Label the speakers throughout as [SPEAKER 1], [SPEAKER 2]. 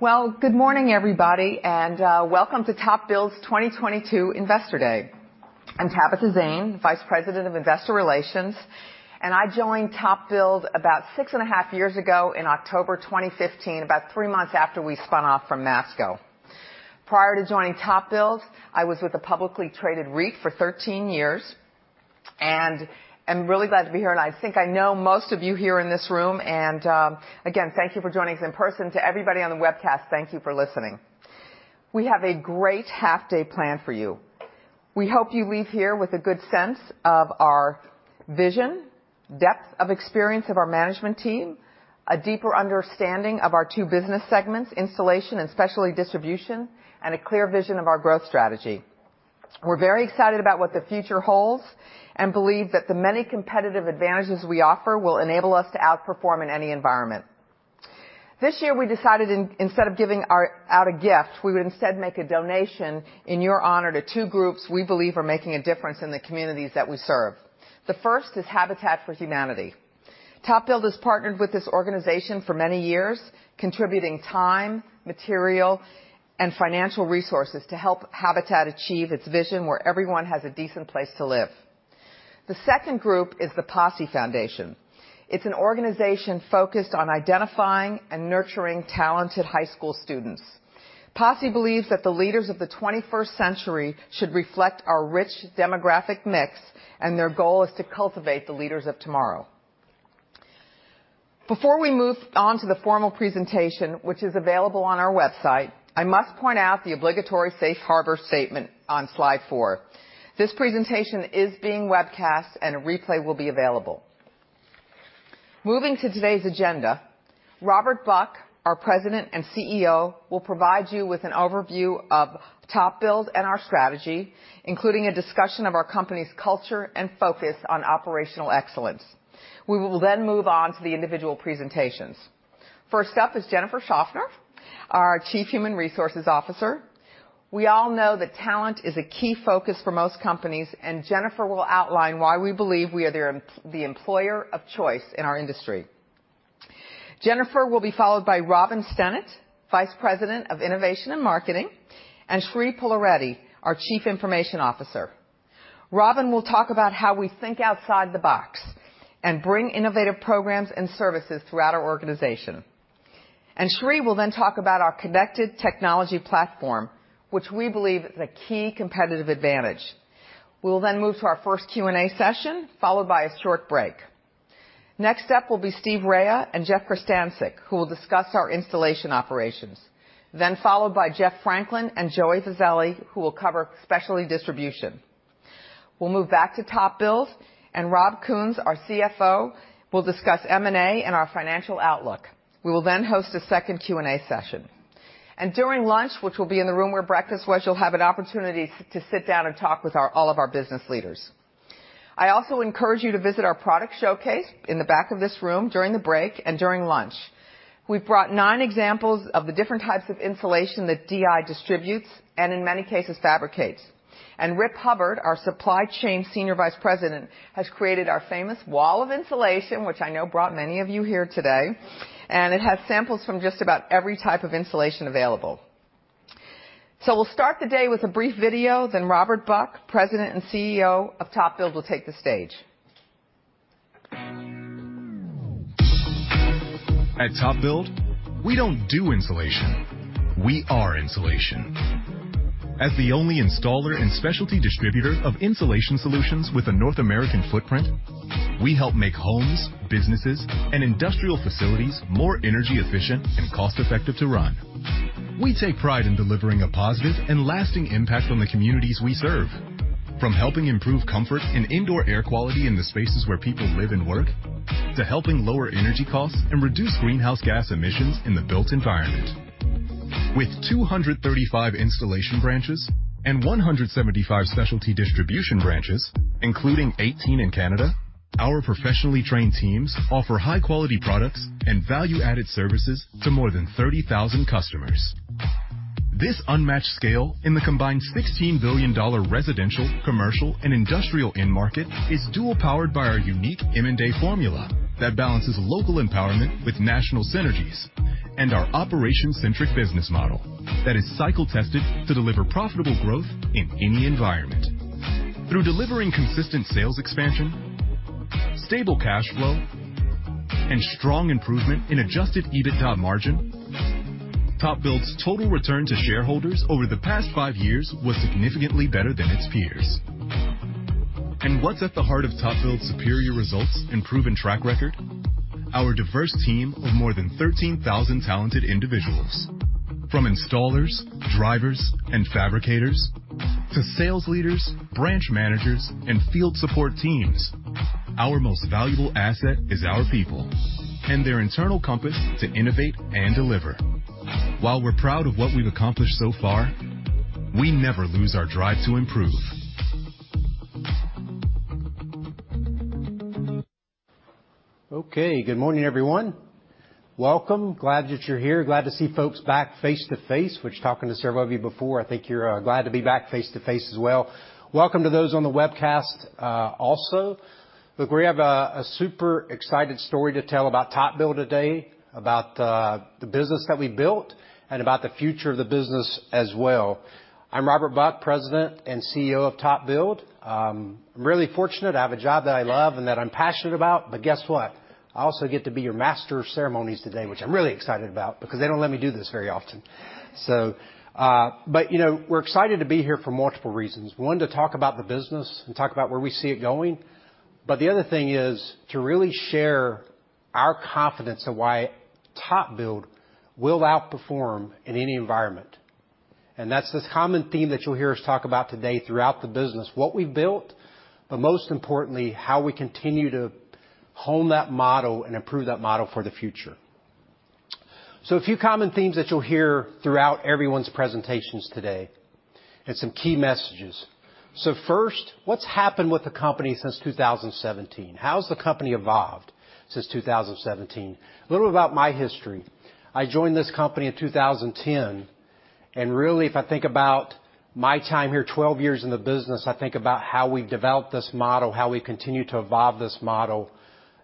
[SPEAKER 1] Well, good morning, everybody, and welcome to TopBuild's 2022 Investor Day. I'm Tabitha Zane, Vice President of Investor Relations, and I joined TopBuild about six and a half years ago in October 2015, about three months after we spun off from Masco. Prior to joining TopBuild, I was with a publicly traded REIT for 13 years, and I'm really glad to be here. I think I know most of you here in this room, and again, thank you for joining us in person. To everybody on the webcast, thank you for listening. We have a great half-day planned for you. We hope you leave here with a good sense of our vision, depth of experience of our management team, a deeper understanding of our two business segments, installation and specialty distribution, and a clear vision of our growth strategy. We're very excited about what the future holds, and believe that the many competitive advantages we offer will enable us to outperform in any environment. This year we decided instead of giving out a gift, we would instead make a donation in your honor to two groups we believe are making a difference in the communities that we serve. The first is Habitat for Humanity. TopBuild has partnered with this organization for many years, contributing time, material, and financial resources to help Habitat achieve its vision where everyone has a decent place to live. The second group is The Posse Foundation. It's an organization focused on identifying and nurturing talented high school students. Posse believes that the leaders of the 21st century should reflect our rich demographic mix, and their goal is to cultivate the leaders of tomorrow. Before we move on to the formal presentation, which is available on our website, I must point out the obligatory safe harbor statement on slide four. This presentation is being webcast and a replay will be available. Moving to today's agenda, Robert Buck, our President and CEO, will provide you with an overview of TopBuild and our strategy, including a discussion of our company's culture and focus on operational excellence. We will then move on to the individual presentations. First up is Jennifer Shoffner, our Chief Human Resources Officer. We all know that talent is a key focus for most companies, and Jennifer will outline why we believe we are the employer of choice in our industry. Jennifer will be followed by Robin Stennet, Vice President of Innovation and Marketing, and Sridhar Pullareddy, our Chief Information Officer. Robin will talk about how we think outside the box and bring innovative programs and services throughout our organization. Sri will then talk about our connected technology platform, which we believe is a key competitive advantage. We will then move to our first Q&A session, followed by a short break. Next up will be Steve Raia and Jeff Krestancic, who will discuss our installation operations. Followed by Jeff Franklin and Joey Viselli, who will cover specialty distribution. We'll move back to TopBuild, and Rob Kuhns, our CFO, will discuss M&A and our financial outlook. We will then host a second Q&A session. During lunch, which will be in the room where breakfast was, you'll have an opportunity to sit down and talk with all of our business leaders. I also encourage you to visit our product showcase in the back of this room during the break and during lunch. We've brought nine examples of the different types of insulation that DI distributes, and in many cases, fabricates. Rip Hubbard, our supply chain senior vice president, has created our famous wall of insulation, which I know brought many of you here today, and it has samples from just about every type of insulation available. We'll start the day with a brief video, then Robert Buck, President and CEO of TopBuild, will take the stage.
[SPEAKER 2] At TopBuild, we don't do insulation. We are insulation. As the only installer and specialty distributor of insulation solutions with a North American footprint, we help make homes, businesses, and industrial facilities more energy efficient and cost-effective to run. We take pride in delivering a positive and lasting impact on the communities we serve. From helping improve comfort and indoor air quality in the spaces where people live and work, to helping lower energy costs and reduce greenhouse gas emissions in the built environment. With 235 installation branches and 175 specialty distribution branches, including 18 in Canada, our professionally trained teams offer high-quality products and value-added services to more than 30,000 customers. This unmatched scale in the combined $16 billion residential, commercial, and industrial end market is dual powered by our unique M&A formula that balances local empowerment with national synergies, and our operation-centric business model that is cycle tested to deliver profitable growth in any environment. Through delivering consistent sales expansion, stable cash flow, and strong improvement in adjusted EBITDA margin, TopBuild's total return to shareholders over the past five years was significantly better than its peers. What's at the heart of TopBuild's superior results and proven track record? Our diverse team of more than 13,000 talented individuals, from installers, drivers, and fabricators to sales leaders, branch managers, and field support teams. Our most valuable asset is our people and their internal compass to innovate and deliver. While we're proud of what we've accomplished so far, we never lose our drive to improve.
[SPEAKER 3] Okay, good morning, everyone. Welcome. Glad that you're here. Glad to see folks back face-to-face, which, talking to several of you before, I think you're glad to be back face-to-face as well. Welcome to those on the webcast, also. Look, we have a super exciting story to tell about TopBuild today, about the business that we built and about the future of the business as well. I'm Robert Buck, president and CEO of TopBuild. I'm really fortunate to have a job that I love and that I'm passionate about. Guess what? I also get to be your master of ceremonies today, which I'm really excited about because they don't let me do this very often. You know, we're excited to be here for multiple reasons. One, to talk about the business and talk about where we see it going. The other thing is to really share our confidence of why TopBuild will outperform in any environment. That's this common theme that you'll hear us talk about today throughout the business, what we've built, but most importantly, how we continue to hone that model and improve that model for the future. A few common themes that you'll hear throughout everyone's presentations today and some key messages. First, what's happened with the company since 2017? How's the company evolved since 2017? A little about my history. I joined this company in 2010, and really, if I think about my time here, 12 years in the business, I think about how we've developed this model, how we continue to evolve this model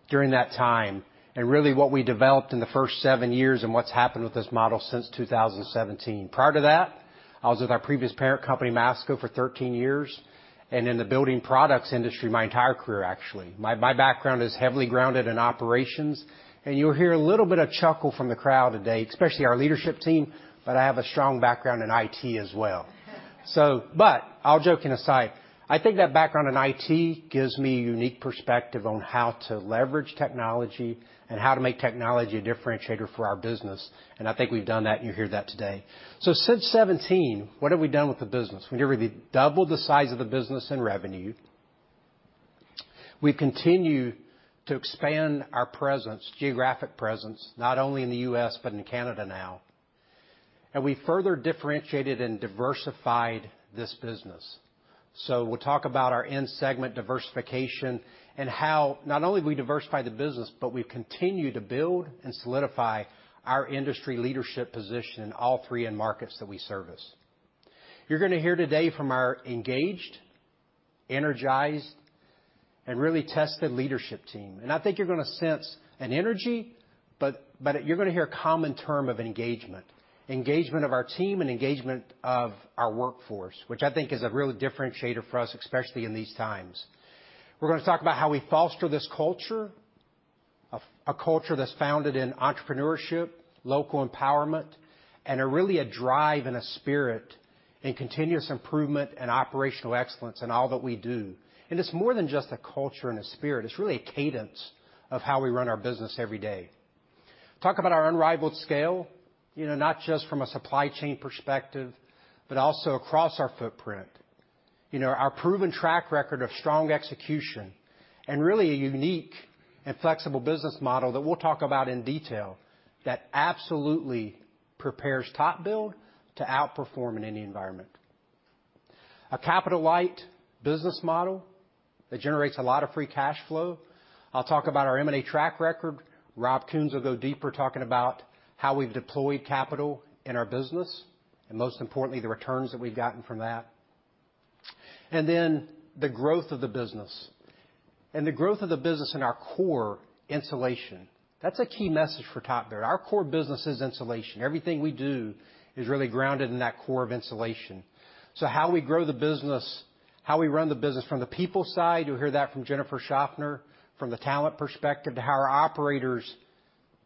[SPEAKER 3] during that time, and really what we developed in the first seven years and what's happened with this model since 2017. Prior to that, I was with our previous parent company, Masco, for 13 years, and in the building products industry my entire career, actually. My background is heavily grounded in operations, and you'll hear a little bit of chuckle from the crowd today, especially our leadership team, but I have a strong background in IT as well. All joking aside, I think that background in IT gives me a unique perspective on how to leverage technology and how to make technology a differentiator for our business. I think we've done that, and you'll hear that today. Since 2017, what have we done with the business? We've nearly doubled the size of the business in revenue. We've continued to expand our presence, geographic presence, not only in the U.S., but in Canada now. We further differentiated and diversified this business. We'll talk about our end segment diversification and how not only we diversify the business, but we've continued to build and solidify our industry leadership position in all three end markets that we service. You're gonna hear today from our engaged, energized, and really tested leadership team. I think you're gonna sense an energy, but you're gonna hear a common term of engagement of our team and engagement of our workforce, which I think is a real differentiator for us, especially in these times. We're gonna talk about how we foster this culture, a culture that's founded in entrepreneurship, local empowerment, and really a drive and a spirit in continuous improvement and operational excellence in all that we do. It's more than just a culture and a spirit. It's really a cadence of how we run our business every day. Talk about our unrivaled scale, you know, not just from a supply chain perspective, but also across our footprint. You know, our proven track record of strong execution and really a unique and flexible business model that we'll talk about in detail that absolutely prepares TopBuild to outperform in any environment. A capital-light business model that generates a lot of free cash flow. I'll talk about our M&A track record. Rob Kuhns will go deeper talking about how we've deployed capital in our business, and most importantly, the returns that we've gotten from that. The growth of the business, and the growth of the business in our core insulation. That's a key message for TopBuild. Our core business is insulation. Everything we do is really grounded in that core of insulation. How we grow the business, how we run the business from the people side, you'll hear that from Jennifer Shoffner, from the talent perspective to how our operators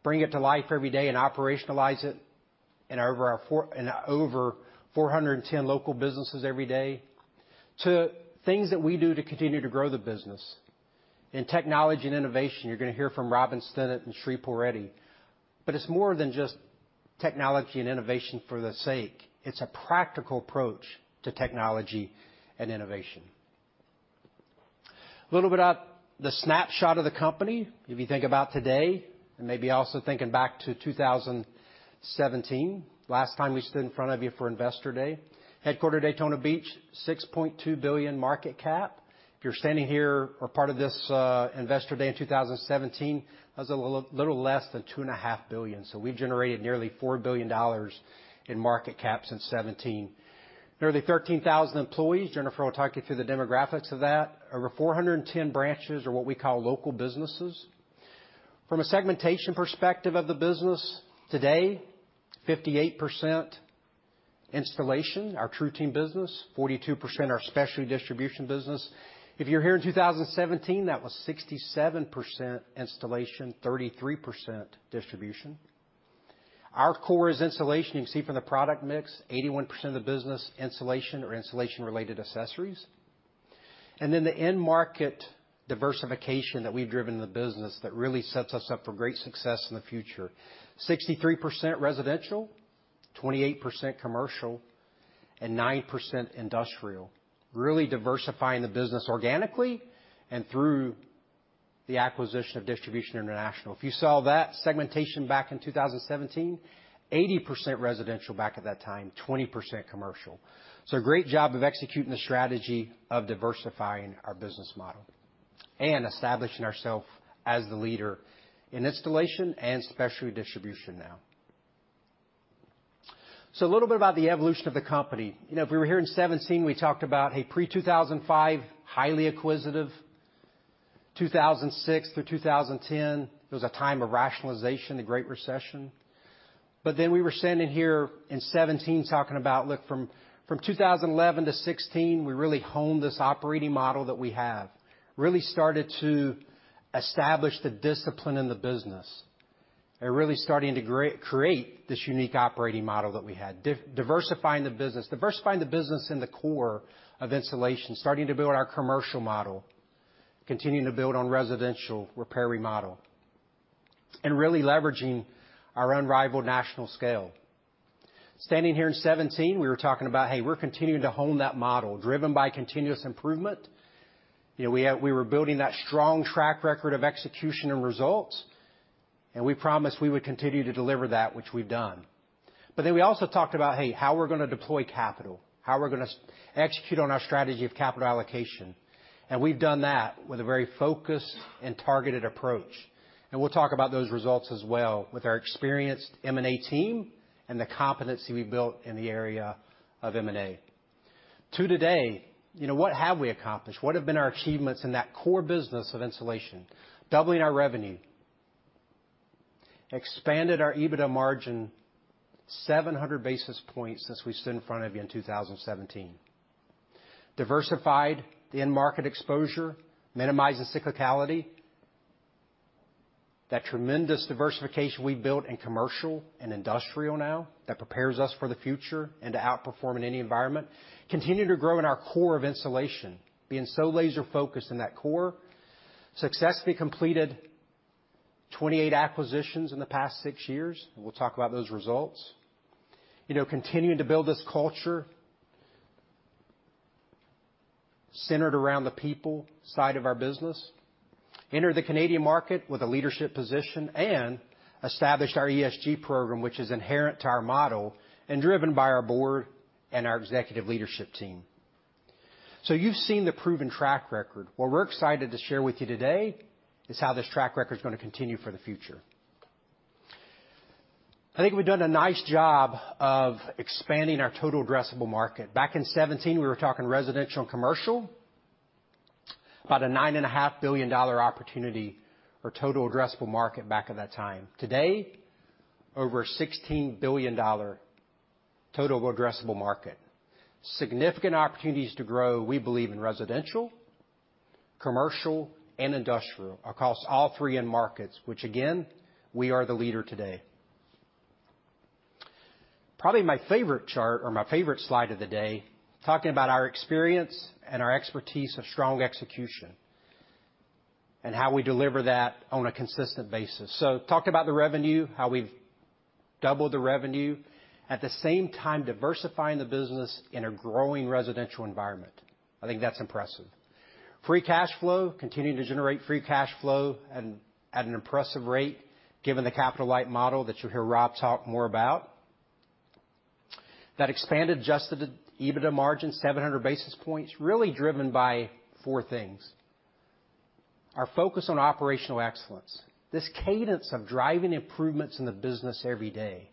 [SPEAKER 3] bring it to life every day and operationalize it in over four hundred and ten local businesses every day, to things that we do to continue to grow the business. In technology and innovation, you're gonna hear from Robin Stennet and Sri Pullareddy. It's more than just technology and innovation for the sake. It's a practical approach to technology and innovation. Little bit about the snapshot of the company. If you think about today and maybe also thinking back to 2017, last time we stood in front of you for Investor Day. Headquartered in Daytona Beach, $6.2 billion market cap. If you were standing here or part of this, Investor Day in 2017, that was a little less than $2.5 billion. We've generated nearly $4 billion in market cap since 2017. Nearly 13,000 employees. Jennifer will talk you through the demographics of that. Over 410 branches or what we call local businesses. From a segmentation perspective of the business, today, 58% installation, our TruTeam business, 42% our specialty distribution business. If you were here in 2017, that was 67% installation, 33% distribution. Our core is installation. You can see from the product mix, 81% of the business, insulation or insulation-related accessories. The end market diversification that we've driven in the business that really sets us up for great success in the future, 63% residential, 28% commercial, and 9% industrial, really diversifying the business organically and through the acquisition of Distribution International. If you saw that segmentation back in 2017, 80% residential back at that time, 20% commercial. Great job of executing the strategy of diversifying our business model. Establishing ourselves as the leader in installation and specialty distribution now. A little bit about the evolution of the company. You know, if we were here in 2017, we talked about a pre-2005, highly acquisitive. 2006 through 2010, it was a time of rationalization, the Great Recession. We were standing here in 2017 talking about look from 2011 to 2016, we really honed this operating model that we have. Really started to establish the discipline in the business, and really starting to re-create this unique operating model that we had. Diversifying the business. Diversifying the business in the core of insulation, starting to build our commercial model, continuing to build on residential repair, remodel, and really leveraging our unrivaled national scale. Standing here in 2017, we were talking about, hey, we're continuing to hone that model driven by continuous improvement. You know, we were building that strong track record of execution and results, and we promised we would continue to deliver that, which we've done. We also talked about, hey, how we're gonna deploy capital, how we're gonna execute on our strategy of capital allocation. We've done that with a very focused and targeted approach. We'll talk about those results as well with our experienced M&A team and the competency we've built in the area of M&A. To date, you know, what have we accomplished? What have been our achievements in that core business of insulation? Doubling our revenue. Expanded our EBITDA margin 700 basis points since we stood in front of you in 2017. Diversified the end market exposure, minimized the cyclicality. That tremendous diversification we built in commercial and industrial now that prepares us for the future and to outperform in any environment. Continue to grow in our core of insulation, being so laser-focused in that core. Successfully completed 28 acquisitions in the past 6 years, and we'll talk about those results. You know, continuing to build this culture centered around the people side of our business. Entered the Canadian market with a leadership position and established our ESG program, which is inherent to our model and driven by our board and our executive leadership team. You've seen the proven track record. What we're excited to share with you today is how this track record is gonna continue for the future. I think we've done a nice job of expanding our total addressable market. Back in 2017, we were talking residential and commercial, about a $9.5 billion opportunity for total addressable market back at that time. Today, over $16 billion total addressable market. Significant opportunities to grow, we believe in residential, commercial, and industrial across all three end markets, which again, we are the leader today. Probably my favorite chart or my favorite slide of the day, talking about our experience and our expertise of strong execution and how we deliver that on a consistent basis. Talked about the revenue, how we've doubled the revenue. At the same time, diversifying the business in a growing residential environment. I think that's impressive. Free cash flow, continuing to generate free cash flow at an impressive rate, given the capital-light model that you'll hear Rob talk more about. That expanded adjusted EBITDA margin, 700 basis points, really driven by four things. Our focus on operational excellence, this cadence of driving improvements in the business every day.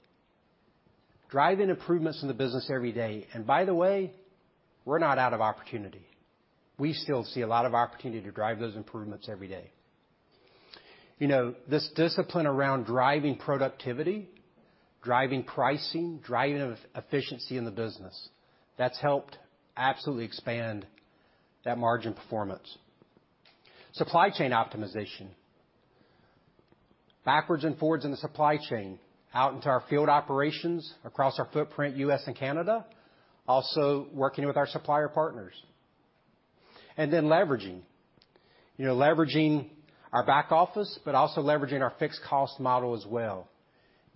[SPEAKER 3] By the way, we're not out of opportunity. We still see a lot of opportunity to drive those improvements every day. You know, this discipline around driving productivity, driving pricing, driving efficiency in the business, that's helped absolutely expand that margin performance. Supply chain optimization. Backwards and forwards in the supply chain, out into our field operations, across our footprint, US and Canada, also working with our supplier partners. Then leveraging. You know, leveraging our back office, but also leveraging our fixed cost model as well.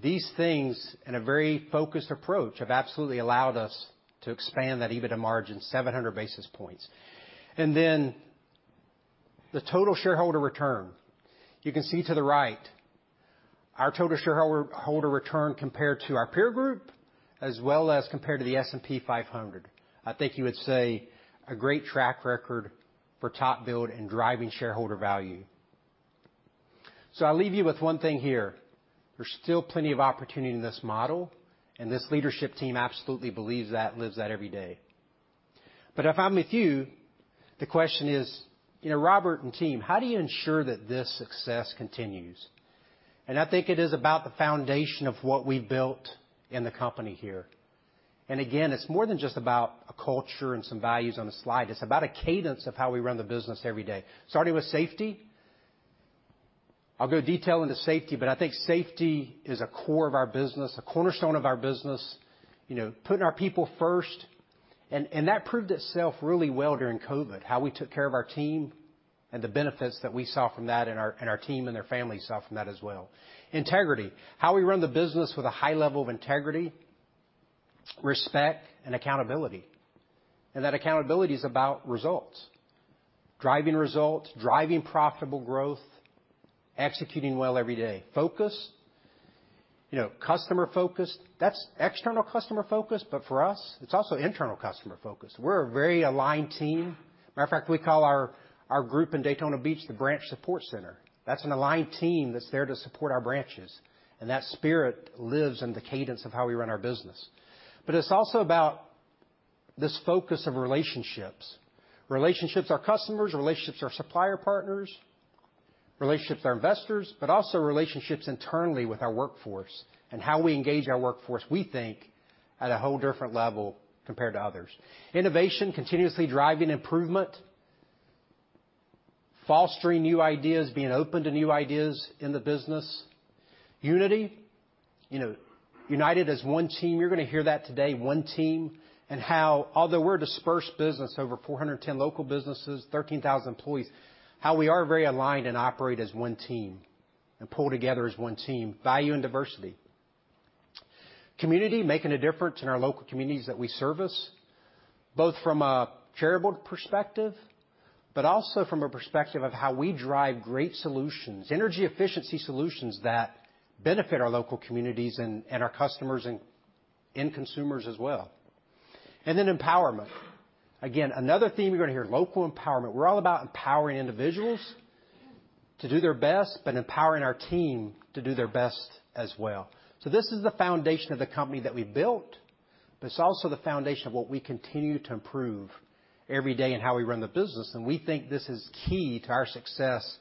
[SPEAKER 3] These things, in a very focused approach, have absolutely allowed us to expand that EBITDA margin 700 basis points. Then the total shareholder return. You can see to the right, our total shareholder return compared to our peer group, as well as compared to the S&P 500. I think you would say a great track record for TopBuild in driving shareholder value. I'll leave you with one thing here. There's still plenty of opportunity in this model, and this leadership team absolutely believes that, lives that every day. If I'm with you, the question is, you know, Robert and team, how do you ensure that this success continues? I think it is about the foundation of what we've built in the company here. Again, it's more than just about a culture and some values on a slide. It's about a cadence of how we run the business every day, starting with safety. I'll go into detail on safety, but I think safety is a core of our business, a cornerstone of our business, you know, putting our people first. That proved itself really well during COVID, how we took care of our team and the benefits that we saw from that and our team and their families saw from that as well. Integrity, how we run the business with a high level of integrity, respect, and accountability. That accountability is about results, driving results, driving profitable growth, executing well every day, focused. You know, customer focused, that's external customer focused, but for us, it's also internal customer focused. We're a very aligned team. Matter of fact, we call our group in Daytona Beach, the branch support center. That's an aligned team that's there to support our branches, and that spirit lives in the cadence of how we run our business. It's also about this focus of relationships. Relationships with our customers, relationships with our supplier partners, relationships with our investors, but also relationships internally with our workforce and how we engage our workforce, we think at a whole different level compared to others. Innovation, continuously driving improvement, fostering new ideas, being open to new ideas in the business. Unity, you know, united as one team. You're gonna hear that today, one team, and how, although we're a dispersed business, over 410 local businesses, 13,000 employees, how we are very aligned and operate as one team and pull together as one team. Value and diversity. Community, making a difference in our local communities that we service, both from a charitable perspective, but also from a perspective of how we drive great solutions, energy efficiency solutions that benefit our local communities and our customers and consumers as well. Empowerment. Again, another theme you're gonna hear, local empowerment. We're all about empowering individuals to do their best, but empowering our team to do their best as well. This is the foundation of the company that we built, but it's also the foundation of what we continue to improve every day in how we run the business. We think this is key to our success,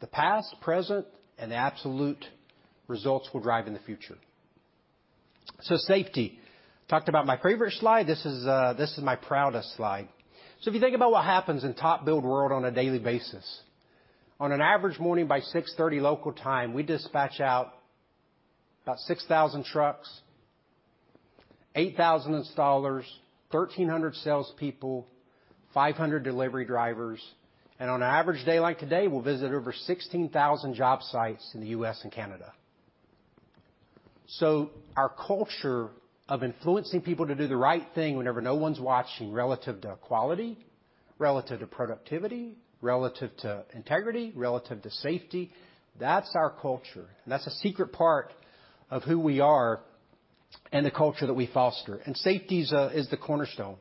[SPEAKER 3] the past, present, and the absolute results we'll drive in the future. Safety. Talked about my favorite slide. This is my proudest slide. If you think about what happens in TopBuild world on a daily basis, on an average morning by 6:30 A.M. local time, we dispatch out about 6,000 trucks, 8,000 installers, 1,300 salespeople, 500 delivery drivers, and on an average day like today, we'll visit over 16,000 job sites in the U.S. and Canada. Our culture of influencing people to do the right thing whenever no one's watching relative to quality, relative to productivity, relative to integrity, relative to safety, that's our culture. That's a secret part of who we are and the culture that we foster. Safety is the cornerstone.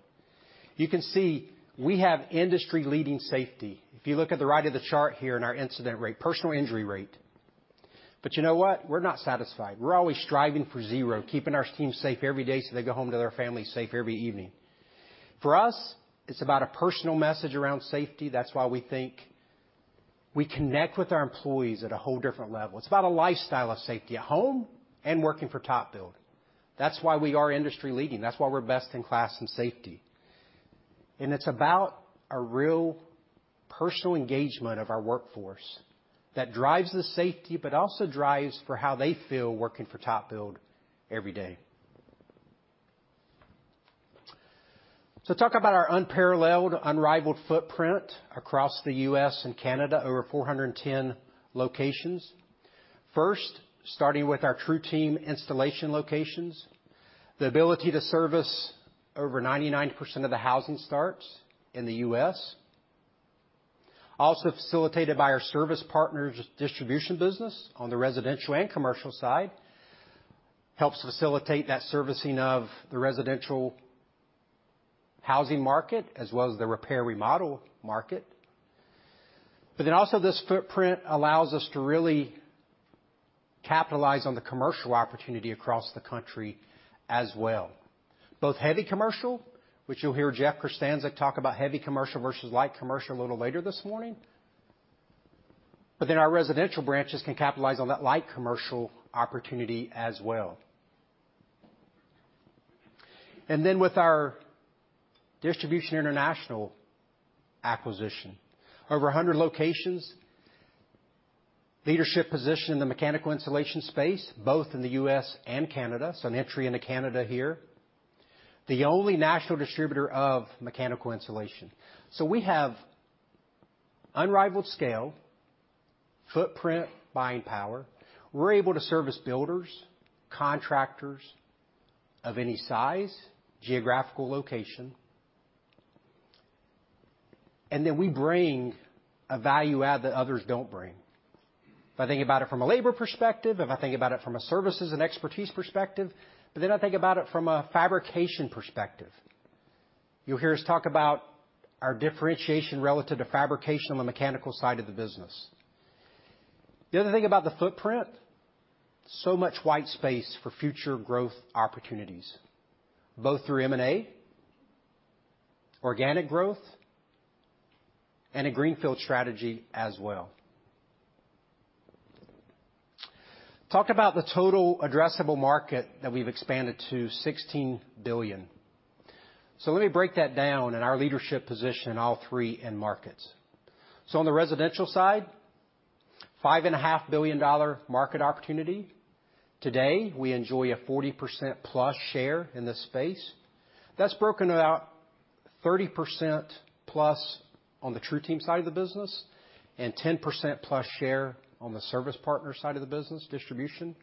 [SPEAKER 3] You can see we have industry-leading safety. If you look at the right of the chart here in our incident rate, personal injury rate. You know what? We're not satisfied. We're always striving for zero, keeping our team safe every day, so they go home to their family safe every evening. For us, it's about a personal message around safety. That's why we think we connect with our employees at a whole different level. It's about a lifestyle of safety at home and working for TopBuild. That's why we are industry leading. That's why we're best in class in safety. It's about a real personal engagement of our workforce that drives the safety, but also drives for how they feel working for TopBuild every day. Talk about our unparalleled, unrivaled footprint across the U.S. and Canada, over 410 locations. First, starting with our TruTeam installation locations, the ability to service over 99% of the housing starts in the U.S. Also facilitated by our Service Partners distribution business on the residential and commercial side, helps facilitate that servicing of the residential housing market as well as the repair remodel market. Also this footprint allows us to really capitalize on the commercial opportunity across the country as well, both heavy commercial, which you'll hear Jeff Krestancic talk about heavy commercial versus light commercial a little later this morning. Our residential branches can capitalize on that light commercial opportunity as well. With our Distribution International acquisition, over 100 locations, leadership position in the mechanical installation space, both in the U.S. and Canada, so an entry into Canada here, the only national distributor of mechanical insulation. We have unrivaled scale, footprint, buying power. We're able to service builders, contractors of any size, geographical location. We bring a value add that others don't bring. If I think about it from a labor perspective, if I think about it from a services and expertise perspective, but then I think about it from a fabrication perspective. You'll hear us talk about our differentiation relative to fabrication on the mechanical side of the business. The other thing about the footprint, so much white space for future growth opportunities, both through M&A, organic growth, and a greenfield strategy as well. Talk about the total addressable market that we've expanded to $16 billion. Let me break that down in our leadership position in all three end markets. On the residential side, $5.5 billion market opportunity. Today, we enjoy a 40%+ share in this space. That's about 30%+ on the TruTeam side of the business and 10%+ share on the Service Partners side of the business, distribution.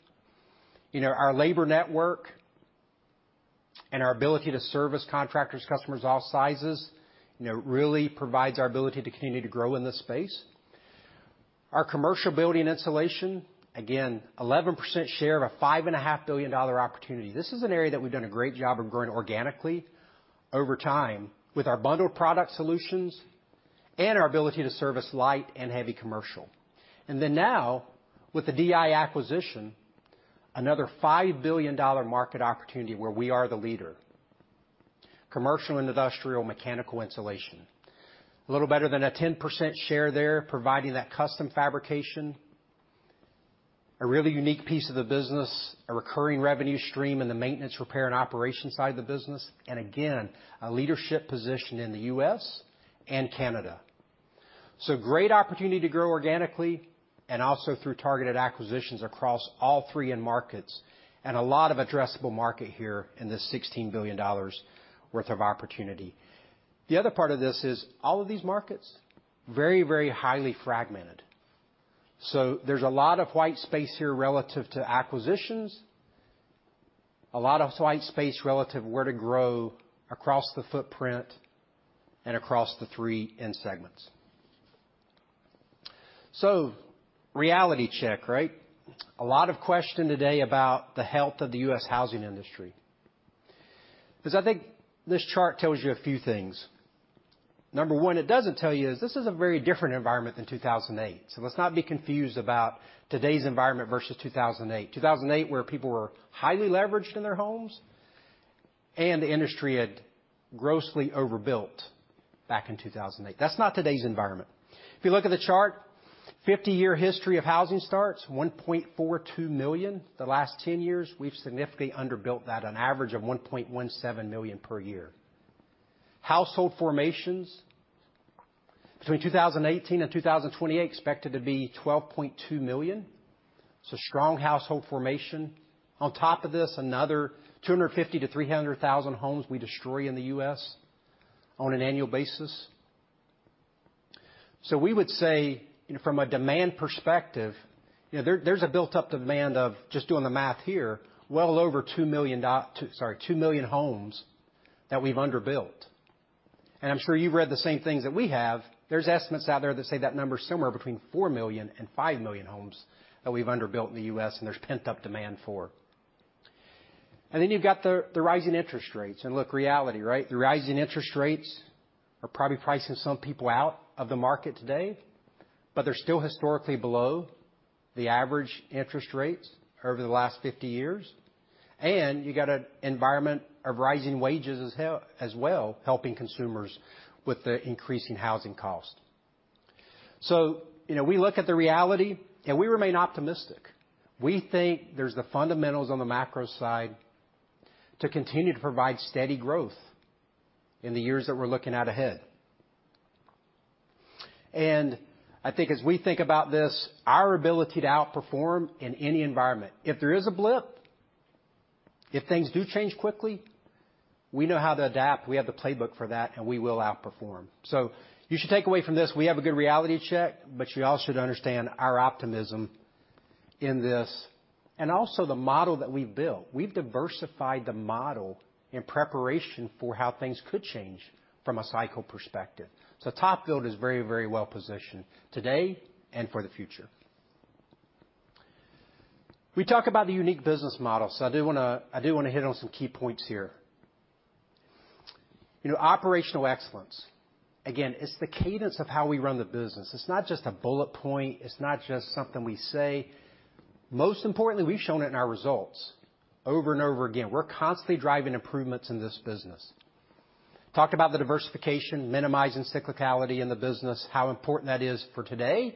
[SPEAKER 3] You know, our labor network and our ability to service contractors, customers of all sizes, you know, really provides our ability to continue to grow in this space. Our commercial building and insulation, again, 11% share of a $5.5 billion opportunity. This is an area that we've done a great job of growing organically over time with our bundled product solutions and our ability to service light and heavy commercial. Then now, with the DI acquisition, another $5 billion market opportunity where we are the leader. Commercial and industrial mechanical insulation. A little better than a 10% share there, providing that custom fabrication. A really unique piece of the business, a recurring revenue stream in the maintenance, repair, and operation side of the business, and again, a leadership position in the U.S. and Canada. Great opportunity to grow organically and also through targeted acquisitions across all three end markets, and a lot of addressable market here in this $16 billion worth of opportunity. The other part of this is all of these markets, very, very highly fragmented. There's a lot of white space here relative to acquisitions, a lot of white space relative where to grow across the footprint and across the three end segments. Reality check, right? A lot of questions today about the health of the U.S. housing industry. 'Cause I think this chart tells you a few things. Number one, what it does tell you is this is a very different environment than 2008. Let's not be confused about today's environment versus 2008. 2008, where people were highly leveraged in their homes and the industry had grossly overbuilt back in 2008. That's not today's environment. If you look at the chart, 50-year history of housing starts, 1.42 million. The last 10 years, we've significantly underbuilt that, an average of 1.17 million per year. Household formations between 2018 and 2028 expected to be 12.2 million. Strong household formation. On top of this, another 250,000-300,000 homes we destroy in the U.S. on an annual basis. We would say, you know, from a demand perspective, you know, there's a built up demand of, just doing the math here, well over 2 million homes that we've underbuilt. I'm sure you've read the same things that we have. There's estimates out there that say that number's somewhere between 4 million and 5 million homes that we've underbuilt in the U.S., and there's pent-up demand for. Then you've got the rising interest rates. Look, reality, right? The rising interest rates are probably pricing some people out of the market today, but they're still historically below the average interest rates over the last 50 years. You got an environment of rising wages as well, helping consumers with the increasing housing cost. You know, we look at the reality, and we remain optimistic. We think there's the fundamentals on the macro side to continue to provide steady growth in the years that we're looking out ahead. I think as we think about this, our ability to outperform in any environment. If there is a blip, if things do change quickly, we know how to adapt. We have the playbook for that, and we will outperform. You should take away from this, we have a good reality check, but you all should understand our optimism in this and also the model that we've built. We've diversified the model in preparation for how things could change from a cycle perspective. TopBuild is very, very well positioned today and for the future. We talk about the unique business model, so I do wanna hit on some key points here. You know, operational excellence. Again, it's the cadence of how we run the business. It's not just a bullet point. It's not just something we say. Most importantly, we've shown it in our results over and over again. We're constantly driving improvements in this business. Talked about the diversification, minimizing cyclicality in the business, how important that is for today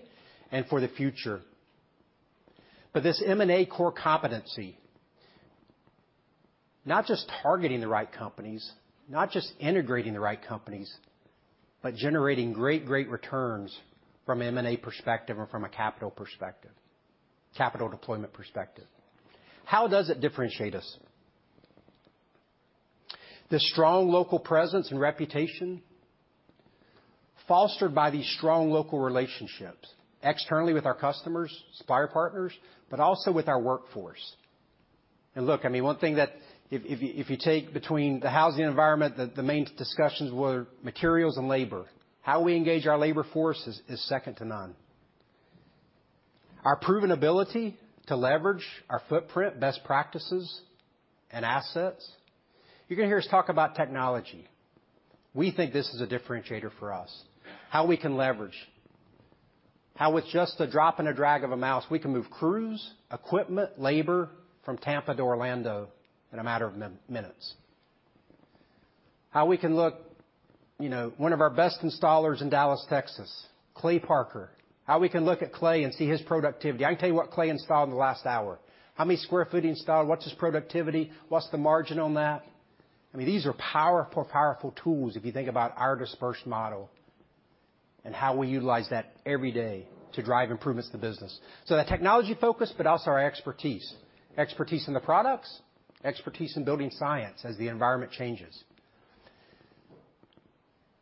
[SPEAKER 3] and for the future. This M&A core competency, not just targeting the right companies, not just integrating the right companies, but generating great returns from M&A perspective or from a capital perspective, capital deployment perspective. How does it differentiate us? The strong local presence and reputation fostered by these strong local relationships, externally with our customers, supplier partners, but also with our workforce. Look, I mean, one thing that if you take between the housing environment, the main discussions were materials and labor. How we engage our labor force is second to none. Our proven ability to leverage our footprint, best practices, and assets. You're gonna hear us talk about technology. We think this is a differentiator for us. How we can leverage. With just a drop and a drag of a mouse, we can move crews, equipment, labor from Tampa to Orlando in a matter of minutes. We can look, you know, one of our best installers in Dallas, Texas, Clay Parker. We can look at Clay and see his productivity. I can tell you what Clay installed in the last hour. How many sq ft he installed, what's his productivity, what's the margin on that. I mean, these are powerful tools if you think about our dispersed model and how we utilize that every day to drive improvements to the business. That technology focus, but also our expertise. Expertise in the products, expertise in building science as the environment changes.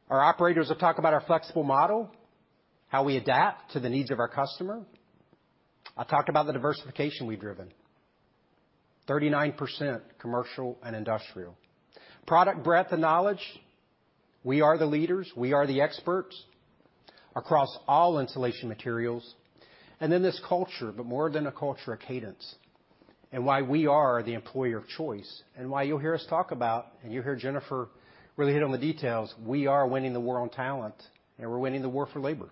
[SPEAKER 3] Our operators will talk about our flexible model, how we adapt to the needs of our customer. I talked about the diversification we've driven. 39% commercial and industrial. Product breadth and knowledge. We are the leaders, we are the experts across all insulation materials. Then this culture, but more than a culture, a cadence, and why we are the employer of choice and why you'll hear us talk about and you'll hear Jennifer really hit on the details. We are winning the war on talent, and we're winning the war for labor.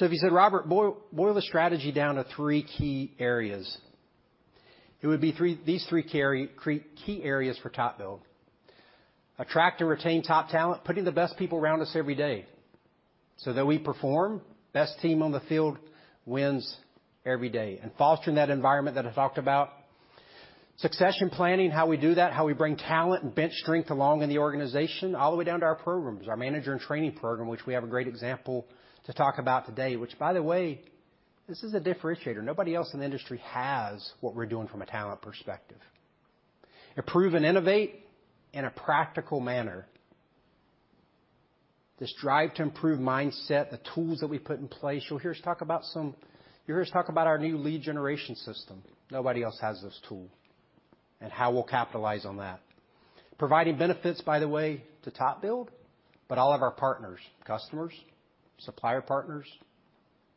[SPEAKER 3] If you said, "Robert, boil the strategy down to three key areas," it would be these three key areas for TopBuild. Attract and retain top talent, putting the best people around us every day so that we perform. Best team on the field wins every day. Fostering that environment that I talked about. Succession planning, how we do that, how we bring talent and bench strength along in the organization, all the way down to our programs, our manager and training program, which we have a great example to talk about today. Which by the way, this is a differentiator. Nobody else in the industry has what we're doing from a talent perspective. Improve and innovate in a practical manner. This drive to improve mindset, the tools that we put in place. You'll hear us talk about our new lead generation system, nobody else has this tool, and how we'll capitalize on that. Providing benefits, by the way, to TopBuild, but all of our partners, customers, supplier partners,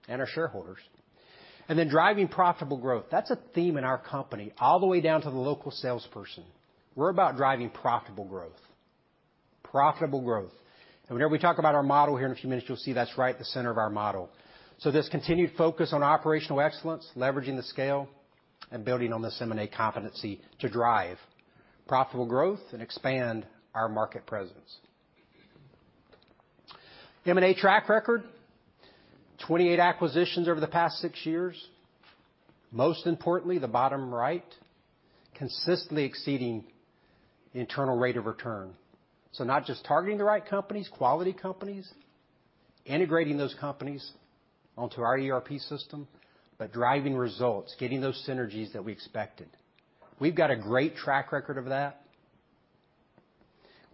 [SPEAKER 3] and our shareholders. Driving profitable growth. That's a theme in our company all the way down to the local salesperson. We're about driving profitable growth. Profitable growth. Whenever we talk about our model here in a few minutes, you'll see that's right at the center of our model. This continued focus on operational excellence, leveraging the scale, and building on this M&A competency to drive profitable growth and expand our market presence. M&A track record, 28 acquisitions over the past six years. Most importantly, the bottom right, consistently exceeding internal rate of return. Not just targeting the right companies, quality companies, integrating those companies onto our ERP system, but driving results, getting those synergies that we expected. We've got a great track record of that.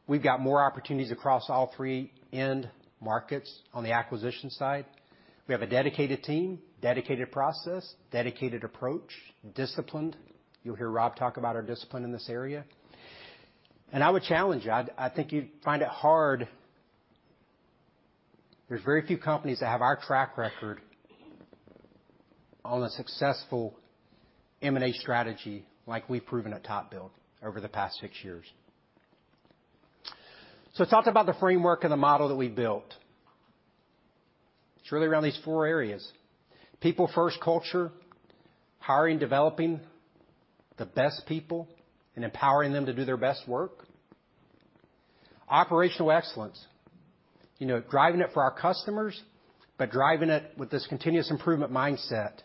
[SPEAKER 3] We've got more opportunities across all three end markets on the acquisition side. We have a dedicated team, dedicated process, dedicated approach, disciplined. You'll hear Rob talk about our discipline in this area. I would challenge you, I think you'd find it hard. There's very few companies that have our track record on a successful M&A strategy like we've proven at TopBuild over the past six years. Let's talk about the framework and the model that we built. It's really around these four areas. People first culture, hiring, developing the best people and empowering them to do their best work. Operational excellence. You know, driving it for our customers, but driving it with this continuous improvement mindset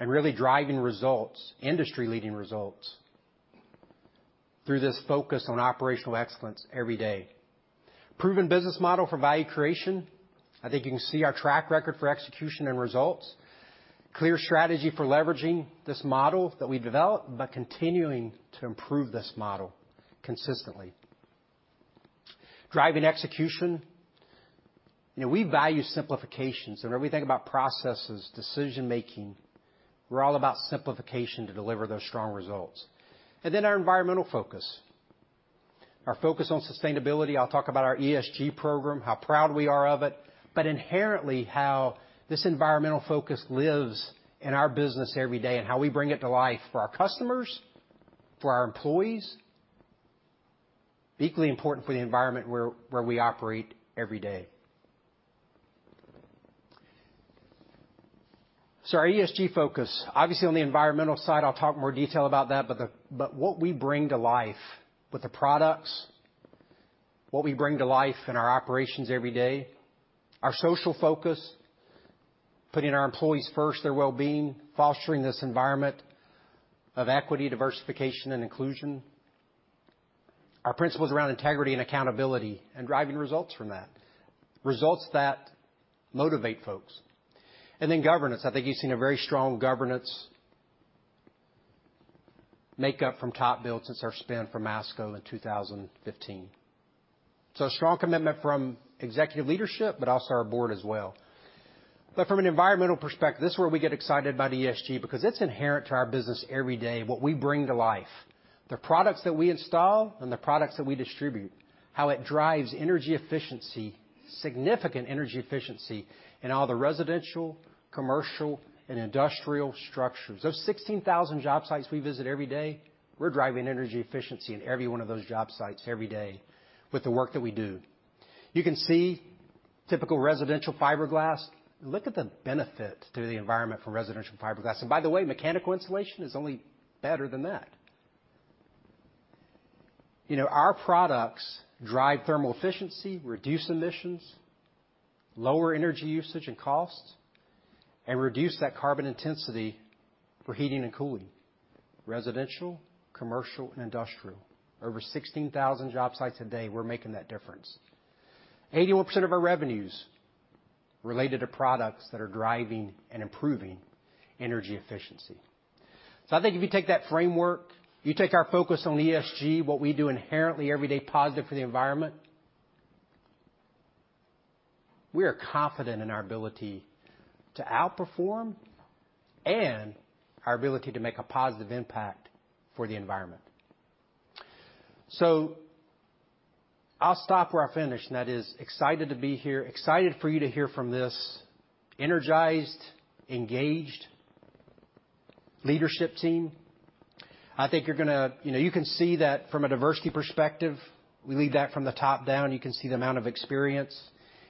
[SPEAKER 3] and really driving results, industry-leading results through this focus on operational excellence every day. Proven business model for value creation. I think you can see our track record for execution and results. Clear strategy for leveraging this model that we've developed, but continuing to improve this model consistently. Driving execution. You know, we value simplification. Whenever we think about processes, decision-making, we're all about simplification to deliver those strong results. Our environmental focus, our focus on sustainability. I'll talk about our ESG program, how proud we are of it, but inherently how this environmental focus lives in our business every day, and how we bring it to life for our customers, for our employees. Equally important, for the environment where we operate every day. Our ESG focus, obviously on the environmental side, I'll talk more detail about that. What we bring to life with the products, what we bring to life in our operations every day, our social focus, putting our employees first, their well-being, fostering this environment of equity, diversity and inclusion, our principles around integrity and accountability, and driving results from that. Results that motivate folks. Governance. I think you've seen a very strong governance makeup from TopBuild since our spin from Masco in 2015. A strong commitment from executive leadership, but also our board as well. From an environmental perspective, this is where we get excited about ESG because it's inherent to our business every day, what we bring to life, the products that we install and the products that we distribute, how it drives energy efficiency, significant energy efficiency in all the residential, commercial, and industrial structures. Those 16,000 job sites we visit every day, we're driving energy efficiency in every one of those job sites every day with the work that we do. You can see typical residential fiberglass. Look at the benefit to the environment from residential fiberglass. By the way, mechanical insulation is only better than that. You know, our products drive thermal efficiency, reduce emissions, lower energy usage and cost, and reduce that carbon intensity for heating and cooling. Residential, commercial, and industrial. Over 16,000 job sites a day, we're making that difference. 81% of our revenues related to products that are driving and improving energy efficiency. I think if you take that framework, you take our focus on ESG, what we do inherently every day, positive for the environment, we are confident in our ability to outperform and our ability to make a positive impact for the environment. I'll stop where I finished, and that is excited to be here, excited for you to hear from this energized, engaged leadership team. I think you're gonna. You know, you can see that from a diversity perspective, we lead that from the top down. You can see the amount of experience,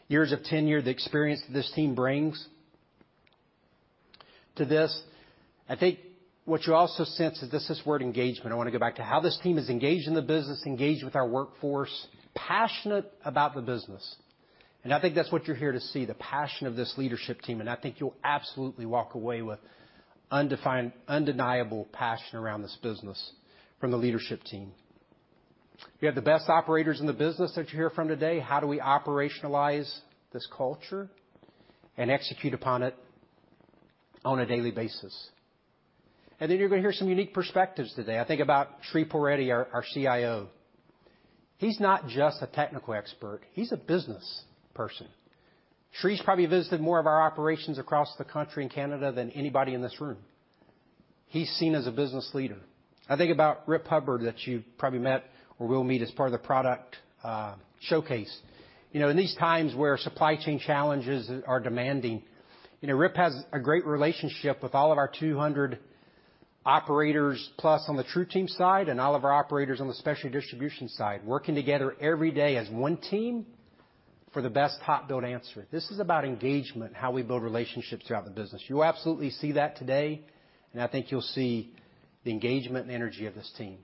[SPEAKER 3] years of tenure, the experience that this team brings to this. I think what you also sense is just this word engagement. I wanna go back to how this team is engaged in the business, engaged with our workforce, passionate about the business, and I think that's what you're here to see, the passion of this leadership team, and I think you'll absolutely walk away with undeniable passion around this business from the leadership team. You have the best operators in the business that you'll hear from today. How do we operationalize this culture and execute upon it on a daily basis? Then you're gonna hear some unique perspectives today. I think about Sridhar Pullareddy, our CIO. He's not just a technical expert. He's a business person. Sridhar's probably visited more of our operations across the country and Canada than anybody in this room. He's seen as a business leader. I think about Rip Hubbard that you've probably met or will meet as part of the product showcase. You know, in these times where supply chain challenges are demanding, you know, Rip has a great relationship with all of our 200 operators plus on the TruTeam side and all of our operators on the specialty distribution side working together every day as one team for the best TopBuild answer. This is about engagement, how we build relationships throughout the business. You'll absolutely see that today, and I think you'll see the engagement and energy of this team.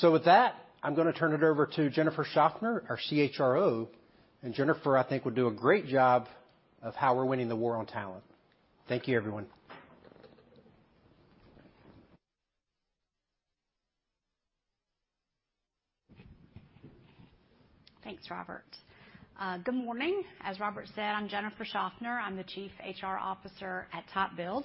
[SPEAKER 3] With that, I'm gonna turn it over to Jennifer Shoffner, our CHRO, and Jennifer, I think, will do a great job of how we're winning the war on talent. Thank you, everyone.
[SPEAKER 4] Thanks, Robert. Good morning. As Robert said, I'm Jennifer Shoffner. I'm the Chief HR Officer at TopBuild,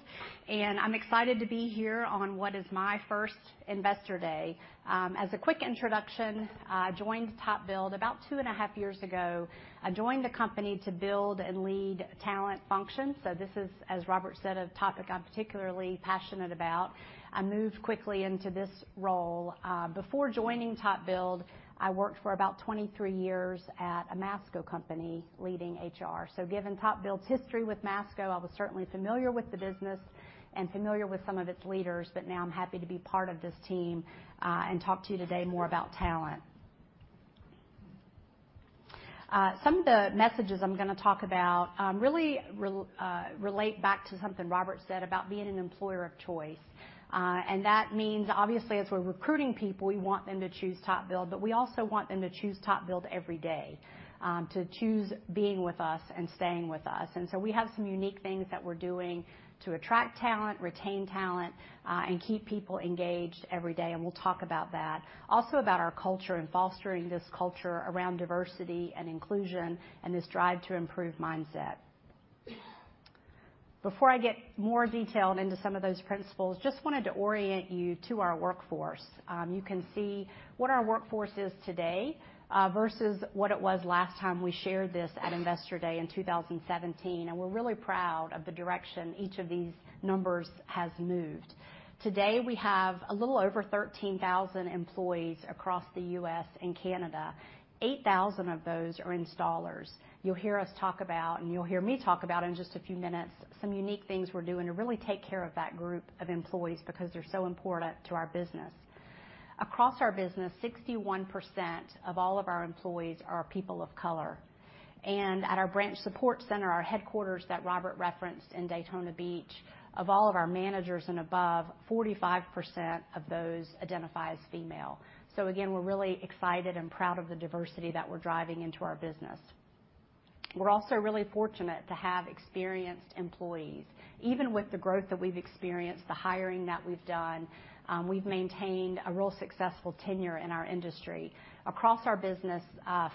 [SPEAKER 4] and I'm excited to be here on what is my first Investor Day. As a quick introduction, I joined TopBuild about two and a half years ago. I joined the company to build and lead talent functions, so this is, as Robert said, a topic I'm particularly passionate about. I moved quickly into this role. Before joining TopBuild, I worked for about 23 years at a Masco company leading HR. Given TopBuild's history with Masco, I was certainly familiar with the business and familiar with some of its leaders, but now I'm happy to be part of this team and talk to you today more about talent. Some of the messages I'm gonna talk about really relate back to something Robert said about being an employer of choice. That means, obviously, as we're recruiting people, we want them to choose TopBuild, but we also want them to choose TopBuild every day, to choose being with us and staying with us. We have some unique things that we're doing to attract talent, retain talent, and keep people engaged every day, and we'll talk about that. Also about our culture and fostering this culture around diversity and inclusion and this drive to improve mindset. Before I get more detailed into some of those principles, just wanted to orient you to our workforce. You can see what our workforce is today versus what it was last time we shared this at Investor Day in 2017, and we're really proud of the direction each of these numbers has moved. Today, we have a little over 13,000 employees across the U.S. and Canada. 8,000 of those are installers. You'll hear us talk about, and you'll hear me talk about in just a few minutes some unique things we're doing to really take care of that group of employees because they're so important to our business. Across our business, 61% of all of our employees are people of color. At our branch support center, our headquarters that Robert referenced in Daytona Beach, of all of our managers and above, 45% of those identify as female. Again, we're really excited and proud of the diversity that we're driving into our business. We're also really fortunate to have experienced employees. Even with the growth that we've experienced, the hiring that we've done, we've maintained a really successful tenure in our industry. Across our business,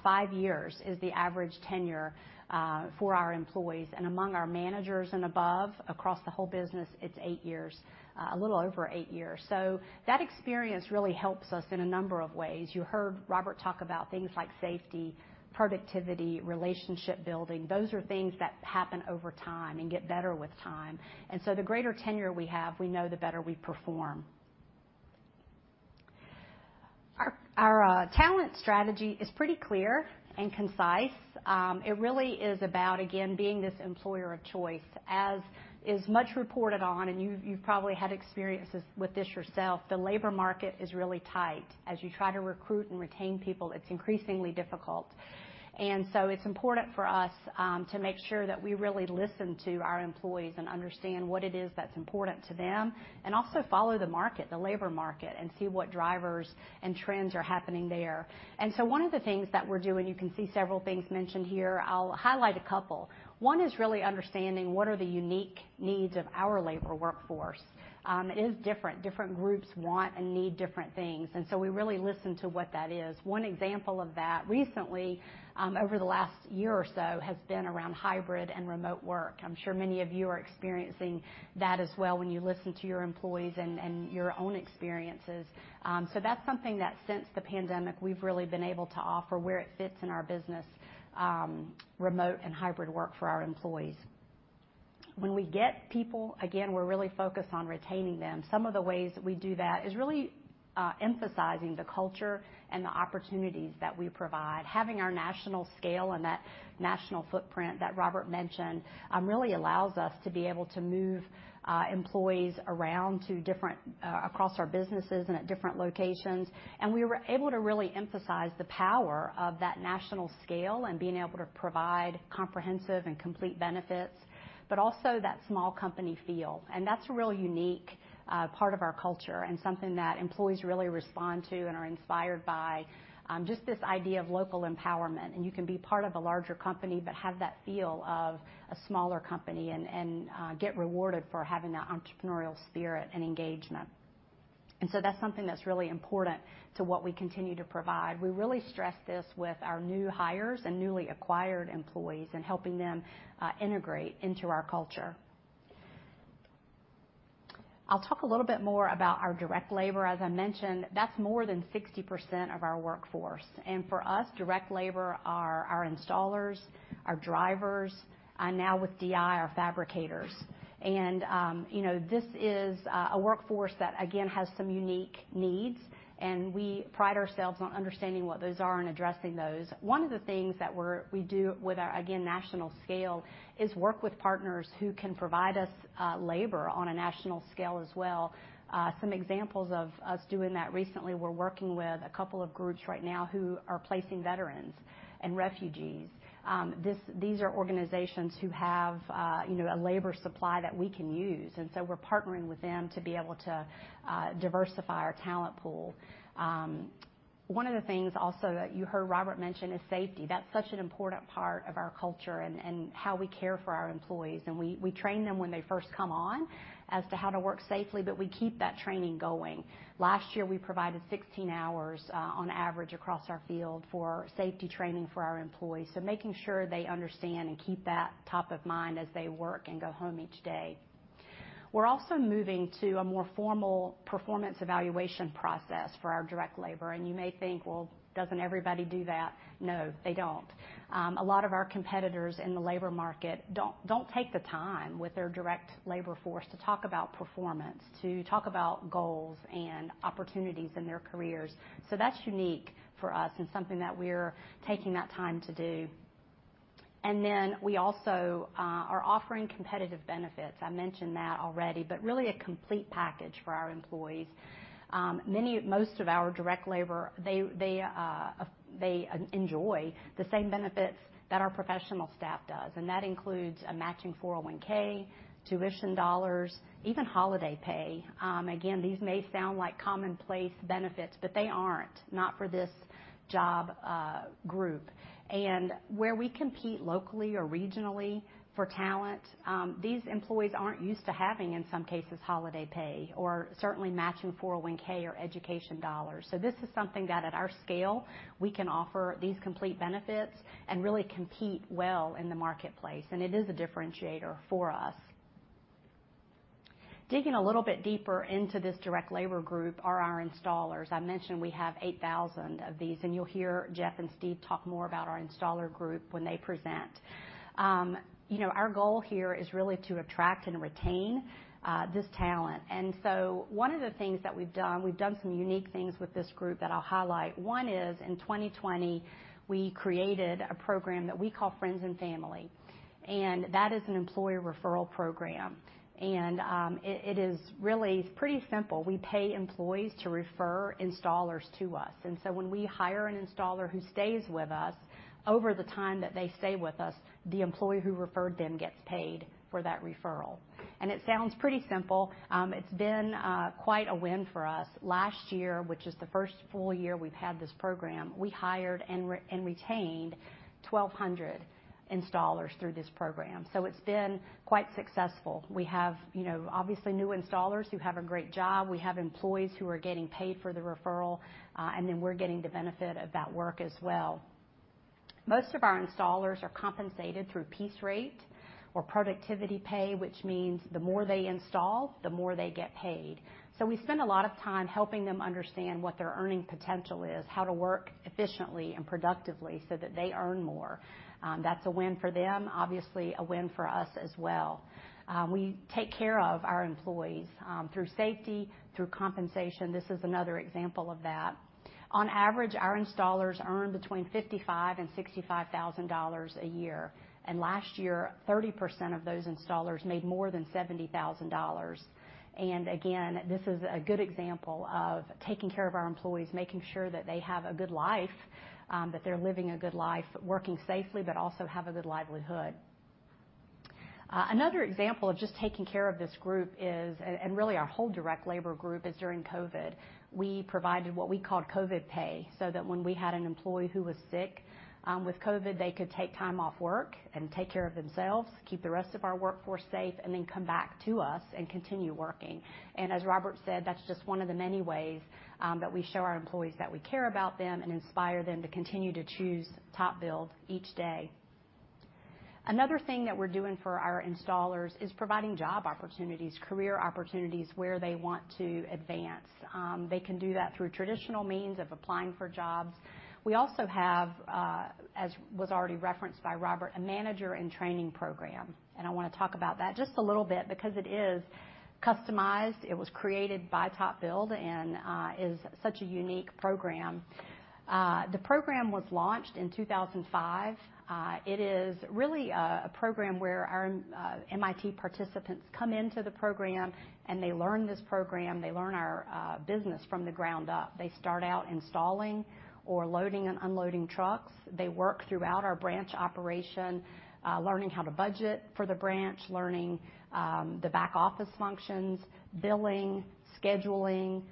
[SPEAKER 4] five years is the average tenure for our employees, and among our managers and above across the whole business, it's 8 years, a little over eight years. That experience really helps us in a number of ways. You heard Robert talk about things like safety, productivity, relationship building. Those are things that happen over time and get better with time. The greater tenure we have, we know the better we perform. Our talent strategy is pretty clear and concise. It really is about, again, being this employer of choice. As is much reported on, and you've probably had experiences with this yourself, the labor market is really tight. As you try to recruit and retain people, it's increasingly difficult. It's important for us to make sure that we really listen to our employees and understand what it is that's important to them, and also follow the market, the labor market, and see what drivers and trends are happening there. One of the things that we're doing, you can see several things mentioned here. I'll highlight a couple. One is really understanding what are the unique needs of our labor workforce. It is different. Different groups want and need different things, and so we really listen to what that is. One example of that recently, over the last year or so, has been around hybrid and remote work. I'm sure many of you are experiencing that as well when you listen to your employees and your own experiences. So that's something that since the pandemic, we've really been able to offer where it fits in our business, remote and hybrid work for our employees. When we get people, again, we're really focused on retaining them. Some of the ways we do that is really emphasizing the culture and the opportunities that we provide. Having our national scale and that national footprint that Robert mentioned, really allows us to be able to move employees around to different across our businesses and at different locations. We were able to really emphasize the power of that national scale and being able to provide comprehensive and complete benefits, but also that small company feel. That's a real unique part of our culture and something that employees really respond to and are inspired by just this idea of local empowerment. You can be part of a larger company, but have that feel of a smaller company and get rewarded for having that entrepreneurial spirit and engagement. That's something that's really important to what we continue to provide. We really stress this with our new hires and newly acquired employees and helping them integrate into our culture. I'll talk a little bit more about our direct labor. As I mentioned, that's more than 60% of our workforce. For us, direct labor are our installers, our drivers, and now with DI, our fabricators. You know, this is a workforce that again has some unique needs, and we pride ourselves on understanding what those are and addressing those. One of the things that we do with our again national scale is work with partners who can provide us labor on a national scale as well. Some examples of us doing that recently, we're working with a couple of groups right now who are placing veterans and refugees. These are organizations who have you know a labor supply that we can use, and so we're partnering with them to be able to diversify our talent pool. One of the things also that you heard Robert mention is safety. That's such an important part of our culture and how we care for our employees. We train them when they first come on as to how to work safely, but we keep that training going. Last year, we provided 16 hours on average across our field for safety training for our employees, so making sure they understand and keep that top of mind as they work and go home each day. We're also moving to a more formal performance evaluation process for our direct labor. You may think, "Well, doesn't everybody do that?" No, they don't. A lot of our competitors in the labor market don't take the time with their direct labor force to talk about performance, to talk about goals and opportunities in their careers. That's unique for us and something that we're taking that time to do. Then we also are offering competitive benefits. I mentioned that already, but really a complete package for our employees. Most of our direct labor, they enjoy the same benefits that our professional staff does, and that includes a matching 401(k), tuition dollars, even holiday pay. Again, these may sound like commonplace benefits, but they aren't, not for this job group. Where we compete locally or regionally for talent, these employees aren't used to having, in some cases, holiday pay or certainly matching 401(k) or education dollars. This is something that at our scale, we can offer these complete benefits and really compete well in the marketplace. It is a differentiator for us. Digging a little bit deeper into this direct labor group are our installers. I mentioned we have 8,000 of these, and you'll hear Jeff and Steve talk more about our installer group when they present. You know, our goal here is really to attract and retain this talent. One of the things we've done some unique things with this group that I'll highlight. One is in 2020, we created a program that we call Friends and Family, and that is an employee referral program. It is really pretty simple. We pay employees to refer installers to us. When we hire an installer who stays with us, over the time that they stay with us, the employee who referred them gets paid for that referral. It sounds pretty simple. It's been quite a win for us. Last year, which is the first full year we've had this program, we hired and retained 1,200 installers through this program. It's been quite successful. We have, you know, obviously new installers who have a great job. We have employees who are getting paid for the referral, and then we're getting the benefit of that work as well. Most of our installers are compensated through piece rate or productivity pay, which means the more they install, the more they get paid. We spend a lot of time helping them understand what their earning potential is, how to work efficiently and productively so that they earn more. That's a win for them, obviously a win for us as well. We take care of our employees through safety, through compensation. This is another example of that. On average, our installers earn between $55,000 and $65,000 a year. Last year, 30% of those installers made more than $70,000. Again, this is a good example of taking care of our employees, making sure that they have a good life, that they're living a good life, working safely, but also have a good livelihood. Another example of just taking care of this group is, really our whole direct labor group. During COVID, we provided what we called COVID pay, so that when we had an employee who was sick with COVID, they could take time off work and take care of themselves, keep the rest of our workforce safe, and then come back to us and continue working. As Robert said, that's just one of the many ways that we show our employees that we care about them and inspire them to continue to choose TopBuild each day. Another thing that we're doing for our installers is providing job opportunities, career opportunities where they want to advance. They can do that through traditional means of applying for jobs. We also have, as was already referenced by Robert, a manager in training program, and I wanna talk about that just a little bit because it is customized. It was created by TopBuild, and is such a unique program. The program was launched in 2005. It is really a program where our MIT participants come into the program, and they learn this program. They learn our business from the ground up. They start out installing or loading and unloading trucks. They work throughout our branch operation, learning how to budget for the branch, learning the back office functions, billing, scheduling,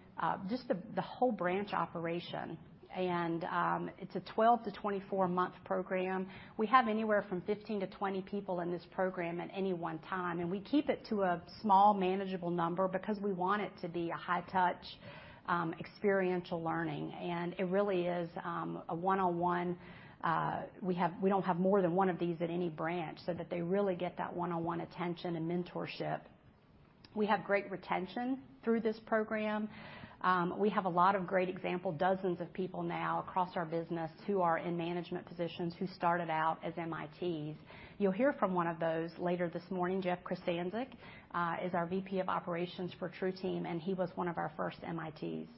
[SPEAKER 4] just the whole branch operation. It's a 12-24-month program. We have anywhere from 15-20 people in this program at any one time, and we keep it to a small, manageable number because we want it to be a high touch, experiential learning. It really is a one-on-one. We don't have more than one of these at any branch, so that they really get that one-on-one attention and mentorship. We have great retention through this program. We have a lot of great example, dozens of people now across our business who are in management positions who started out as MITs. You'll hear from one of those later this morning. Jeff Krestancic is our VP of operations for TruTeam, and he was one of our first MITs.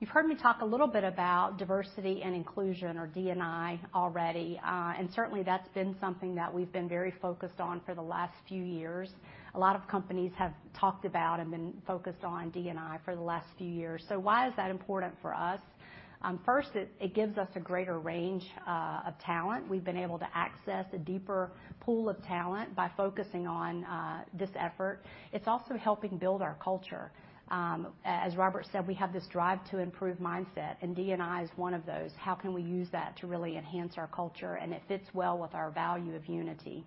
[SPEAKER 4] You've heard me talk a little bit about diversity and inclusion or D&I already, and certainly, that's been something that we've been very focused on for the last few years. A lot of companies have talked about and been focused on D&I for the last few years. Why is that important for us? First, it gives us a greater range of talent. We've been able to access a deeper pool of talent by focusing on this effort. It's also helping build our culture. As Robert said, we have this drive to improve mindset, and D&I is one of those. How can we use that to really enhance our culture? It fits well with our value of unity.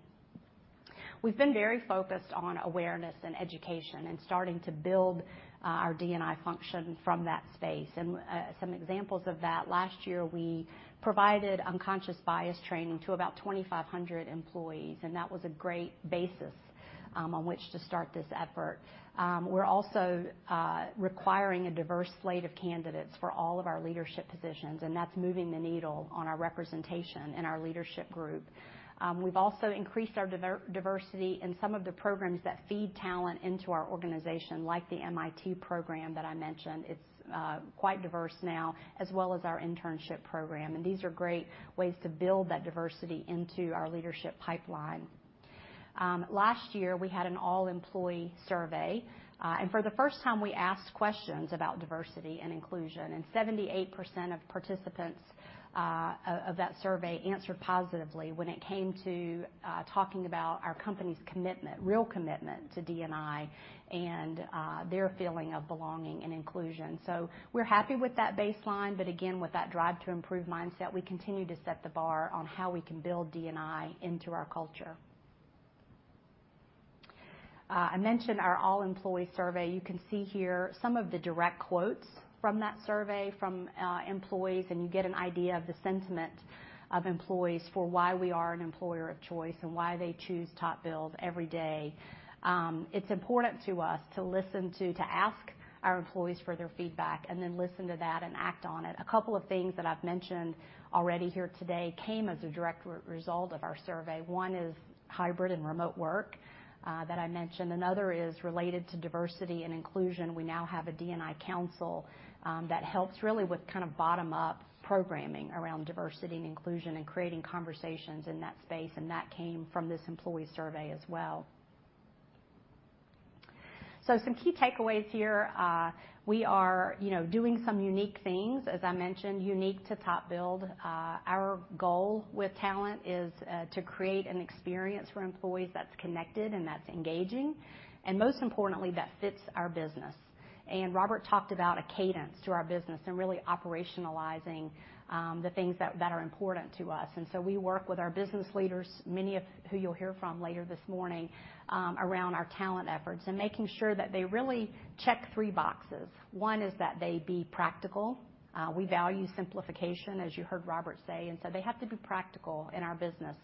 [SPEAKER 4] We've been very focused on awareness and education and starting to build our D&I function from that space. Some examples of that. Last year we provided unconscious bias training to about 2,500 employees, and that was a great basis on which to start this effort. We're also requiring a diverse slate of candidates for all of our leadership positions, and that's moving the needle on our representation and our leadership group. We've also increased our diversity in some of the programs that feed talent into our organization like the MIT program that I mentioned. It's quite diverse now, as well as our internship program. These are great ways to build that diversity into our leadership pipeline. Last year, we had an all-employee survey, and for the first time, we asked questions about diversity and inclusion, and 78% of participants of that survey answered positively when it came to talking about our company's commitment, real commitment to D&I and their feeling of belonging and inclusion. We're happy with that baseline, but again, with that drive to improve mindset, we continue to set the bar on how we can build D&I into our culture. I mentioned our all-employee survey. You can see here some of the direct quotes from that survey from employees, and you get an idea of the sentiment of employees for why we are an employer of choice and why they choose TopBuild every day. It's important to us to listen to ask our employees for their feedback and then listen to that and act on it. A couple of things that I've mentioned already here today came as a direct result of our survey. One is hybrid and remote work that I mentioned. Another is related to diversity and inclusion. We now have a D&I council that helps really with kind of bottom-up programming around diversity and inclusion and creating conversations in that space, and that came from this employee survey as well. Some key takeaways here. We are, you know, doing some unique things, as I mentioned, unique to TopBuild. Our goal with talent is to create an experience for employees that's connected and that's engaging, and most importantly, that fits our business. Robert talked about a cadence to our business and really operationalizing the things that are important to us. We work with our business leaders, many of who you'll hear from later this morning, around our talent efforts and making sure that they really check three boxes. One is that they be practical. We value simplification, as you heard Robert say, and so they have to be practical in our business.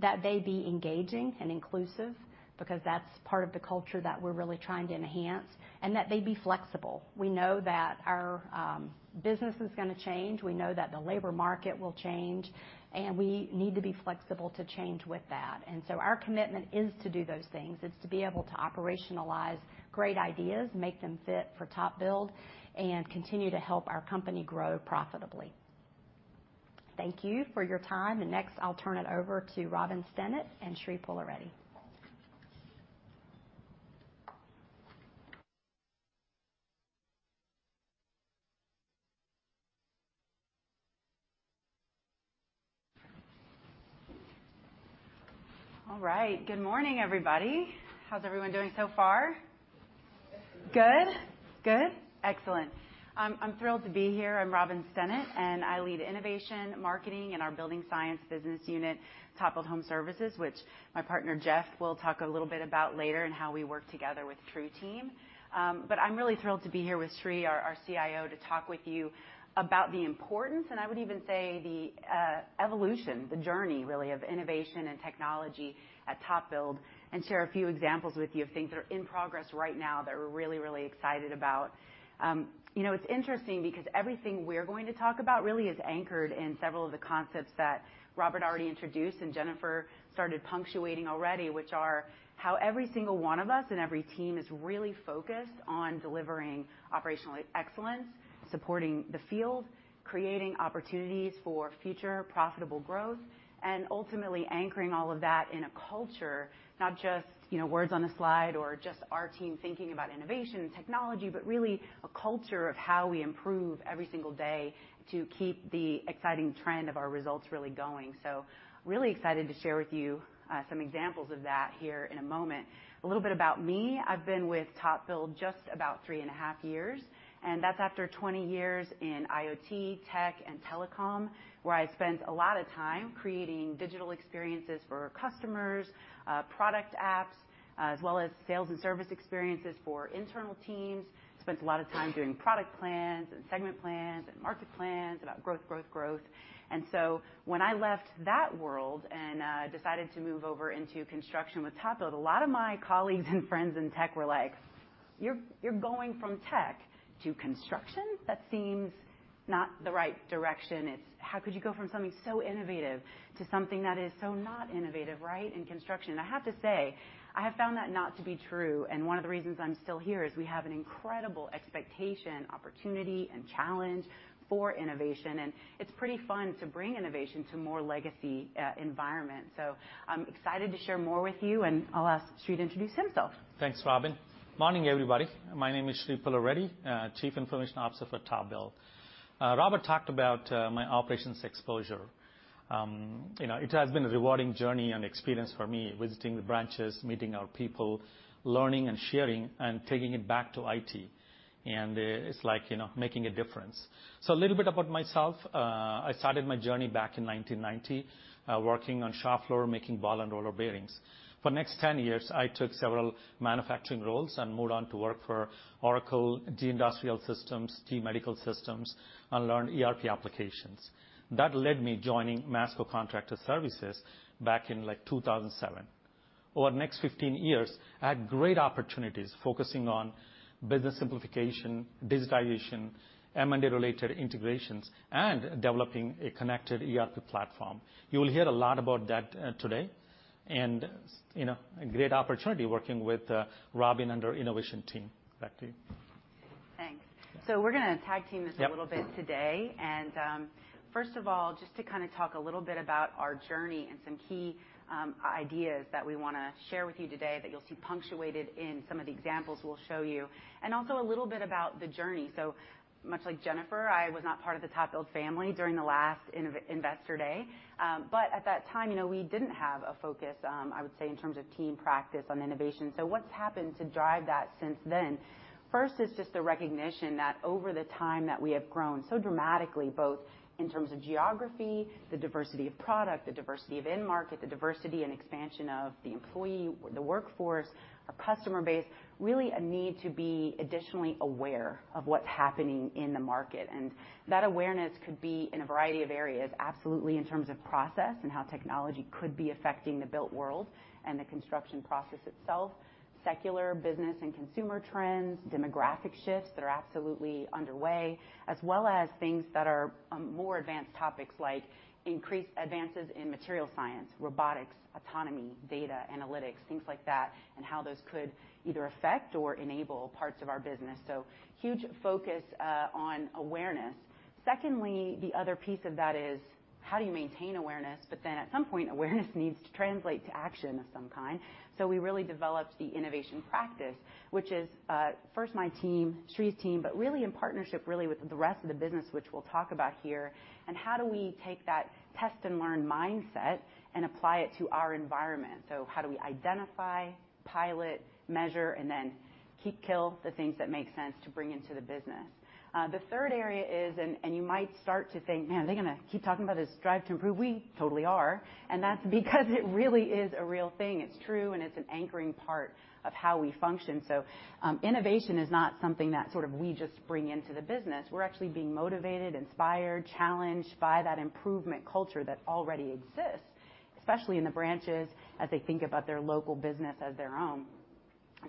[SPEAKER 4] That they be engaging and inclusive because that's part of the culture that we're really trying to enhance, and that they be flexible. We know that our business is gonna change. We know that the labor market will change, and we need to be flexible to change with that. Our commitment is to do those things. It's to be able to operationalize great ideas, make them fit for TopBuild and continue to help our company grow profitably. Thank you for your time. Next, I'll turn it over to Robin Stennet and Sri Pullareddy.
[SPEAKER 5] All right. Good morning, everybody. How's everyone doing so far? Good. Good? Good. Excellent. I'm thrilled to be here. I'm Robin Stennet, and I lead innovation, marketing in our building science business unit, TopBuild Home Services, which my partner, Jeff, will talk a little bit about later and how we work together with TruTeam. I'm really thrilled to be here with Sri, our CIO, to talk with you about the importance, and I would even say the evolution, the journey, really, of innovation and technology at TopBuild, and share a few examples with you of things that are in progress right now that we're really, really excited about. You know, it's interesting because everything we're going to talk about really is anchored in several of the concepts that Robert already introduced and Jennifer started punctuating already, which are how every single one of us and every team is really focused on delivering operational excellence, supporting the field, creating opportunities for future profitable growth, and ultimately anchoring all of that in a culture. Not just, you know, words on a slide or just our team thinking about innovation and technology, but really a culture of how we improve every single day to keep the exciting trend of our results really going. Really excited to share with you some examples of that here in a moment. A little bit about me. I've been with TopBuild just about three and a half years, and that's after 20 years in IoT, tech, and telecom, where I spent a lot of time creating digital experiences for customers, product apps, as well as sales and service experiences for internal teams. Spent a lot of time doing product plans and segment plans and market plans about growth, growth. When I left that world and decided to move over into construction with TopBuild, a lot of my colleagues and friends in tech were like, "You're going from tech to construction? That seems not the right direction. It's how could you go from something so innovative to something that is so not innovative, right, in construction?" I have to say, I have found that not to be true, and one of the reasons I'm still here is we have an incredible expectation, opportunity, and challenge for innovation, and it's pretty fun to bring innovation to more legacy environments. I'm excited to share more with you, and I'll ask Sri to introduce himself.
[SPEAKER 6] Thanks, Robin. Morning, everybody. My name is Sridhara Pullareddy, Chief Information Officer for TopBuild. Robert talked about my operations exposure. You know, it has been a rewarding journey and experience for me, visiting the branches, meeting our people, learning and sharing, and taking it back to IT. It's like, you know, making a difference. A little bit about myself. I started my journey back in 1990, working on shop floor, making ball and roller bearings. For next 10 years, I took several manufacturing roles and moved on to work for Oracle, GE Industrial Systems, GE Medical Systems, and learned ERP applications. That led me joining Masco Contractor Services back in, like, 2007. Over the next 15 years, I had great opportunities focusing on business simplification, digitization, M&A-related integrations, and developing a connected ERP platform. You will hear a lot about that today. You know, a great opportunity working with Robin and her innovation team. Back to you.
[SPEAKER 5] Thanks. We're gonna tag team this.
[SPEAKER 6] Yep.
[SPEAKER 5] A little bit today. First of all, just to kinda talk a little bit about our journey and some key ideas that we wanna share with you today that you'll see punctuated in some of the examples we'll show you. Also a little bit about the journey. Much like Jennifer, I was not part of the TopBuild family during the last Investor Day. But at that time, you know, we didn't have a focus, I would say, in terms of team practice on innovation. What's happened to drive that since then? First is just the recognition that over the time that we have grown so dramatically, both in terms of geography, the diversity of product, the diversity of end market, the diversity and expansion of the employee, the workforce, our customer base, really a need to be additionally aware of what's happening in the market. That awareness could be in a variety of areas, absolutely in terms of process and how technology could be affecting the built world and the construction process itself, secular business and consumer trends, demographic shifts that are absolutely underway, as well as things that are more advanced topics like increased advances in material science, robotics, autonomy, data analytics, things like that, and how those could either affect or enable parts of our business. Huge focus on awareness. Secondly, the other piece of that is how do you maintain awareness? At some point, awareness needs to translate to action of some kind. We really developed the innovation practice, which is, first my team, Sri's team, but really in partnership, really with the rest of the business, which we'll talk about here, and how do we take that test and learn mindset and apply it to our environment. How do we identify, pilot, measure, and then keep, kill the things that make sense to bring into the business? The third area is, and you might start to think, "Man, they're gonna keep talking about this strive to improve." We totally are, and that's because it really is a real thing. It's true, and it's an anchoring part of how we function. Innovation is not something that sort of we just bring into the business. We're actually being motivated, inspired, challenged by that improvement culture that already exists, especially in the branches as they think about their local business as their own.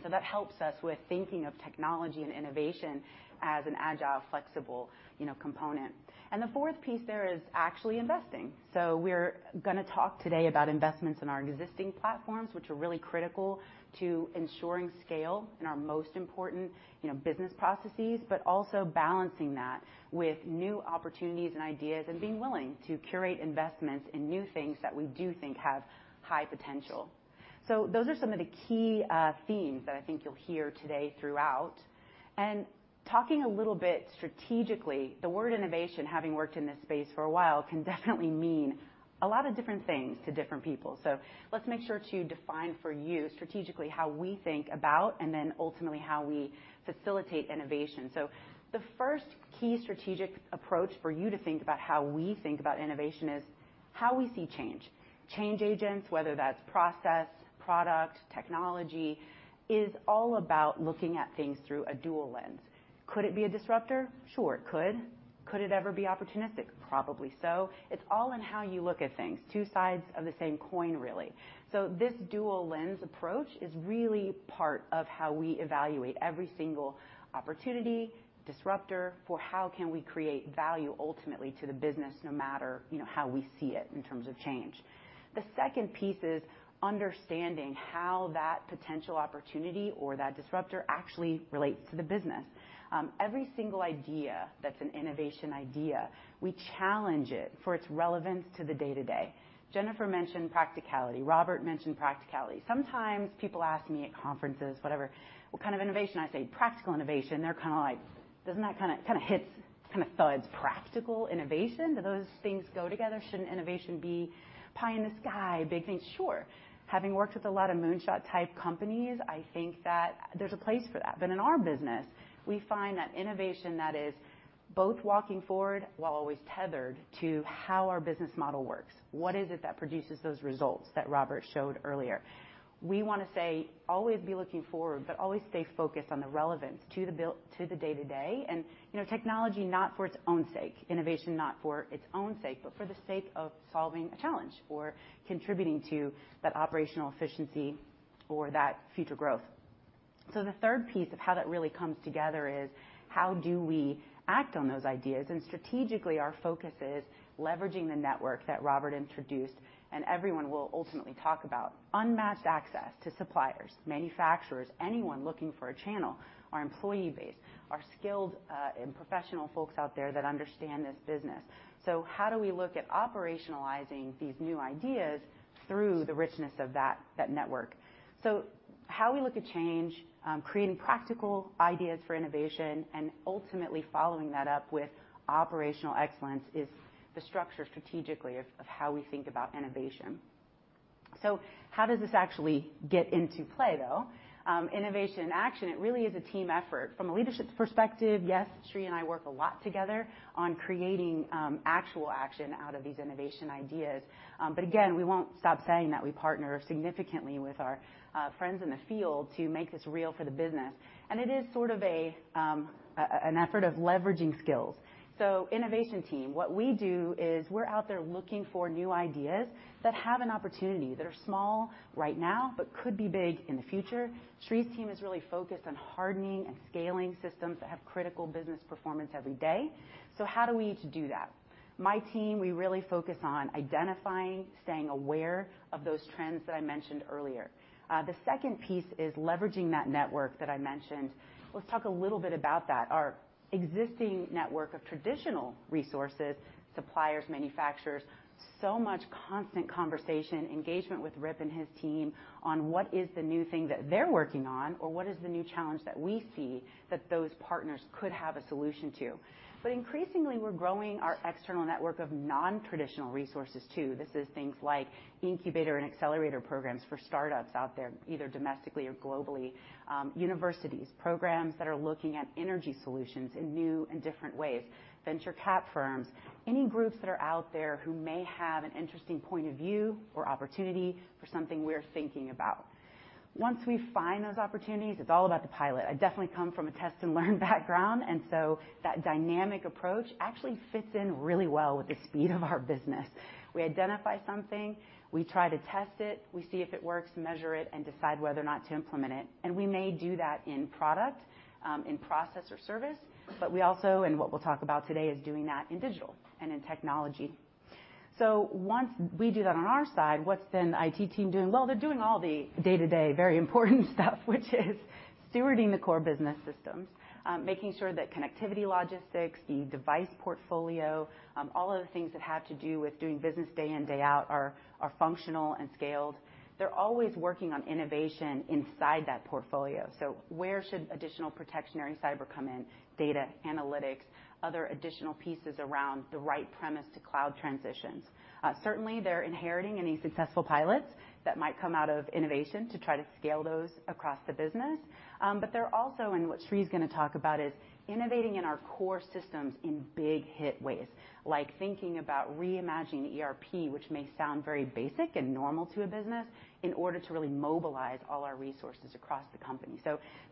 [SPEAKER 5] That helps us with thinking of technology and innovation as an agile, flexible, you know, component. The fourth piece there is actually investing. We're gonna talk today about investments in our existing platforms, which are really critical to ensuring scale in our most important, you know, business processes, but also balancing that with new opportunities and ideas and being willing to curate investments in new things that we do think have high potential. Those are some of the key themes that I think you'll hear today throughout. Talking a little bit strategically, the word innovation, having worked in this space for a while, can definitely mean a lot of different things to different people. Let's make sure to define for you strategically how we think about and then ultimately how we facilitate innovation. The first key strategic approach for you to think about how we think about innovation is how we see change. Change agents, whether that's process, product, technology, is all about looking at things through a dual lens. Could it be a disruptor? Sure, it could. Could it ever be opportunistic? Probably so. It's all in how you look at things. Two sides of the same coin, really. This dual lens approach is really part of how we evaluate every single opportunity, disruptor, for how can we create value ultimately to the business no matter, you know, how we see it in terms of change. The second piece is understanding how that potential opportunity or that disruptor actually relates to the business. Every single idea that's an innovation idea, we challenge it for its relevance to the day-to-day. Jennifer mentioned practicality. Robert mentioned practicality. Sometimes people ask me at conferences, whatever, what kind of innovation? I say practical innovation. They're kinda like, "Doesn't that kinda hits, kinda thuds practical innovation? Do those things go together? Shouldn't innovation be pie in the sky, big things?" Sure. Having worked with a lot of moonshot type companies, I think that there's a place for that. In our business, we find that innovation that is both walking forward while always tethered to how our business model works, what is it that produces those results that Robert showed earlier? We wanna say always be looking forward, but always stay focused on the relevance to the day-to-day. You know, technology not for its own sake, innovation not for its own sake, but for the sake of solving a challenge or contributing to that operational efficiency or that future growth. The third piece of how that really comes together is how do we act on those ideas? Strategically, our focus is leveraging the network that Robert introduced, and everyone will ultimately talk about unmatched access to suppliers, manufacturers, anyone looking for a channel, our employee base, our skilled and professional folks out there that understand this business. How do we look at operationalizing these new ideas through the richness of that network? How we look at change, creating practical ideas for innovation and ultimately following that up with operational excellence is the structure strategically of how we think about innovation. How does this actually get into play, though? Innovation in action, it really is a team effort. From a leadership perspective, yes, Sri and I work a lot together on creating actual action out of these innovation ideas. Again, we won't stop saying that we partner significantly with our friends in the field to make this real for the business. It is sort of an effort of leveraging skills. Innovation team, what we do is we're out there looking for new ideas that have an opportunity, that are small right now, but could be big in the future. Sri's team is really focused on hardening and scaling systems that have critical business performance every day. How do we each do that? My team, we really focus on identifying, staying aware of those trends that I mentioned earlier. The second piece is leveraging that network that I mentioned. Let's talk a little bit about that. Our existing network of traditional resources, suppliers, manufacturers, so much constant conversation, engagement with Rip and his team on what is the new thing that they're working on, or what is the new challenge that we see that those partners could have a solution to. Increasingly, we're growing our external network of non-traditional resources too. This is things like incubator and accelerator programs for startups out there, either domestically or globally, universities, programs that are looking at energy solutions in new and different ways, venture capital firms, any groups that are out there who may have an interesting point of view or opportunity for something we're thinking about. Once we find those opportunities, it's all about the pilot. I definitely come from a test and learn background, and so that dynamic approach actually fits in really well with the speed of our business. We identify something. We try to test it. We see if it works, measure it, and decide whether or not to implement it. We may do that in product, in process or service, but we also, and what we'll talk about today, is doing that in digital and in technology. Once we do that on our side, what's then the IT team doing? Well, they're doing all the day-to-day very important stuff, which is stewarding the core business systems, making sure that connectivity logistics, the device portfolio, all of the things that have to do with doing business day in, day out are functional and scaled. They're always working on innovation inside that portfolio. Where should additional protective cyber come in? Data analytics, other additional pieces around the right premises to cloud transitions. Certainly they're inheriting any successful pilots that might come out of innovation to try to scale those across the business. They're also, and what Sri is gonna talk about, is innovating in our core systems in big hit ways, like thinking about reimagining ERP, which may sound very basic and normal to a business, in order to really mobilize all our resources across the company.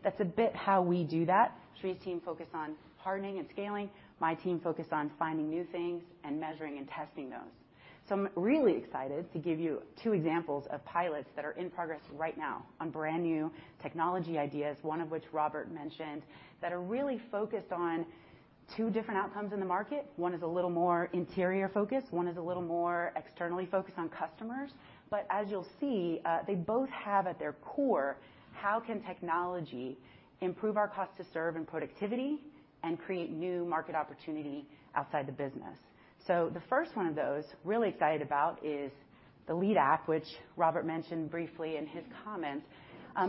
[SPEAKER 5] That's a bit how we do that. Sri's team focus on hardening and scaling, my team focus on finding new things and measuring and testing those. I'm really excited to give you two examples of pilots that are in progress right now on brand new technology ideas, one of which Robert mentioned, that are really focused on two different outcomes in the market. One is a little more interior focused, one is a little more externally focused on customers. As you'll see, they both have at their core, how can technology improve our cost to serve and productivity and create new market opportunity outside the business? The first one of those, really excited about, is the Lead App, which Robert mentioned briefly in his comments.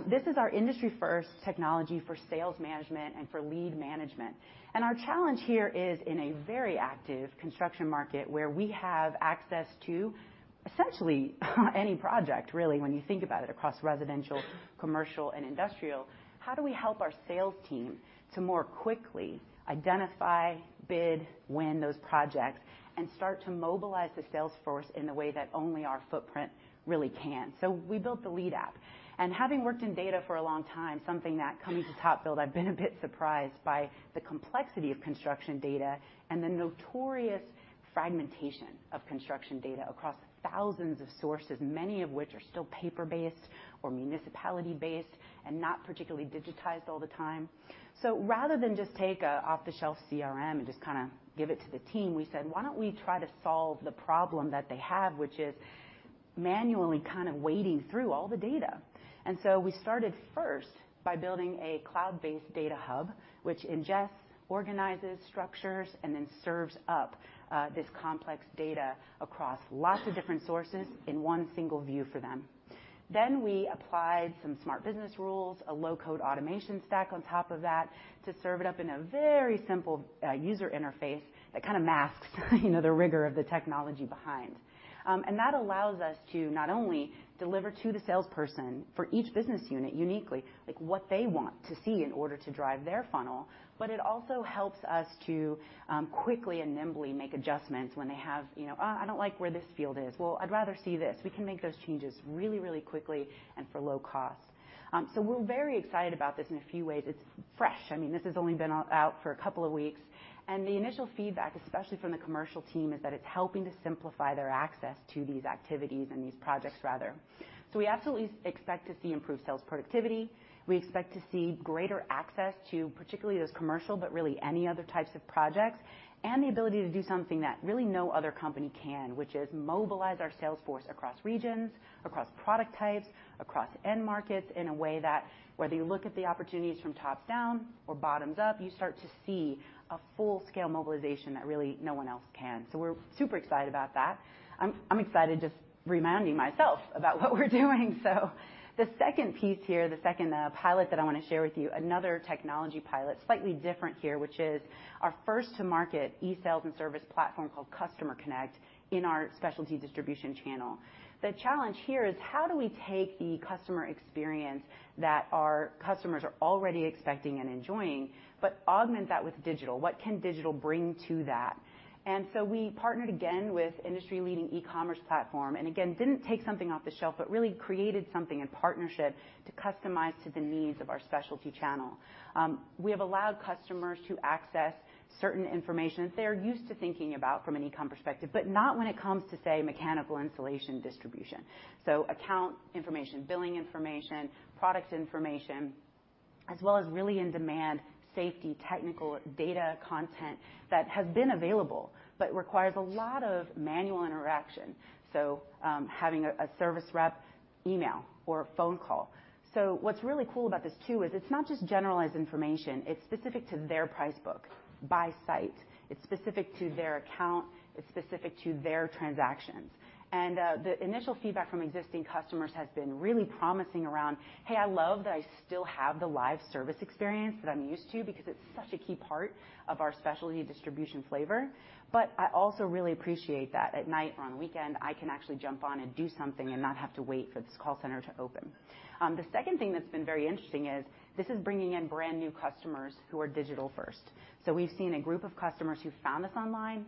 [SPEAKER 5] This is our industry-first technology for sales management and for lead management. Our challenge here is in a very active construction market where we have access to essentially any project really, when you think about it, across residential, commercial, and industrial, how do we help our sales team to more quickly identify, bid, win those projects, and start to mobilize the sales force in the way that only our footprint really can? We built the Lead App. Having worked in data for a long time, something that coming to TopBuild, I've been a bit surprised by the complexity of construction data and the notorious fragmentation of construction data across thousands of sources, many of which are still paper-based or municipality-based and not particularly digitized all the time. Rather than just take a off-the-shelf CRM and just kinda give it to the team, we said, "Why don't we try to solve the problem that they have, which is manually kind of wading through all the data?" We started first by building a cloud-based data hub, which ingests, organizes, structures, and then serves up this complex data across lots of different sources in one single view for them. We applied some smart business rules, a low-code automation stack on top of that to serve it up in a very simple user interface that kinda masks, you know, the rigor of the technology behind. That allows us to not only deliver to the salesperson for each business unit uniquely, like what they want to see in order to drive their funnel, but it also helps us to quickly and nimbly make adjustments when they have, you know, "I don't like where this field is." "Well, I'd rather see this." We can make those changes really quickly and for low cost. We're very excited about this in a few ways. It's fresh. I mean, this has only been out for a couple of weeks, and the initial feedback, especially from the commercial team, is that it's helping to simplify their access to these activities and these projects rather. We absolutely expect to see improved sales productivity. We expect to see greater access to particularly those commercial, but really any other types of projects, and the ability to do something that really no other company can, which is mobilize our sales force across regions, across product types, across end markets in a way that whether you look at the opportunities from top down or bottoms up, you start to see a full scale mobilization that really no one else can. We're super excited about that. I'm excited just reminding myself about what we're doing. The second piece here, the second pilot that I wanna share with you, another technology pilot, slightly different here, which is our first to market e-sales and service platform called Customer Connect in our specialty distribution channel. The challenge here is how do we take the customer experience that our customers are already expecting and enjoying, but augment that with digital? What can digital bring to that? We partnered again with industry-leading e-commerce platform, and again, didn't take something off the shelf, but really created something in partnership to customize to the needs of our specialty channel. We have allowed customers to access certain information that they're used to thinking about from an e-com perspective, but not when it comes to, say, mechanical insulation distribution. Account information, billing information, product information, as well as really in demand safety, technical data content that has been available but requires a lot of manual interaction, so having a service rep email or a phone call. What's really cool about this too is it's not just generalized information, it's specific to their price book by site. It's specific to their account, it's specific to their transactions. The initial feedback from existing customers has been really promising around, "Hey, I love that I still have the live service experience that I'm used to because it's such a key part of our specialty distribution flavor, but I also really appreciate that at night or on the weekend, I can actually jump on and do something and not have to wait for this call center to open." The second thing that's been very interesting is this is bringing in brand-new customers who are digital first. We've seen a group of customers who found us online,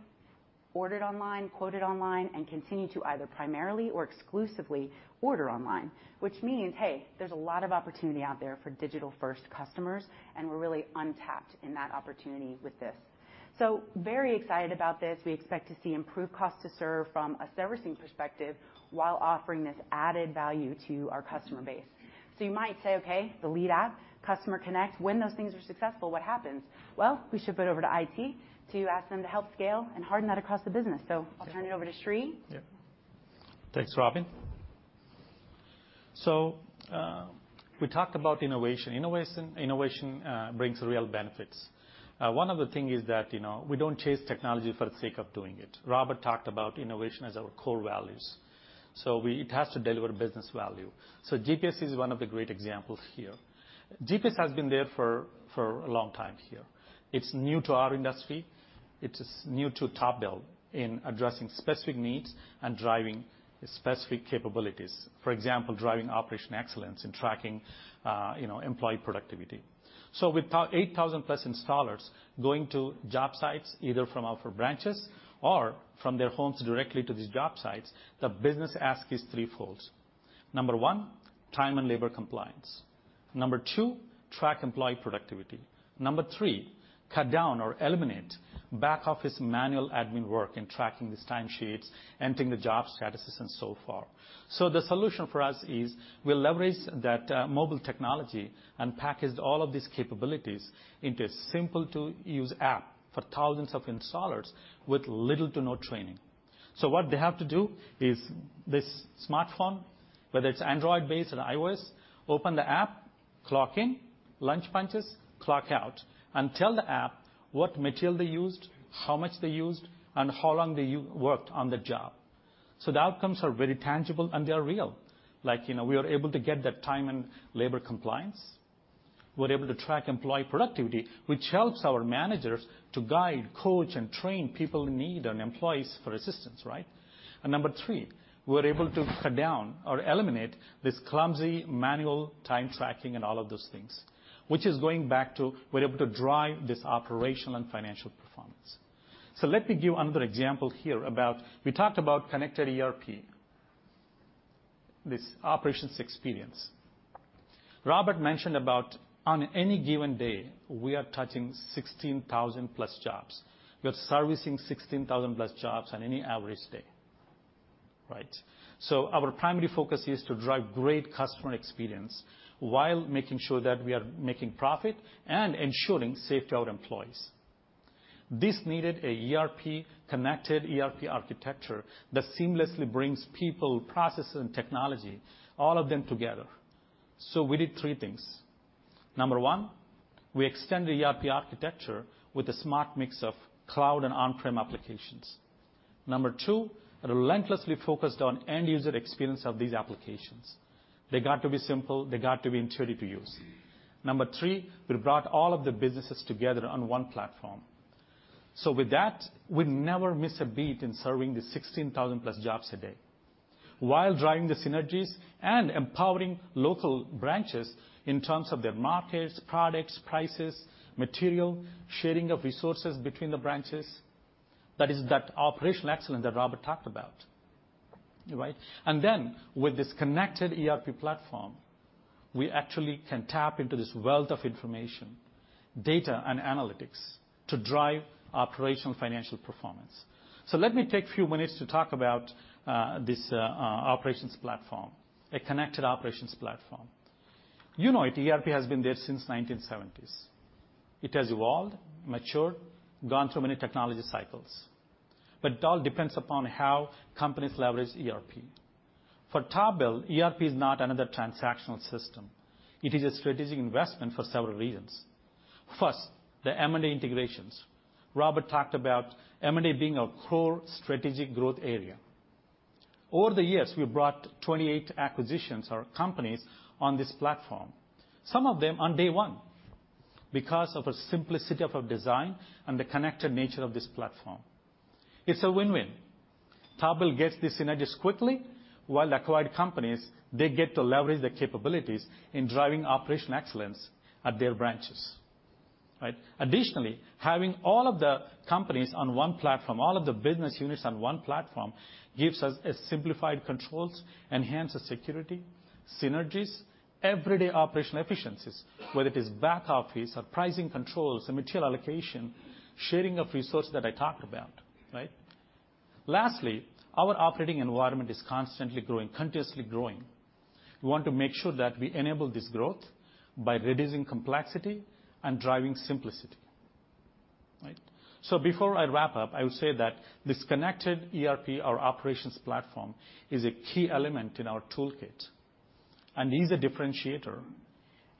[SPEAKER 5] ordered online, quoted online, and continue to either primarily or exclusively order online, which means, hey, there's a lot of opportunity out there for digital first customers, and we're really untapped in that opportunity with this. Very excited about this. We expect to see improved cost to serve from a servicing perspective while offering this added value to our customer base. You might say, "Okay, the Lead App, Customer Connect, when those things are successful, what happens?" Well, we ship it over to IT to ask them to help scale and harden that across the business. I'll turn it over to Sri.
[SPEAKER 6] Yeah. Thanks, Robin. We talked about innovation. Innovation brings real benefits. One of the thing is that, you know, we don't chase technology for the sake of doing it. Robert talked about innovation as our core values. It has to deliver business value. GPS is one of the great examples here. GPS has been there for a long time here. It's new to our industry. It is new to TopBuild in addressing specific needs and driving specific capabilities. For example, driving operational excellence in tracking, you know, employee productivity. With 8,000+ installers going to job sites either from our four branches or from their homes directly to these job sites, the business ask is threefold. Number one, time and labor compliance. Number two, track employee productivity. Number three, cut down or eliminate back-office manual admin work in tracking these time sheets, entering the job statuses, and so forth. The solution for us is we leverage that mobile technology and packaged all of these capabilities into a simple-to-use app for thousands of installers with little to no training. What they have to do is this smartphone, whether it's Android-based or iOS, open the app, clock in, lunch punches, clock out, and tell the app what material they used, how much they used, and how long they worked on the job. The outcomes are very tangible, and they are real. Like, you know, we are able to get that time and labor compliance. We're able to track employee productivity, which helps our managers to guide, coach, and train people in need and employees for assistance, right? Number three, we're able to cut down or eliminate this clumsy manual time tracking and all of those things, which is going back to we're able to drive this operational and financial performance. Let me give another example here about we talked about connected ERP, this operations experience. Robert mentioned about on any given day, we are touching 16,000+ jobs. We are servicing 16,000+ jobs on any average day, right? Our primary focus is to drive great customer experience while making sure that we are making profit and ensuring safety of our employees. This needed an ERP, connected ERP architecture that seamlessly brings people, processes, and technology, all of them together. We did three things. Number one, we extended the ERP architecture with a smart mix of cloud and on-prem applications. Number two, relentlessly focused on end-user experience of these applications. They got to be simple. They got to be intuitive to use. Number three, we brought all of the businesses together on one platform. With that, we never miss a beat in serving the 16,000+ jobs a day while driving the synergies and empowering local branches in terms of their markets, products, prices, material, sharing of resources between the branches. That is that operational excellence that Robert talked about, right? Then with this connected ERP platform, we actually can tap into this wealth of information, data, and analytics to drive operational financial performance. Let me take a few minutes to talk about this operations platform, a connected operations platform. You know it, ERP has been there since 1970s. It has evolved, matured, gone through many technology cycles, but it all depends upon how companies leverage ERP. For Topbell, ERP is not another transactional system. It is a strategic investment for several reasons. First, the M&A integrations. Robert talked about M&A being a core strategic growth area. Over the years, we've brought 28 acquisitions or companies on this platform, some of them on day one, because of a simplicity of a design and the connected nature of this platform. It's a win-win. Topbell gets the synergies quickly, while acquired companies, they get to leverage the capabilities in driving operational excellence at their branches, right? Additionally, having all of the companies on one platform, all of the business units on one platform, gives us a simplified controls, enhances security, synergies, everyday operational efficiencies, whether it is back office or pricing controls or material allocation, sharing of resource that I talked about, right? Lastly, our operating environment is constantly growing, continuously growing. We want to make sure that we enable this growth by reducing complexity and driving simplicity, right? Before I wrap up, I would say that this connected ERP or operations platform is a key element in our toolkit and is a differentiator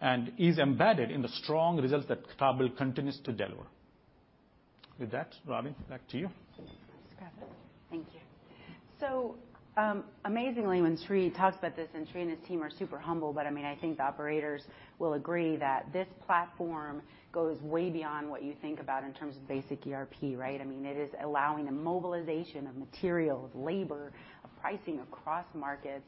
[SPEAKER 6] and is embedded in the strong results that TopBuild continues to deliver. With that, Robbie, back to you.
[SPEAKER 5] Thank you. Amazingly, when Sri talks about this, and Sri and his team are super humble, but, I mean, I think the operators will agree that this platform goes way beyond what you think about in terms of basic ERP, right? I mean, it is allowing a mobilization of materials, labor, of pricing across markets.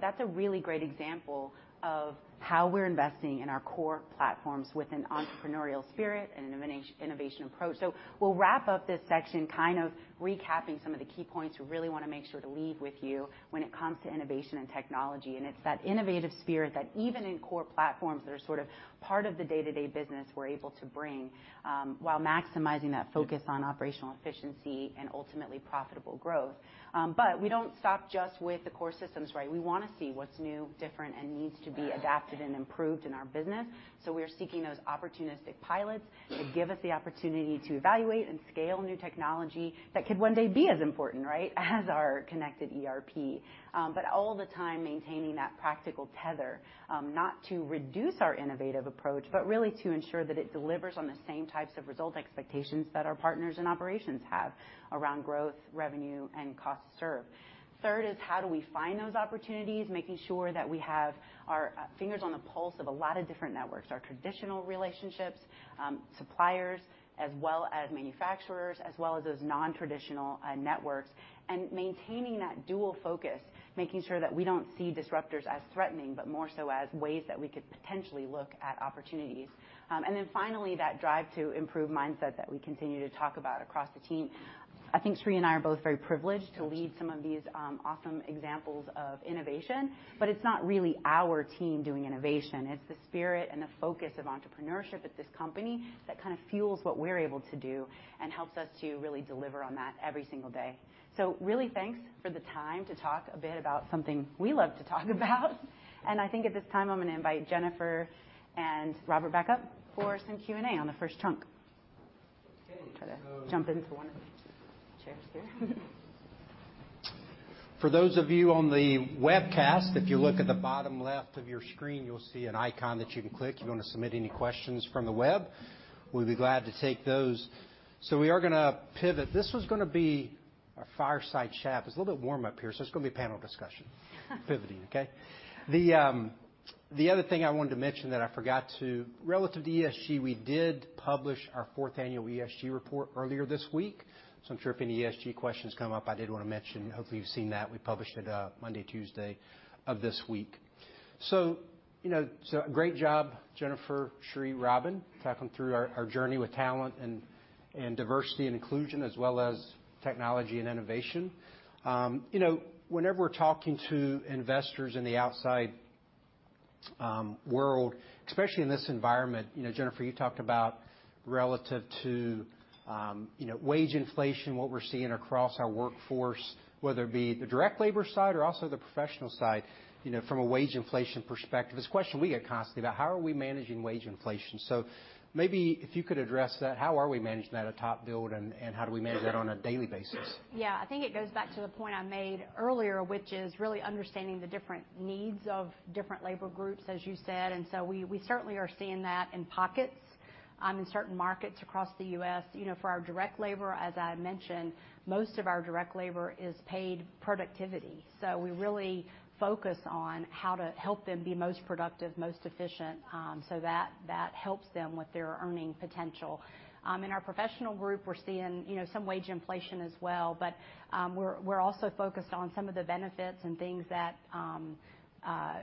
[SPEAKER 5] That's a really great example of how we're investing in our core platforms with an entrepreneurial spirit and in an innovation approach. We'll wrap up this section kind of recapping some of the key points we really wanna make sure to leave with you when it comes to innovation and technology. It's that innovative spirit that even in core platforms that are sort of part of the day-to-day business we're able to bring, while maximizing that focus on operational efficiency and ultimately profitable growth. We don't stop just with the core systems, right? We wanna see what's new, different, and needs to be adapted and improved in our business, so we're seeking those opportunistic pilots that give us the opportunity to evaluate and scale new technology that could one day be as important, right, as our connected ERP. All the time maintaining that practical tether, not to reduce our innovative approach, but really to ensure that it delivers on the same types of result expectations that our partners and operations have around growth, revenue, and cost savings. Third is how do we find those opportunities, making sure that we have our fingers on the pulse of a lot of different networks, our traditional relationships, suppliers, as well as manufacturers, as well as those non-traditional networks, and maintaining that dual focus, making sure that we don't see disruptors as threatening, but more so as ways that we could potentially look at opportunities. Finally, that drive to improve mindset that we continue to talk about across the team. I think Sri and I are both very privileged to lead some of these awesome examples of innovation, but it's not really our team doing innovation. It's the spirit and the focus of entrepreneurship at this company that kind of fuels what we're able to do and helps us to really deliver on that every single day. Really thanks for the time to talk a bit about something we love to talk about. I think at this time, I'm gonna invite Jennifer and Robin back up for some Q&A on the first chunk. Try to jump into one of the chairs there.
[SPEAKER 3] For those of you on the webcast, if you look at the bottom left of your screen, you'll see an icon that you can click. You wanna submit any questions from the web, we'll be glad to take those. We are gonna pivot. This was gonna be a fireside chat. It's a little bit warm up here, so it's gonna be a panel discussion. Pivoting, okay. The other thing I wanted to mention that I forgot to, relative to ESG, we did publish our fourth annual ESG report earlier this week. I'm sure if any ESG questions come up, I did wanna mention, hopefully you've seen that. We published it, Monday, Tuesday of this week. You know, so great job, Jennifer, Sri, Robin, tackling through our journey with talent and diversity and inclusion as well as technology and innovation. You know, whenever we're talking to investors in the outside world, especially in this environment, you know, Jennifer, you talked about relative to, you know, wage inflation, what we're seeing across our workforce, whether it be the direct labor side or also the professional side, you know, from a wage inflation perspective. It's a question we get constantly about how are we managing wage inflation. Maybe if you could address that, how are we managing that at TopBuild, and how do we manage that on a daily basis?
[SPEAKER 4] Yeah. I think it goes back to the point I made earlier, which is really understanding the different needs of different labor groups, as you said. We certainly are seeing that in pockets in certain markets across the U.S. You know, for our direct labor, as I mentioned, most of our direct labor is paid productivity. So we really focus on how to help them be most productive, most efficient, so that helps them with their earning potential. In our professional group, we're seeing you know, some wage inflation as well, but we're also focused on some of the benefits and things that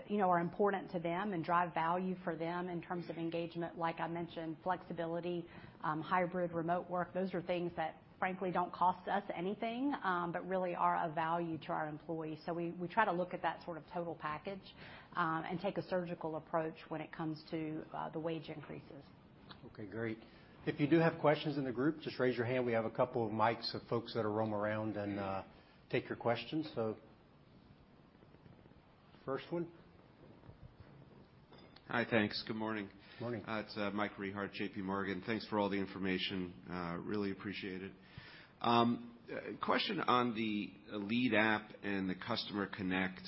[SPEAKER 4] you know, are important to them and drive value for them in terms of engagement. Like I mentioned, flexibility, hybrid remote work, those are things that frankly don't cost us anything, but really are of value to our employees. We try to look at that sort of total package, and take a surgical approach when it comes to the wage increases.
[SPEAKER 3] Okay. Great. If you do have questions in the group, just raise your hand. We have a couple of mics of folks that'll roam around and take your questions. First one.
[SPEAKER 7] Hi. Thanks. Good morning.
[SPEAKER 3] Morning.
[SPEAKER 7] It's Mike Rehaut, JPMorgan. Thanks for all the information. Really appreciate it. Question on the Lead App and the Customer Connect.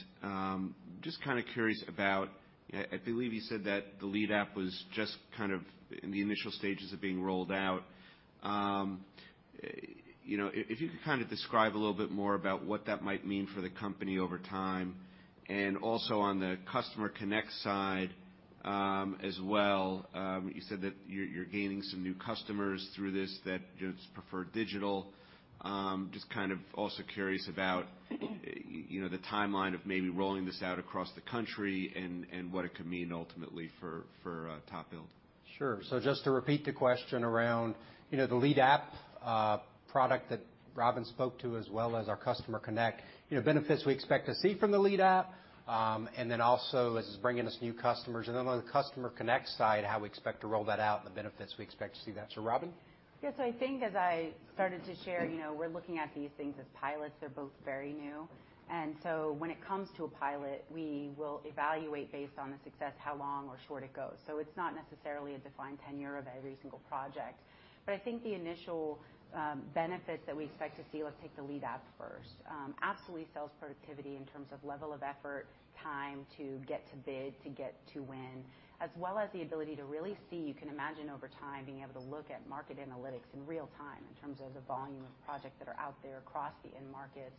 [SPEAKER 7] Just kinda curious about, I believe you said that the Lead App was just kind of in the initial stages of being rolled out. You know, if you could kind of describe a little bit more about what that might mean for the company over time. Also on the Customer Connect side, as well, you said that you're gaining some new customers through this that just prefer digital. Just kind of also curious about-
[SPEAKER 5] Mm-hmm.
[SPEAKER 7] You know, the timeline of maybe rolling this out across the country and what it could mean ultimately for TopBuild.
[SPEAKER 3] Sure. Just to repeat the question around, you know, the Lead App, product that Robin spoke to as well as our Customer Connect. You know, benefits we expect to see from the Lead App, and then also as it's bringing us new customers. Then on the Customer Connect side, how we expect to roll that out and the benefits we expect to see that. Robin?
[SPEAKER 5] Yes. I think as I started to share, you know, we're looking at these things as pilots. They're both very new. When it comes to a pilot, we will evaluate based on the success, how long or short it goes. It's not necessarily a defined tenure of every single project. I think the initial benefits that we expect to see, let's take the Lead App first. Absolutely sales productivity in terms of level of effort, time to get to bid, to get to win, as well as the ability to really see, you can imagine over time being able to look at market analytics in real time in terms of the volume of projects that are out there across the end markets.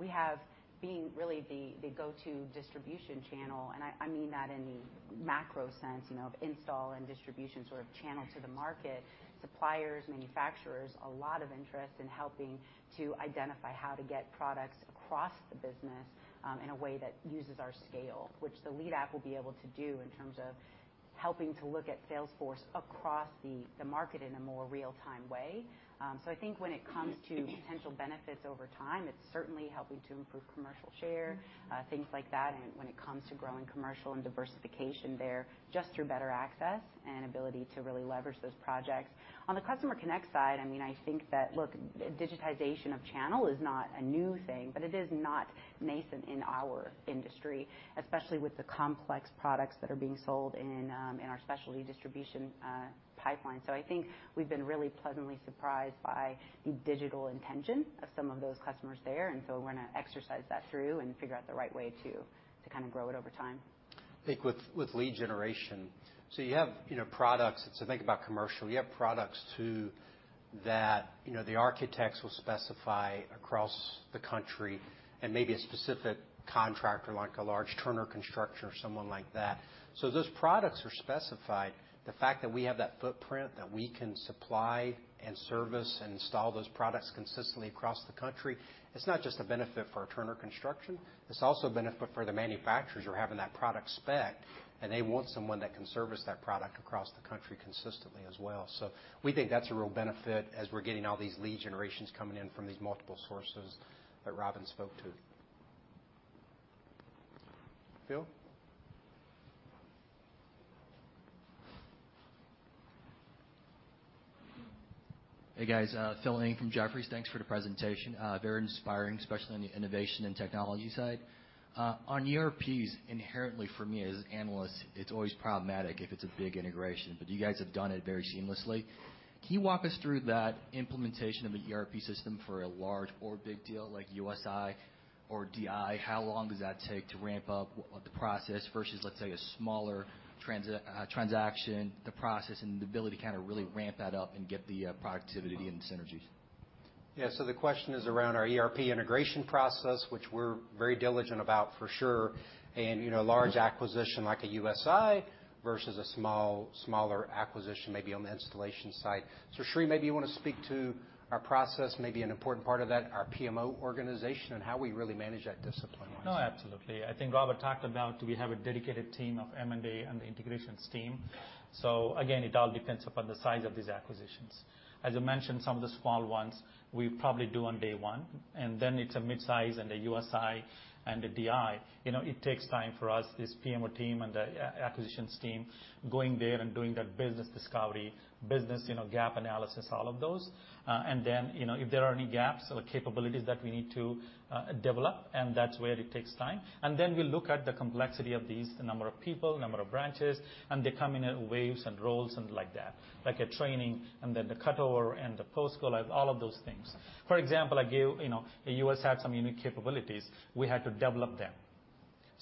[SPEAKER 5] We have being really the go-to distribution channel, and I mean that in the macro sense, you know, of install and distribution sort of channel to the market. Suppliers, manufacturers, a lot of interest in helping to identify how to get products across the business in a way that uses our scale, which the Lead App will be able to do in terms of helping to look at sales force across the market in a more real-time way. I think when it comes to potential benefits over time, it's certainly helping to improve commercial share, things like that, and when it comes to growing commercial and diversification there, just through better access and ability to really leverage those projects. On the Customer Connect side, I mean, I think that, look, digitization of channel is not a new thing, but it is not nascent in our industry, especially with the complex products that are being sold in our specialty distribution pipeline. I think we've been really pleasantly surprised by the digital intention of some of those customers there, and so we're gonna exercise that through and figure out the right way to kind of grow it over time.
[SPEAKER 3] I think with lead generation, you have, you know, products. Think about commercial. You have products too that, you know, the architects will specify across the country and maybe a specific contractor like a large Turner Construction or someone like that. Those products are specified. The fact that we have that footprint that we can supply and service and install those products consistently across the country, it's not just a benefit for a Turner Construction, it's also a benefit for the manufacturers who are having that product spec, and they want someone that can service that product across the country consistently as well. We think that's a real benefit as we're getting all these lead generations coming in from these multiple sources that Robin spoke to. Phil?
[SPEAKER 8] Hey, guys, Phil Ng from Jefferies. Thanks for the presentation. Very inspiring, especially on the innovation and technology side. On ERPs, inherently for me as an analyst, it's always problematic if it's a big integration, but you guys have done it very seamlessly. Can you walk us through that implementation of an ERP system for a large or big deal like USI or DI? How long does that take to ramp up the process versus, let's say, a smaller transaction, the process and the ability to kind of really ramp that up and get the productivity and synergies?
[SPEAKER 3] Yeah. The question is around our ERP integration process, which we're very diligent about for sure, and, you know, large acquisition like a USI versus a smaller acquisition maybe on the installation side. Sri, maybe you wanna speak to our process, maybe an important part of that, our PMO organization and how we really manage that discipline-wise.
[SPEAKER 6] No, absolutely. I think Robert talked about we have a dedicated team of M&A and the integrations team. Again, it all depends upon the size of these acquisitions. As you mentioned, some of the small ones we probably do on day one, and then it's a midsize and the USI and the DI. You know, it takes time for us, this PMO team and the acquisitions team, going there and doing that business discovery, business, you know, gap analysis, all of those. Then, you know, if there are any gaps or capabilities that we need to develop, and that's where it takes time. Then we look at the complexity of these, the number of people, number of branches, and they come in waves and rolls and like that, like a training and then the cutover and the post go-live, all of those things. For example, I give, you know, the U.S. had some unique capabilities. We had to develop them.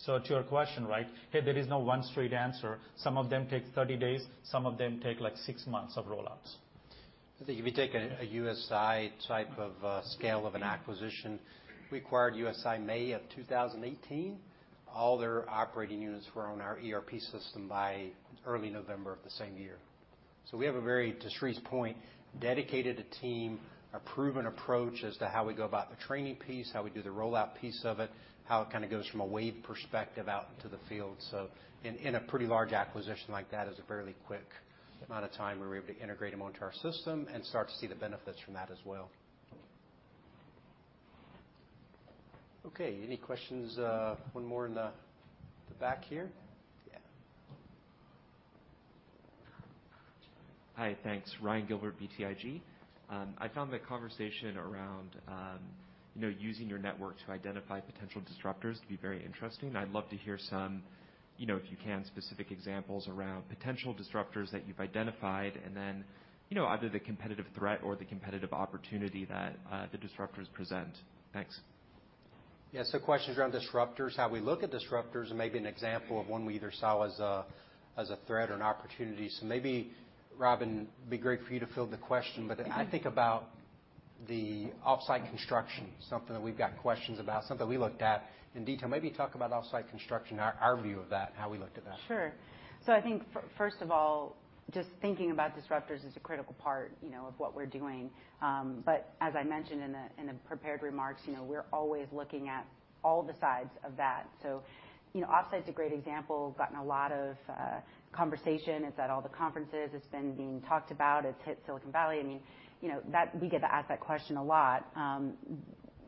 [SPEAKER 6] To your question, right, hey, there is no one straight answer. Some of them take 30 days, some of them take, like, 6 months of rollouts.
[SPEAKER 3] I think if you take a USI type of scale of an acquisition, we acquired USI in May 2018. All their operating units were on our ERP system by early November of the same year. We have a very, to Sri's point, dedicated a team, a proven approach as to how we go about the training piece, how we do the rollout piece of it, how it kinda goes from a wave perspective out into the field. In a pretty large acquisition like that is a fairly quick amount of time where we're able to integrate them onto our system and start to see the benefits from that as well. Okay, any questions? One more in the back here. Yeah.
[SPEAKER 9] Hi. Thanks. Ryan Gilbert, BTIG. I found the conversation around, you know, using your network to identify potential disruptors to be very interesting. I'd love to hear some, you know, if you can, specific examples around potential disruptors that you've identified and then, you know, either the competitive threat or the competitive opportunity that, the disruptors present. Thanks.
[SPEAKER 3] Yeah. Questions around disruptors, how we look at disruptors and maybe an example of one we either saw as a threat or an opportunity. Maybe, Robin, it'd be great for you to field the question. I think about the off-site construction, something that we've got questions about, something we looked at in detail. Maybe talk about off-site construction, our view of that, how we looked at that.
[SPEAKER 5] Sure. I think first of all, just thinking about disruptors is a critical part, you know, of what we're doing. But as I mentioned in the prepared remarks, you know, we're always looking at all the sides of that. You know, off-site's a great example, gotten a lot of conversation. It's at all the conferences. It's been being talked about. It's hit Silicon Valley. I mean, you know, that we get to ask that question a lot.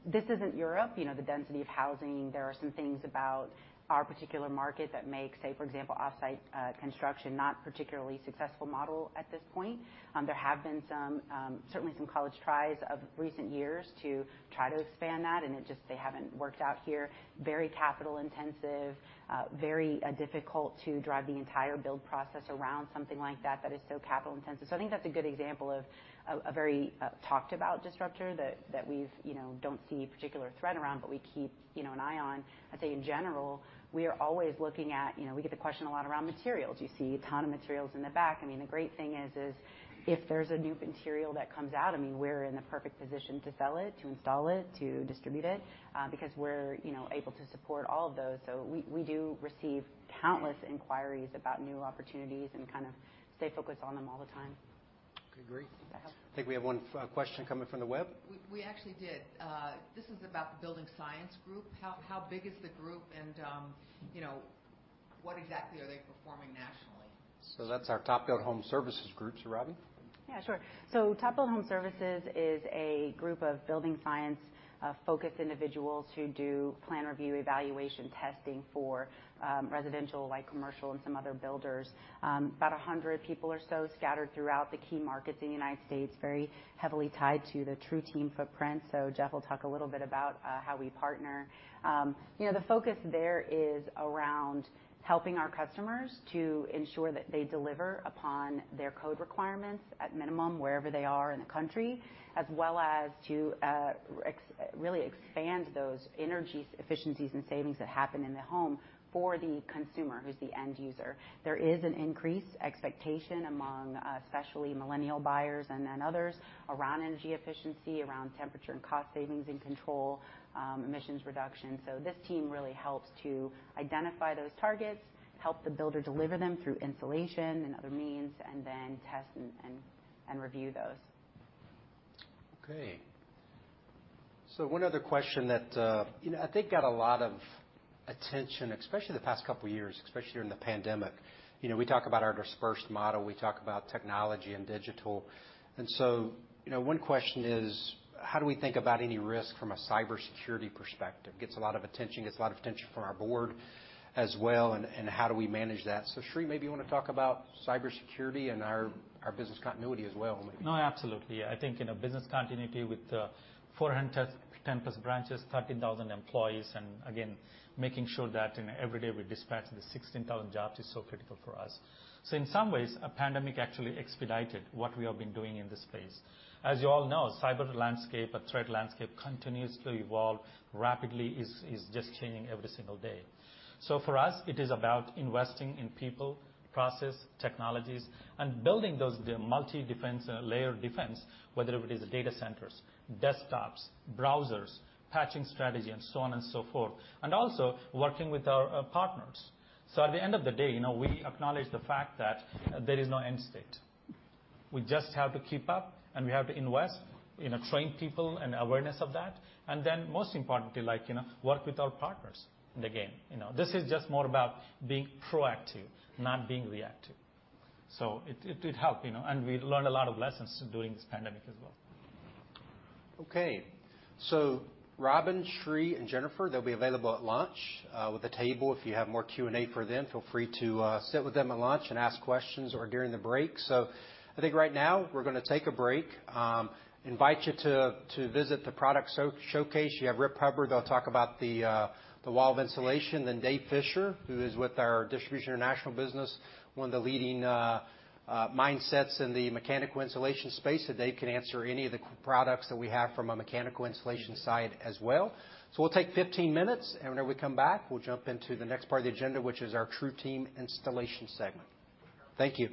[SPEAKER 5] This isn't Europe, you know, the density of housing. There are some things about our particular market that make, say, for example, off-site construction, not particularly successful model at this point. There have been some certainly some college tries of recent years to try to expand that, and it just, they haven't worked out here. Very capital intensive, very difficult to drive the entire build process around something like that that is so capital intensive. I think that's a good example of a very talked about disruptor that we've, you know, don't see a particular threat around, but we keep, you know, an eye on. I'd say in general, we are always looking at, you know, we get the question a lot around materials. You see a ton of materials in the back. I mean, the great thing is if there's a new material that comes out, I mean, we're in the perfect position to sell it, to install it, to distribute it, because we're, you know, able to support all of those. We do receive countless inquiries about new opportunities and kind of stay focused on them all the time.
[SPEAKER 3] Okay, great.
[SPEAKER 5] Does that help?
[SPEAKER 3] I think we have one question coming from the web.
[SPEAKER 6] We actually did. This is about the building science group. How big is the group, and, you know, what exactly are they performing nationally?
[SPEAKER 3] That's our TopBuild Home Services group. Robin?
[SPEAKER 5] Yeah, sure. TopBuild Home Services is a group of building science focused individuals who do plan review evaluation testing for residential, light commercial, and some other builders. About 100 people or so scattered throughout the key markets in the United States, very heavily tied to the TruTeam footprint. Jeff will talk a little bit about how we partner. You know, the focus there is around helping our customers to ensure that they deliver upon their code requirements at minimum wherever they are in the country, as well as to really expand those energy efficiencies and savings that happen in the home for the consumer, who's the end user. There is an increased expectation among especially millennial buyers and then others around energy efficiency, around temperature and cost savings and control, emissions reduction. This team really helps to identify those targets, help the builder deliver them through insulation and other means, and then test and review those.
[SPEAKER 3] Okay. One other question that, you know, I think got a lot of attention, especially the past couple of years, especially during the pandemic. You know, we talk about our dispersed model, we talk about technology and digital. You know, one question is, how do we think about any risk from a cybersecurity perspective? Gets a lot of attention from our board as well, and how do we manage that? Sri, maybe you wanna talk about cybersecurity and our business continuity as well maybe.
[SPEAKER 6] No, absolutely. I think, you know, business continuity with 410+ branches, 13,000 employees, and again, making sure that in every day we dispatch the 16,000 jobs is so critical for us. In some ways, a pandemic actually expedited what we have been doing in this space. As you all know, cyber landscape or threat landscape continuously evolve rapidly, is just changing every single day. For us, it is about investing in people, process, technologies, and building those multi-defense layer defense, whether it is data centers, desktops, browsers, patching strategy, and so on and so forth, and also working with our partners. At the end of the day, you know, we acknowledge the fact that there is no end state. We just have to keep up, and we have to invest, you know, train people and awareness of that, and then most importantly, like, you know, work with our partners in the game. You know, this is just more about being proactive, not being reactive. It did help, you know, and we learned a lot of lessons during this pandemic as well.
[SPEAKER 3] Okay. Robin, Sri, and Jennifer, they'll be available at lunch with a table. If you have more Q&A for them, feel free to sit with them at lunch and ask questions or during the break. I think right now we're gonna take a break. Invite you to visit the product showcase. You have Rip Hubbard that'll talk about the wall of insulation, then Dave Fisher, who is with our Distribution International business, one of the leading distributors in the mechanical insulation space, so Dave can answer any of the products that we have from a mechanical insulation side as well. We'll take 15 minutes, and whenever we come back, we'll jump into the next part of the agenda, which is our TruTeam installation segment. Thank you.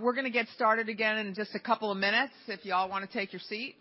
[SPEAKER 1] We're gonna get started again in just a couple of minutes, if you all wanna take your seat.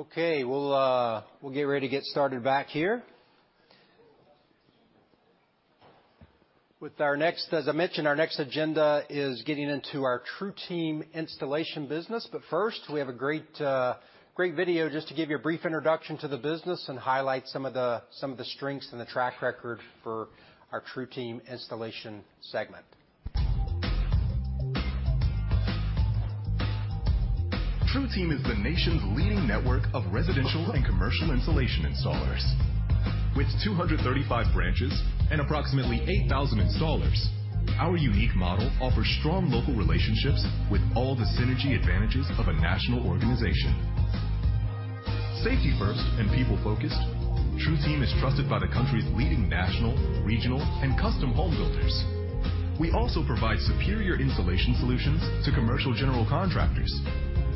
[SPEAKER 1] Do you guys wanna go out there?
[SPEAKER 3] Yes. Okay. We'll get ready to get started back here. As I mentioned, our next agenda is getting into our TruTeam installation business. First, we have a great video just to give you a brief introduction to the business and highlight some of the strengths and the track record for our TruTeam installation segment.
[SPEAKER 2] TruTeam is the nation's leading network of residential and commercial installation installers. With 235 branches and approximately 8,000 installers, our unique model offers strong local relationships with all the synergy advantages of a national organization. Safety first and people focused, TruTeam is trusted by the country's leading national, regional, and custom home builders. We also provide superior installation solutions to commercial general contractors,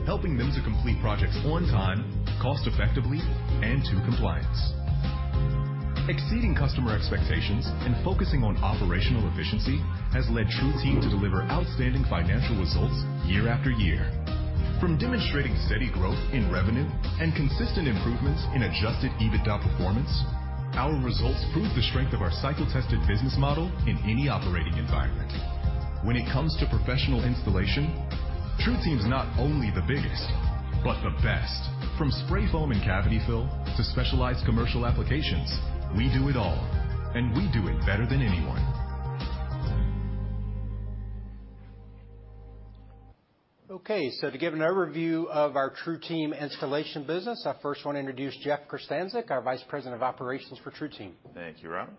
[SPEAKER 2] helping them to complete projects on time, cost effectively, and to compliance. Exceeding customer expectations and focusing on operational efficiency has led TruTeam to deliver outstanding financial results year after year. From demonstrating steady growth in revenue and consistent improvements in adjusted EBITDA performance, our results prove the strength of our cycle-tested business model in any operating environment. When it comes to professional installation, TruTeam's not only the biggest, but the best. From spray foam and cavity fill to specialized commercial applications, we do it all, and we do it better than anyone.
[SPEAKER 3] Okay. To give an overview of our TruTeam installation business, I first wanna introduce Jeff Krestancic, our Vice President of Operations for TruTeam.
[SPEAKER 10] Thank you, Robert.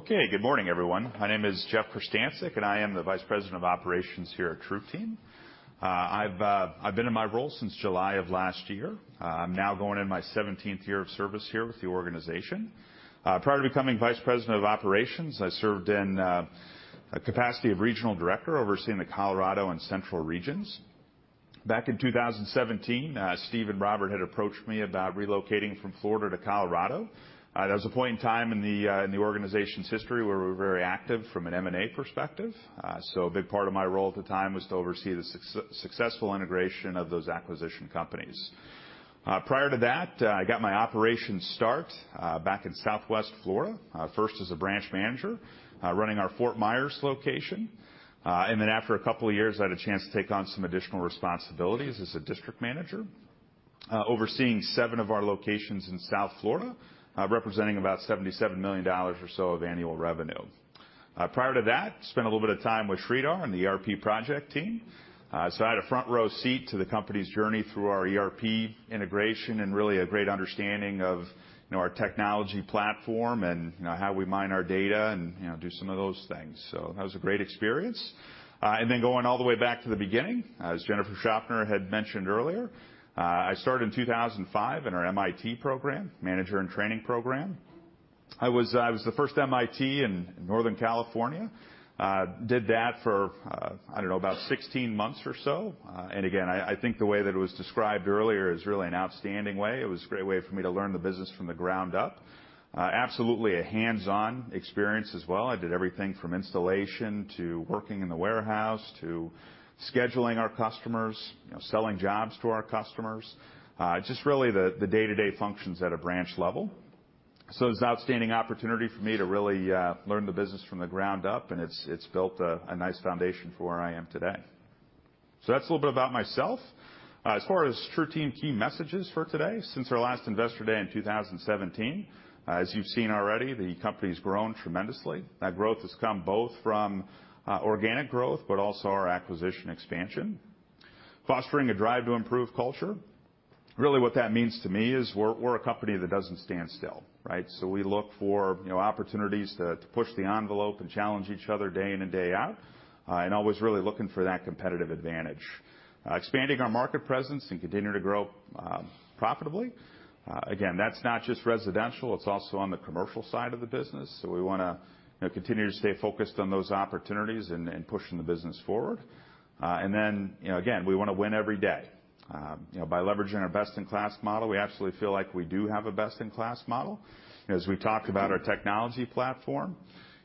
[SPEAKER 10] Okay, good morning, everyone. My name is Jeff Krestancic, and I am the Vice President of Operations here at TruTeam. I've been in my role since July of last year. I'm now going in my seventeenth year of service here with the organization. Prior to becoming Vice President of Operations, I served in a capacity of Regional Director overseeing the Colorado and central regions. Back in 2017, Steve and Robert had approached me about relocating from Florida to Colorado. That was a point in time in the organization's history where we were very active from an M&A perspective. A big part of my role at the time was to oversee the successful integration of those acquisition companies. Prior to that, I got my operations start back in Southwest Florida, first as a branch manager, running our Fort Myers location. After a couple of years, I had a chance to take on some additional responsibilities as a district manager, overseeing seven of our locations in South Florida, representing about $77 million or so of annual revenue. Prior to that, spent a little bit of time with Sridhar and the ERP project team. I had a front row seat to the company's journey through our ERP integration and really a great understanding of, you know, our technology platform and, you know, how we mine our data and, you know, do some of those things. That was a great experience. Going all the way back to the beginning, as Jennifer Shoffner had mentioned earlier, I started in 2005 in our MIT program, Manager in Training program. I was the first MIT in Northern California. Did that for, I don't know, about 16 months or so. Again, I think the way that it was described earlier is really an outstanding way. It was a great way for me to learn the business from the ground up. Absolutely a hands-on experience as well. I did everything from installation to working in the warehouse to scheduling our customers, you know, selling jobs to our customers, just really the day-to-day functions at a branch level. It was an outstanding opportunity for me to really learn the business from the ground up, and it's built a nice foundation for where I am today. That's a little bit about myself. As far as TruTeam key messages for today, since our last Investor Day in 2017, as you've seen already, the company's grown tremendously. That growth has come both from organic growth but also our acquisition expansion. Fostering a drive to improve culture. Really what that means to me is we're a company that doesn't stand still, right? We look for, you know, opportunities to push the envelope and challenge each other day in and day out, and always really looking for that competitive advantage. Expanding our market presence and continuing to grow profitably. Again, that's not just residential, it's also on the commercial side of the business. We wanna, you know, continue to stay focused on those opportunities and pushing the business forward. You know, again, we wanna win every day. You know, by leveraging our best-in-class model, we absolutely feel like we do have a best-in-class model. As we talked about our technology platform,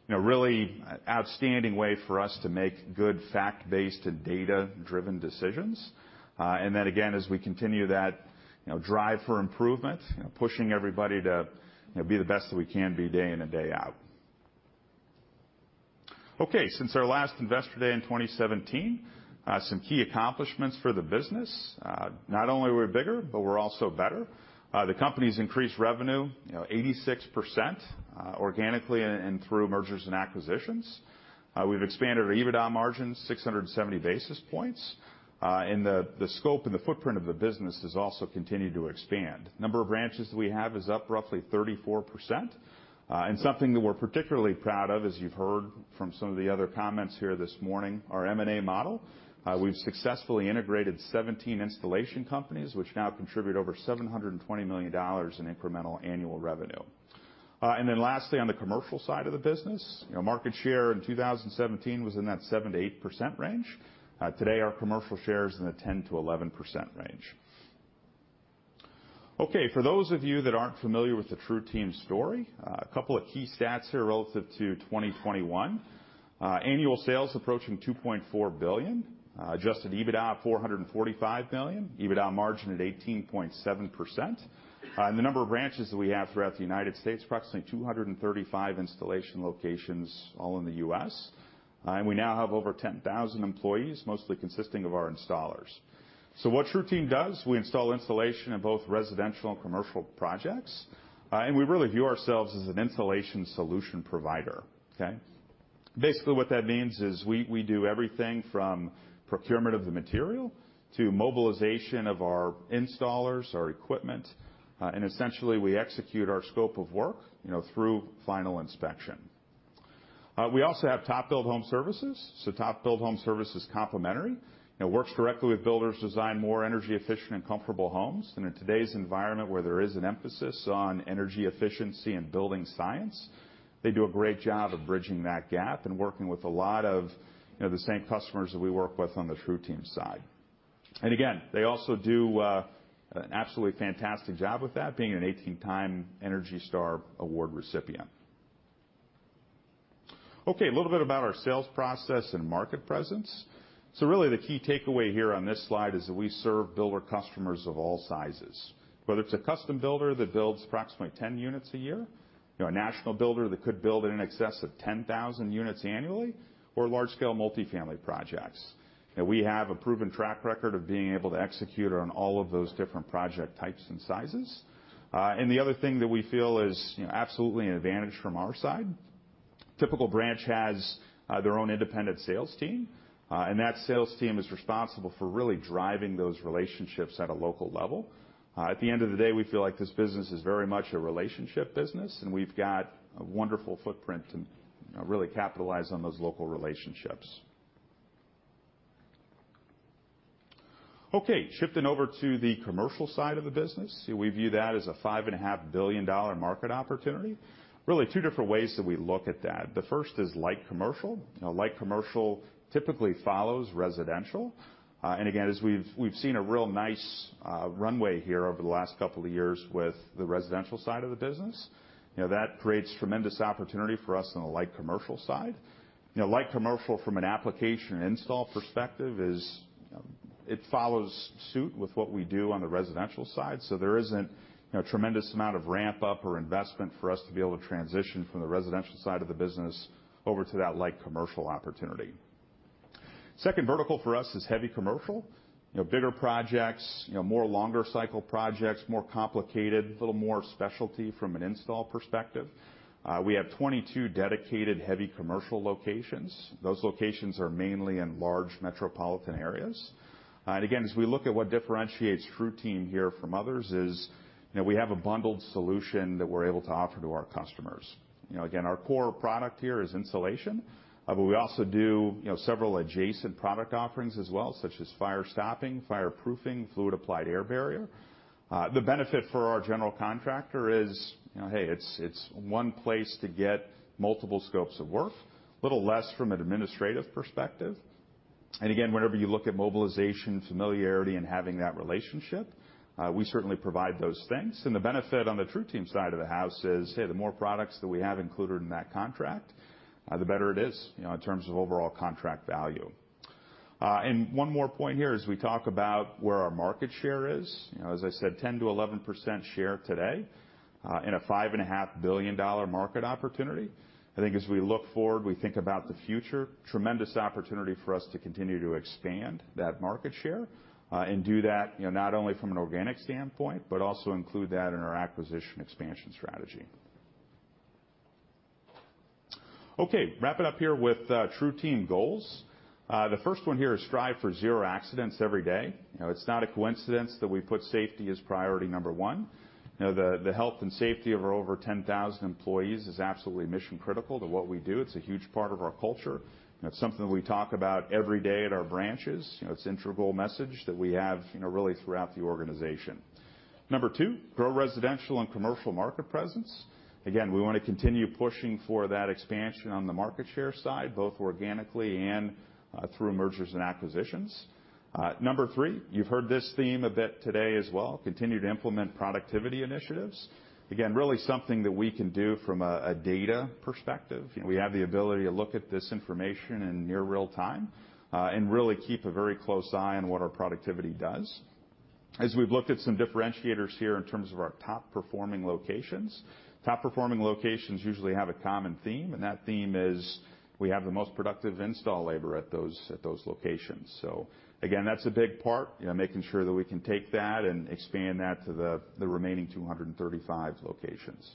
[SPEAKER 10] you know, really outstanding way for us to make good fact-based and data-driven decisions. Then again, as we continue that, you know, drive for improvement, you know, pushing everybody to, you know, be the best that we can be day in and day out. Okay, since our last Investor Day in 2017, some key accomplishments for the business. Not only we're bigger, but we're also better. The company's increased revenue, you know, 86% organically and through mergers and acquisitions. We've expanded our EBITDA margins 670 basis points. The scope and the footprint of the business has also continued to expand. Number of branches we have is up roughly 34%. Something that we're particularly proud of, as you've heard from some of the other comments here this morning, our M&A model. We've successfully integrated 17 installation companies, which now contribute over $720 million in incremental annual revenue. Then lastly, on the commercial side of the business, you know, market share in 2017 was in that 7%-8% range. Today, our commercial share is in the 10%-11% range. Okay, for those of you that aren't familiar with the TruTeam story, a couple of key stats here relative to 2021. Annual sales approaching $2.4 billion. Adjusted EBITDA at $445 million. EBITDA margin at 18.7%. The number of branches that we have throughout the United States, approximately 235 installation locations all in the U.S.. We now have over 10,000 employees, mostly consisting of our installers. What TruTeam does, we install insulation in both residential and commercial projects. We really view ourselves as an insulation solution provider, okay. Basically, what that means is we do everything from procurement of the material to mobilization of our installers, our equipment, and essentially, we execute our scope of work, you know, through final inspection. We also have TopBuild Home Services. TopBuild Home Services is complementary, and it works directly with builders design more energy efficient and comfortable homes. In today's environment, where there is an emphasis on energy efficiency and building science, they do a great job of bridging that gap and working with a lot of, you know, the same customers that we work with on the TruTeam side. They also do an absolutely fantastic job with that, being an 18-time ENERGY STAR award recipient. Okay, a little bit about our sales process and market presence. Really the key takeaway here on this slide is that we serve builder customers of all sizes, whether it's a custom builder that builds approximately 10 units a year, you know, a national builder that could build in excess of 10,000 units annually or large-scale multifamily projects. We have a proven track record of being able to execute on all of those different project types and sizes. The other thing that we feel is, you know, absolutely an advantage from our side, typical branch has, their own independent sales team, and that sales team is responsible for really driving those relationships at a local level. At the end of the day, we feel like this business is very much a relationship business, and we've got a wonderful footprint and, you know, really capitalize on those local relationships. Okay, shifting over to the commercial side of the business. We view that as a $5.5 billion market opportunity. Really two different ways that we look at that. The first is light commercial. You know, light commercial typically follows residential. Again, as we've seen a real nice runway here over the last couple of years with the residential side of the business. You know, that creates tremendous opportunity for us on the light commercial side. You know, light commercial from an application install perspective is, it follows suit with what we do on the residential side. There isn't, you know, a tremendous amount of ramp-up or investment for us to be able to transition from the residential side of the business over to that light commercial opportunity. Second vertical for us is heavy commercial. You know, bigger projects, you know, more longer cycle projects, more complicated, a little more specialty from an install perspective. We have 22 dedicated heavy commercial locations. Those locations are mainly in large metropolitan areas. Again, as we look at what differentiates TruTeam here from others is, you know, we have a bundled solution that we're able to offer to our customers. You know, again, our core product here is insulation, but we also do, you know, several adjacent product offerings as well, such as fire stopping, fireproofing, fluid applied air barrier. The benefit for our general contractor is, you know, hey, it's one place to get multiple scopes of work, a little less from an administrative perspective. Again, whenever you look at mobilization, familiarity and having that relationship, we certainly provide those things. The benefit on the TruTeam side of the house is, hey, the more products that we have included in that contract, the better it is, you know, in terms of overall contract value. One more point here as we talk about where our market share is. You know, as I said, 10%-11% share today in a $5.5 billion market opportunity. I think as we look forward, we think about the future, tremendous opportunity for us to continue to expand that market share and do that, you know, not only from an organic standpoint, but also include that in our acquisition expansion strategy. Okay, wrapping up here with TruTeam goals. The first one here is strive for zero accidents every day. You know, it's not a coincidence that we put safety as priority number one. You know, the health and safety of our over 10,000 employees is absolutely mission critical to what we do. It's a huge part of our culture, and it's something we talk about every day at our branches. You know, it's integral message that we have, you know, really throughout the organization. Number two, grow residential and commercial market presence. Again, we wanna continue pushing for that expansion on the market share side, both organically and through mergers and acquisitions. Number three, you've heard this theme a bit today as well, continue to implement productivity initiatives. Again, really something that we can do from a data perspective. You know, we have the ability to look at this information in near real time, and really keep a very close eye on what our productivity does. As we've looked at some differentiators here in terms of our top-performing locations. Top-performing locations usually have a common theme, and that theme is we have the most productive install labor at those locations. Again, that's a big part, you know, making sure that we can take that and expand that to the remaining 235 locations.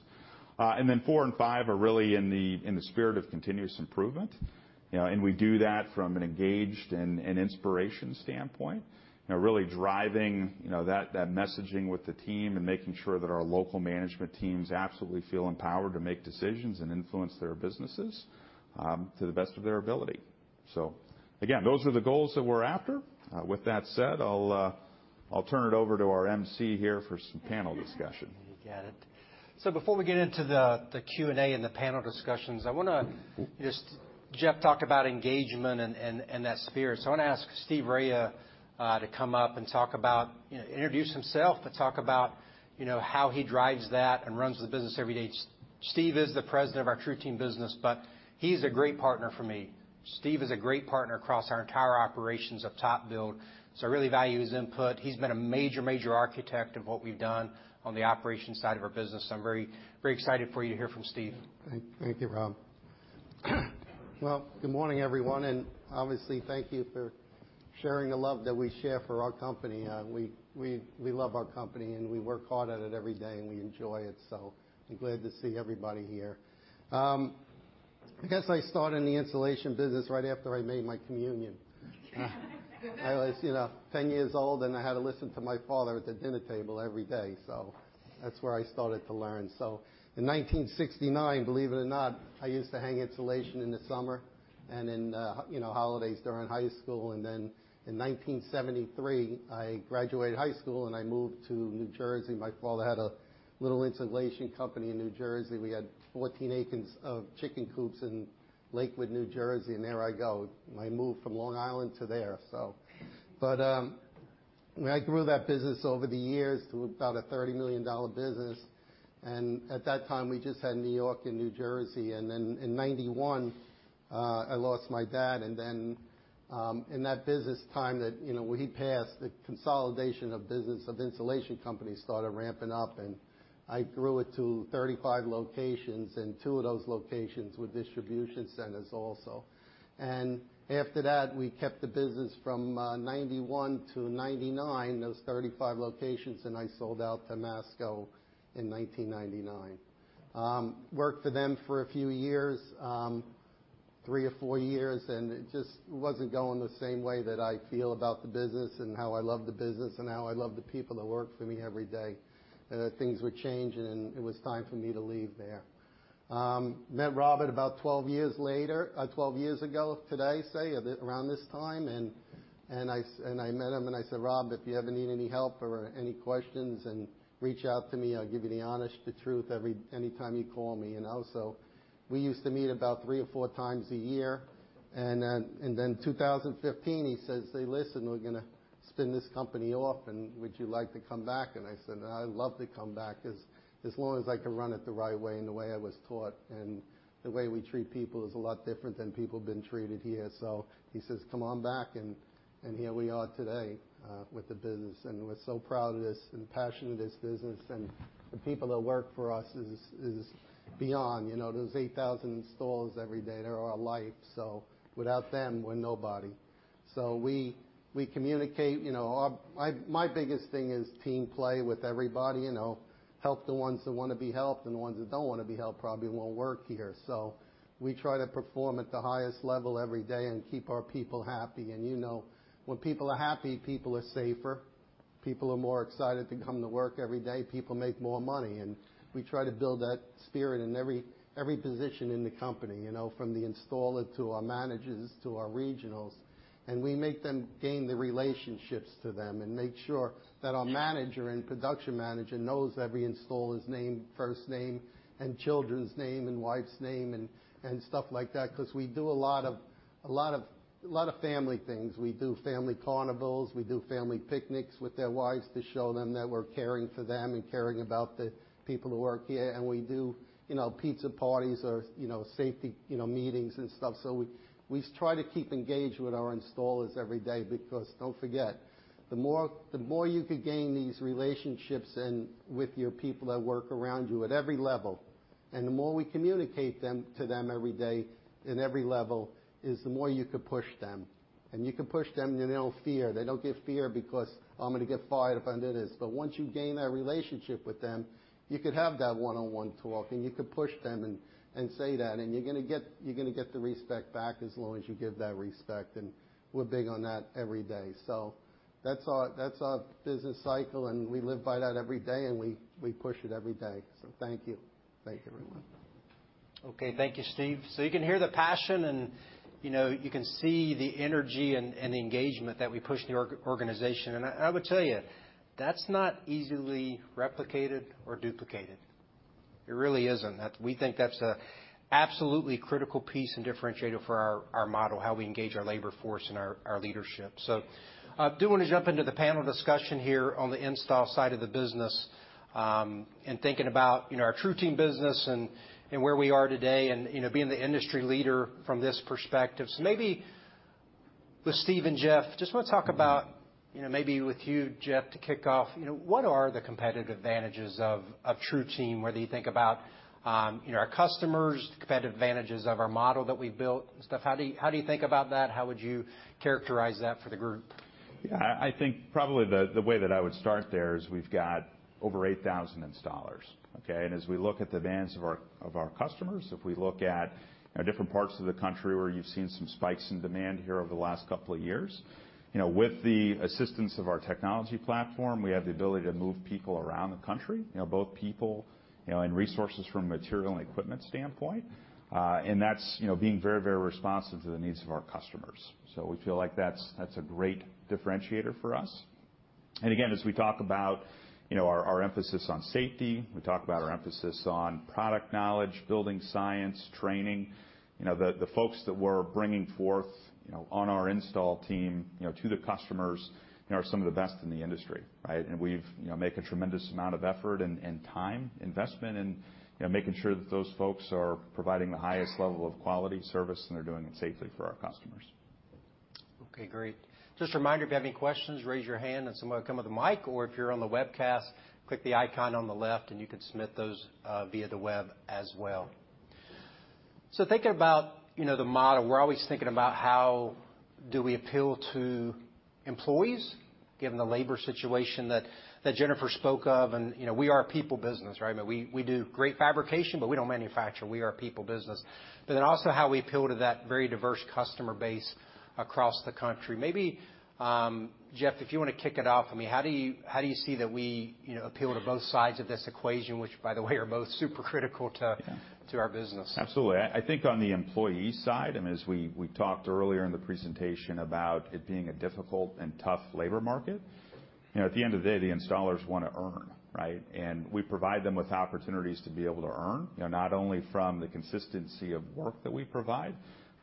[SPEAKER 10] Four and five are really in the spirit of continuous improvement, you know, and we do that from an engaged and an inspiration standpoint. You know, really driving that messaging with the team and making sure that our local management teams absolutely feel empowered to make decisions and influence their businesses to the best of their ability. Again, those are the goals that we're after. With that said, I'll turn it over to our MC here for some panel discussion.
[SPEAKER 3] You got it. Before we get into the Q&A and the panel discussions, I wanna just Jeff talked about engagement and that spirit. I wanna ask Steve Raia to come up and talk about, you know, introduce himself, but talk about, you know, how he drives that and runs the business every day. Steve is the president of our TruTeam business, but he's a great partner for me. Steve is a great partner across our entire operations of TopBuild, so I really value his input. He's been a major architect of what we've done on the operations side of our business, so I'm very excited for you to hear from Steve.
[SPEAKER 11] Thank you, Rob. Well, good morning, everyone, and obviously, thank you for sharing the love that we share for our company. We love our company, and we work hard at it every day, and we enjoy it, so I'm glad to see everybody here. I guess I started in the insulation business right after I made my communion. I was, you know, 10 years old, and I had to listen to my father at the dinner table every day. That's where I started to learn. In 1969, believe it or not, I used to hang insulation in the summer and in, you know, holidays during high school. In 1973, I graduated high school and I moved to New Jersey. My father had a little insulation company in New Jersey. We had 14 acres of chicken coops in Lakewood, New Jersey. There I go. I moved from Long Island to there, so. I grew that business over the years to about a $30 million business, and at that time we just had New York and New Jersey. In 1991, I lost my dad. In that business time that, you know, he passed, the consolidation of business of insulation companies started ramping up, and I grew it to 35 locations, and two of those locations were distribution centers also. After that, we kept the business from 1991 to 1999, those 35 locations, and I sold out to Masco in 1999. Worked for them for a few years, three or four years, and it just wasn't going the same way that I feel about the business and how I love the business and how I love the people that work for me every day. Things were changing, and it was time for me to leave there. Met Rob about 12 years later, 12 years ago today, say, a bit around this time. I met him, and I said, "Rob, if you ever need any help or any questions and reach out to me, I'll give you the honest to truth anytime you call me." You know? We used to meet about 3x or 4x a year. In 2015, he says, "Hey, listen, we're gonna spin this company off, and would you like to come back?" I said, "I'd love to come back as long as I can run it the right way and the way I was taught." The way we treat people is a lot different than people have been treated here. He says, "Come on back." Here we are today with the business. We're so proud of this and passionate of this business. The people that work for us is beyond. You know, those 8,000 installs every day, they're our life. Without them, we're nobody. We communicate. You know, my biggest thing is team play with everybody. You know, help the ones that wanna be helped, and the ones that don't wanna be helped probably won't work here. We try to perform at the highest level every day and keep our people happy. You know, when people are happy, people are safer, people are more excited to come to work every day, people make more money. We try to build that spirit in every position in the company, you know, from the installer to our managers to our regionals. We make them gain the relationships to them and make sure that our manager and production manager knows every installer's name, first name and children's name and wife's name and stuff like that 'cause we do a lot of family things. We do family carnivals, we do family picnics with their wives to show them that we're caring for them and caring about the people who work here. We do, you know, pizza parties or, you know, safety, you know, meetings and stuff. We try to keep engaged with our installers every day because don't forget, the more you can gain these relationships and with your people that work around you at every level, and the more we communicate them to them every day in every level, is the more you can push them. You can push them, and they don't fear. They don't get fear because, "I'm gonna get fired if I did this." Once you gain that relationship with them, you could have that one-on-one talk, and you can push them and say that, and you're gonna get the respect back as long as you give that respect. We're big on that every day. That's our business cycle, and we live by that every day, and we push it every day. Thank you. Thank you, everyone.
[SPEAKER 3] Okay. Thank you, Steve. You can hear the passion, and you know, you can see the energy and engagement that we push in the organization. I would tell you, that's not easily replicated or duplicated. It really isn't. We think that's an absolutely critical piece and differentiator for our model, how we engage our labor force and our leadership. I do want to jump into the panel discussion here on the install side of the business, and thinking about, you know, our TruTeam business and where we are today and, you know, being the industry leader from this perspective. Maybe with Steve and Jeff, just want to talk about, you know, maybe with you, Jeff, to kick off. You know, what are the competitive advantages of TruTeam, whether you think about, you know, our customers, competitive advantages of our model that we've built and stuff. How do you think about that? How would you characterize that for the group?
[SPEAKER 10] I think probably the way that I would start there is we've got over 8,000 installers, okay? As we look at the demands of our customers, if we look at different parts of the country where you've seen some spikes in demand here over the last couple of years, you know, with the assistance of our technology platform, we have the ability to move people around the country. You know, both people and resources from material and equipment standpoint. And that's being very responsive to the needs of our customers. We feel like that's a great differentiator for us. Again, as we talk about our emphasis on safety, we talk about our emphasis on product knowledge, building science, training. You know, the folks that we're bringing forth, you know, on our install team, you know, to the customers, you know, are some of the best in the industry, right? We've, you know, make a tremendous amount of effort and time investment and, you know, making sure that those folks are providing the highest level of quality service, and they're doing it safely for our customers.
[SPEAKER 3] Okay, great. Just a reminder, if you have any questions, raise your hand and someone will come with a mic. Or if you're on the webcast, click the icon on the left and you can submit those via the web as well. Thinking about the model, we're always thinking about how do we appeal to employees given the labor situation that Jennifer spoke of. You know, we are a people business, right? But we do great fabrication, but we don't manufacture. We are a people business. But then also how we appeal to that very diverse customer base across the country. Maybe Jeff, if you wanna kick it off. I mean, how do you see that we appeal to both sides of this equation, which, by the way, are both super critical to.
[SPEAKER 10] Yeah.
[SPEAKER 3] To our business?
[SPEAKER 10] Absolutely. I think on the employee side, as we talked earlier in the presentation about it being a difficult and tough labor market. You know, at the end of the day, the installers wanna earn, right? We provide them with opportunities to be able to earn, you know, not only from the consistency of work that we provide,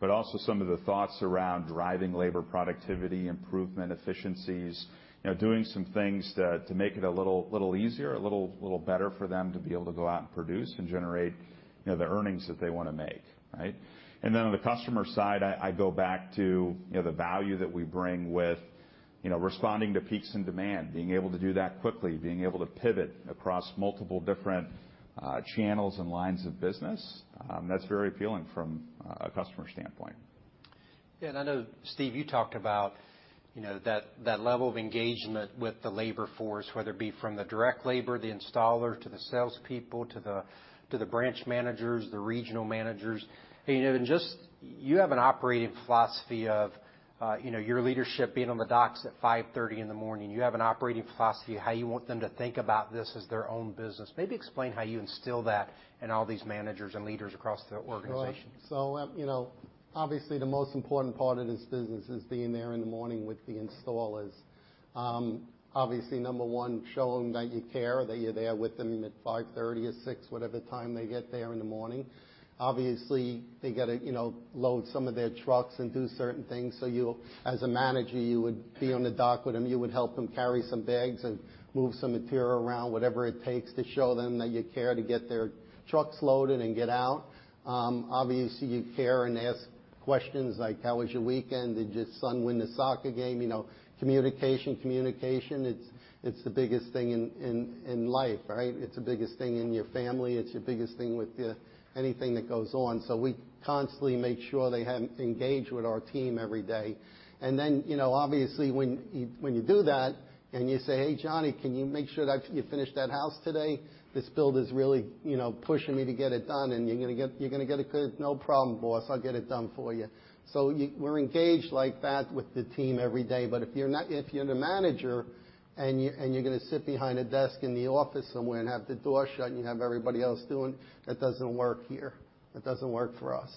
[SPEAKER 10] but also some of the thoughts around driving labor productivity, improvement, efficiencies, you know, doing some things to make it a little easier, a little better for them to be able to go out and produce and generate, you know, the earnings that they wanna make, right? On the customer side, I go back to, you know, the value that we bring with, you know, responding to peaks in demand, being able to do that quickly, being able to pivot across multiple different channels and lines of business, that's very appealing from a customer standpoint.
[SPEAKER 3] Yeah, I know, Steve, you talked about, you know, that level of engagement with the labor force, whether it be from the direct labor, the installer, to the salespeople, to the branch managers, the regional managers. You know, just you have an operating philosophy of, you know, your leadership being on the docks at 5:30 A.M. You have an operating philosophy, how you want them to think about this as their own business. Maybe explain how you instill that in all these managers and leaders across the organization.
[SPEAKER 11] Sure. You know, obviously, the most important part of this business is being there in the morning with the installers. Obviously, number one, show them that you care, that you're there with them at 5:30 A.M. or 6:00 A.M., whatever time they get there in the morning. Obviously, they gotta, you know, load some of their trucks and do certain things, so, as a manager, you would be on the dock with them. You would help them carry some bags and move some material around, whatever it takes to show them that you care to get their trucks loaded and get out. Obviously, you care and ask questions like, "How was your weekend? Did your son win the soccer game?" You know, communication, it's the biggest thing in life, right? It's the biggest thing in your family. It's your biggest thing with anything that goes on. We constantly make sure they have engaged with our team every day. Then, you know, obviously when you do that, and you say, "Hey, Johnny, can you make sure that you finish that house today? This build is really, you know, pushing me to get it done, and you're gonna get a good..." "No problem, boss. I'll get it done for you." We're engaged like that with the team every day. If you're the manager and you're gonna sit behind a desk in the office somewhere and have the door shut, that doesn't work here. That doesn't work for us.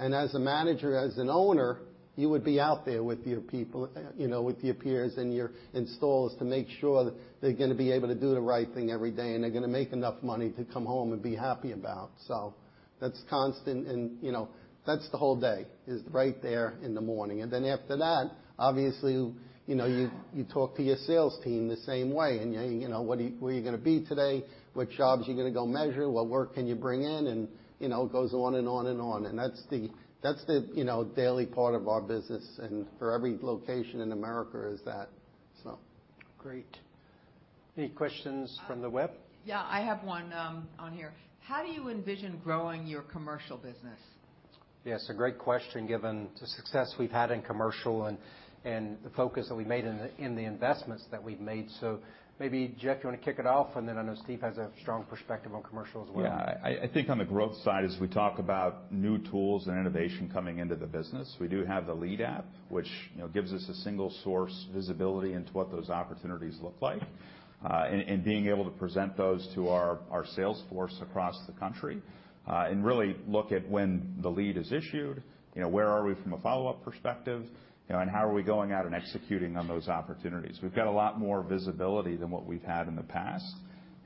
[SPEAKER 11] As a manager, as an owner, you would be out there with your people, you know, with your peers and your installers to make sure they're gonna be able to do the right thing every day, and they're gonna make enough money to come home and be happy about. That's constant and, you know, that's the whole day is right there in the morning. After that, obviously, you know, you talk to your sales team the same way, and you know, "Where you gonna be today? Which jobs are you gonna go measure? What work can you bring in?" You know, it goes on and on and on. That's the, you know, daily part of our business and for every location in America is that, so.
[SPEAKER 3] Great. Any questions from the web?
[SPEAKER 1] Yeah, I have one on here. How do you envision growing your commercial business?
[SPEAKER 3] Yes, a great question given the success we've had in commercial and the focus that we made in the investments that we've made. Maybe, Jeff, you wanna kick it off, and then I know Steve has a strong perspective on commercial as well.
[SPEAKER 10] Yeah. I think on the growth side, as we talk about new tools and innovation coming into the business, we do have the Lead App, which, you know, gives us a single source visibility into what those opportunities look like, and being able to present those to our sales force across the country. Really look at when the lead is issued, you know, where we are from a follow-up perspective, you know, and how we are going out and executing on those opportunities. We've got a lot more visibility than what we've had in the past.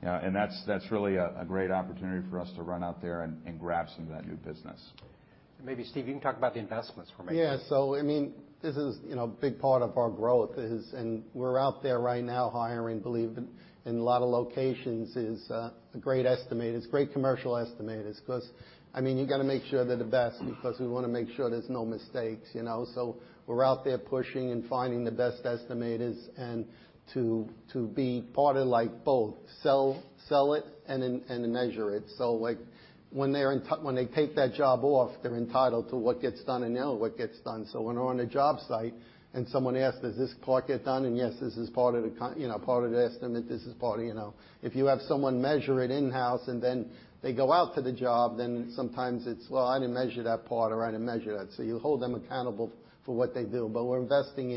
[SPEAKER 10] That's really a great opportunity for us to run out there and grab some of that new business.
[SPEAKER 3] Maybe, Steve, you can talk about the investments we're making.
[SPEAKER 11] I mean, this is, you know, a big part of our growth is, and we're out there right now hiring, believe it or not, in a lot of locations great estimators, great commercial estimators 'cause, I mean, you gotta make sure they're the best because we wanna make sure there's no mistakes, you know? We're out there pushing and finding the best estimators and to be part of like both sell it and measure it. Like, when they take that job on, they're entitled to what gets done and know what gets done. When we're on a job site and someone asks, "Does this part get done?" Yes, this is part of, you know, the estimate. This is part of, you know... If you have someone measure it in-house and then they go out to the job, then sometimes it's, "Well, I didn't measure that part," or, "I didn't measure that." You hold them accountable for what they do. We're investing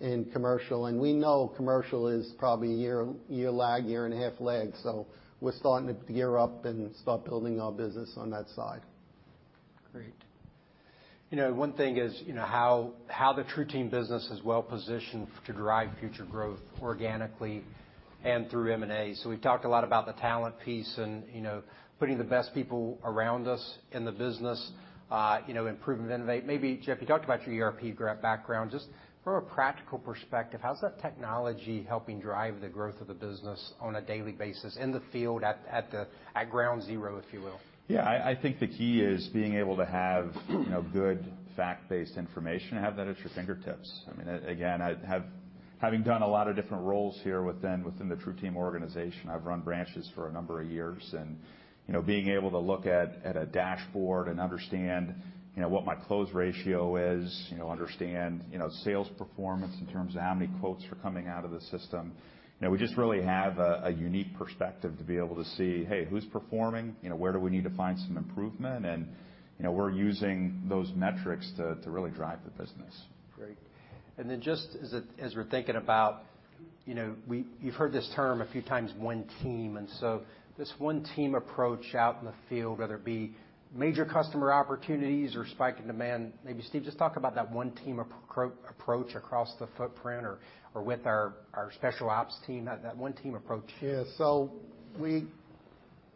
[SPEAKER 11] in commercial, and we know commercial is probably a year lag, year and a half lag. We're starting to gear up and start building our business on that side.
[SPEAKER 3] Great. You know, one thing is, you know, how the TruTeam business is well-positioned to drive future growth organically and through M&A. We've talked a lot about the talent piece and, you know, putting the best people around us in the business, you know, improve and innovate. Maybe, Jeff, you talked about your ERP background. Just from a practical perspective, how's that technology helping drive the growth of the business on a daily basis in the field at ground zero, if you will?
[SPEAKER 10] Yeah. I think the key is being able to have, you know, good fact-based information and have that at your fingertips. I mean, again, having done a lot of different roles here within the TruTeam organization, I've run branches for a number of years. You know, being able to look at a dashboard and understand, you know, what my close ratio is, you know, understand, you know, sales performance in terms of how many quotes are coming out of the system, you know, we just really have a unique perspective to be able to see, hey, who's performing? You know, where do we need to find some improvement? You know, we're using those metrics to really drive the business.
[SPEAKER 3] Great. Just as we're thinking about, you know, you've heard this term a few times, One Team. This One Team approach out in the field, whether it be major customer opportunities or spike in demand, maybe Steve, just talk about that One Team approach across the footprint or with our special ops team, that One Team approach.
[SPEAKER 11] Yeah.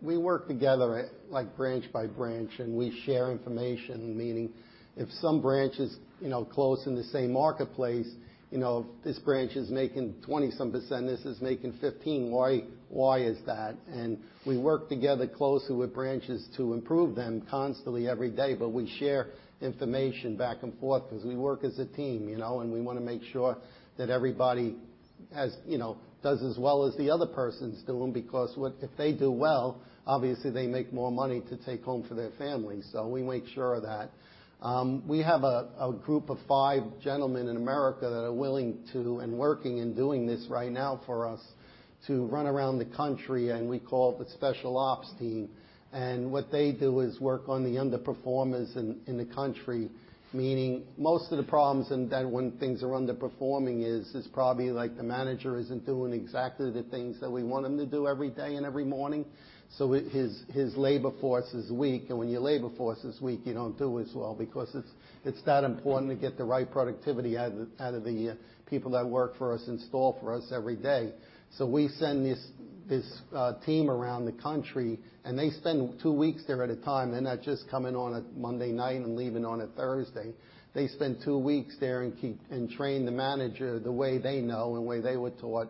[SPEAKER 11] We work together, like, branch by branch, and we share information, meaning if some branch is, you know, close in the same marketplace, you know, this branch is making 20% something, this is making 15%, why is that? We work together closely with branches to improve them constantly every day. We share information back and forth because we work as a team, you know, and we wanna make sure that everybody has, you know, does as well as the other person's doing, because if they do well, obviously, they make more money to take home for their family. We make sure of that. We have a group of five gentlemen in America that are willing to and working and doing this right now for us to run around the country, and we call the special ops team. What they do is work on the underperformers in the country, meaning most of the problems, and then when things are underperforming is probably like the manager isn't doing exactly the things that we want them to do every day and every morning. His labor force is weak. When your labor force is weak, you don't do as well because it's that important to get the right productivity out of the people that work for us, install for us every day. We send this team around the country, and they spend two weeks there at a time. They're not just coming on a Monday night and leaving on a Thursday. They spend two weeks there and train the manager the way they know and way they were taught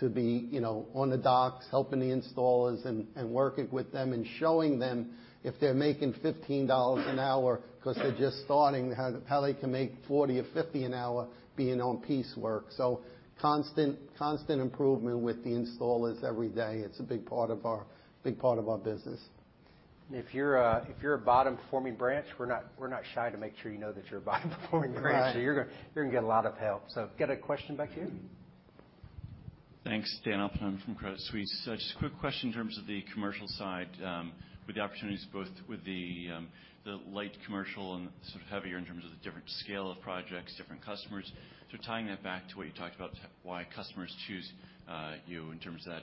[SPEAKER 11] to be, you know, on the docks, helping the installers and working with them and showing them if they're making $15 an hour 'cause they're just starting, how they can make $40 or $50 an hour being on piece work. Constant improvement with the installers every day. It's a big part of our business.
[SPEAKER 3] If you're a bottom-performing branch, we're not shy to make sure you know that you're a bottom-performing branch.
[SPEAKER 11] Right.
[SPEAKER 3] You're gonna get a lot of help. Got a question back here.
[SPEAKER 12] Thanks. Dan Aplin from Credit Suisse. Just a quick question in terms of the commercial side, with the opportunities both with the light commercial and sort of heavier in terms of the different scale of projects, different customers. Tying that back to what you talked about, why customers choose you in terms of that,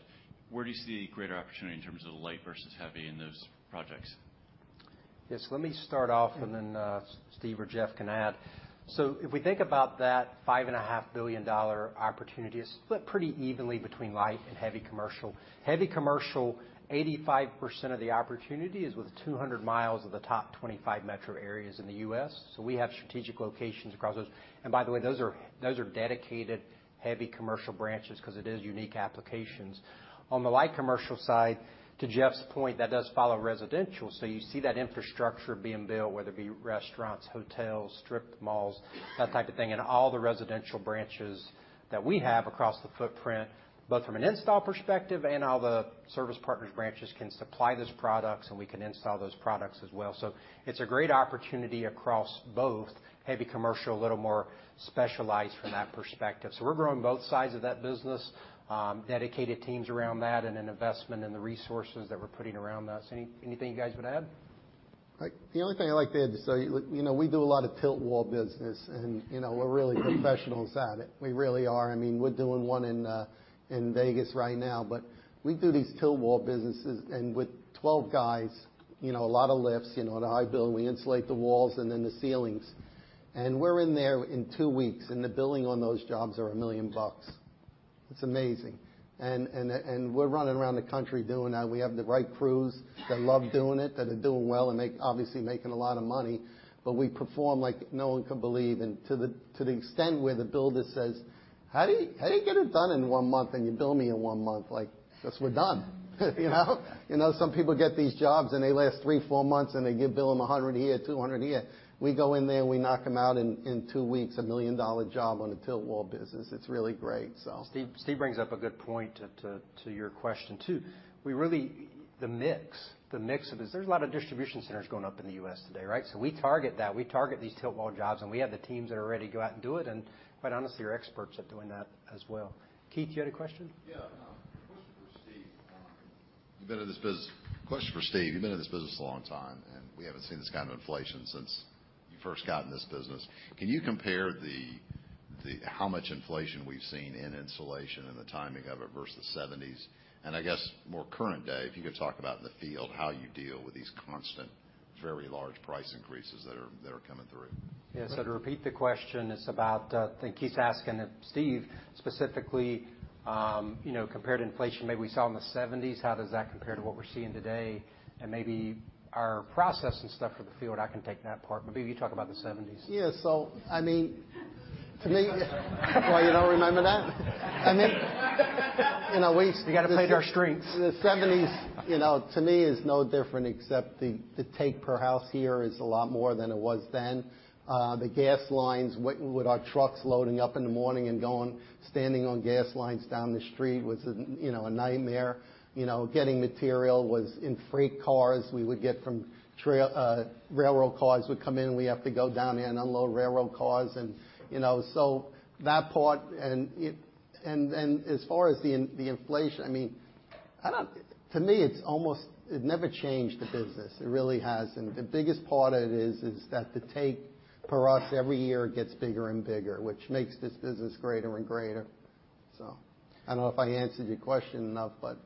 [SPEAKER 12] where do you see greater opportunity in terms of the light versus heavy in those projects?
[SPEAKER 3] Yes. Let me start off, and then Steve or Jeff can add. If we think about that $5.5 billion opportunity is split pretty evenly between light and heavy commercial. Heavy commercial, 85% of the opportunity is with 200 miles of the top 25 metro areas in the U.S. We have strategic locations across those. By the way, those are dedicated heavy commercial branches 'cause it is unique applications. On the light commercial side, to Jeff's point, that does follow residential. You see that infrastructure being built, whether it be restaurants, hotels, strip malls, that type of thing. All the residential branches that we have across the footprint, both from an install perspective and all the Service Partners branches, can supply those products, and we can install those products as well. It's a great opportunity across both heavy commercial, a little more specialized from that perspective. We're growing both sides of that business, dedicated teams around that and an investment in the resources that we're putting around us. Anything you guys would add?
[SPEAKER 11] Like, the only thing I'd like to add is so, you know, we do a lot of tilt wall business, and you know, we're really professionals at it. We really are. I mean, we're doing one in Vegas right now. We do these tilt wall businesses, and with 12 guys, you know, a lot of lifts, you know, in a high building. We insulate the walls and then the ceilings. We're in there in two weeks, and the billing on those jobs are $1 million. It's amazing. We're running around the country doing that. We have the right crews that love doing it, that are doing well and obviously making a lot of money. We perform like no one can believe. To the extent where the builder says, "How do you get it done in one month and you bill me in one month?" Like, 'cause we're done. You know? You know, some people get these jobs, and they last three, four months, and they bill them $100 here, $200 here. We go in there, and we knock them out in two weeks, a million-dollar job on a tilt-wall business. It's really great, so.
[SPEAKER 3] Steve brings up a good point to your question, too. We really, the mix of this. There's a lot of distribution centers going up in the U.S. today, right? So we target that. We target these tilt wall jobs, and we have the teams that are ready to go out and do it and, quite honestly, are experts at doing that as well. Keith, you had a question?
[SPEAKER 13] Yeah. Question for Steve. You've been in this business a long time, and we haven't seen this kind of inflation since you first got in this business. Can you compare how much inflation we've seen in insulation and the timing of it versus '70s? I guess more current day, if you could talk about in the field how you deal with these constant, very large price increases that are coming through.
[SPEAKER 3] Yeah. To repeat the question, it's about, I think Keith's asking if Steve specifically, you know, compared to inflation maybe we saw in the 1970s, how does that compare to what we're seeing today? Maybe our process and stuff for the field, I can take that part. You talk about the 1970s.
[SPEAKER 11] Yeah. I mean, to me, what, you don't remember that? I mean, you know, we-
[SPEAKER 3] We gotta play to our strengths.
[SPEAKER 11] The '70s, to me, is no different, except the take per house here is a lot more than it was then. The gas lines, waiting with our trucks loading up in the morning and going, standing on gas lines down the street was a nightmare. Getting material was in freight cars we would get. Railroad cars would come in, and we have to go down there and unload railroad cars. That part and as far as the inflation, I mean, to me, it's almost it never changed the business. It really hasn't. The biggest part of it is that the take per house every year gets bigger and bigger, which makes this business greater and greater. I don't know if I answered your question enough, but.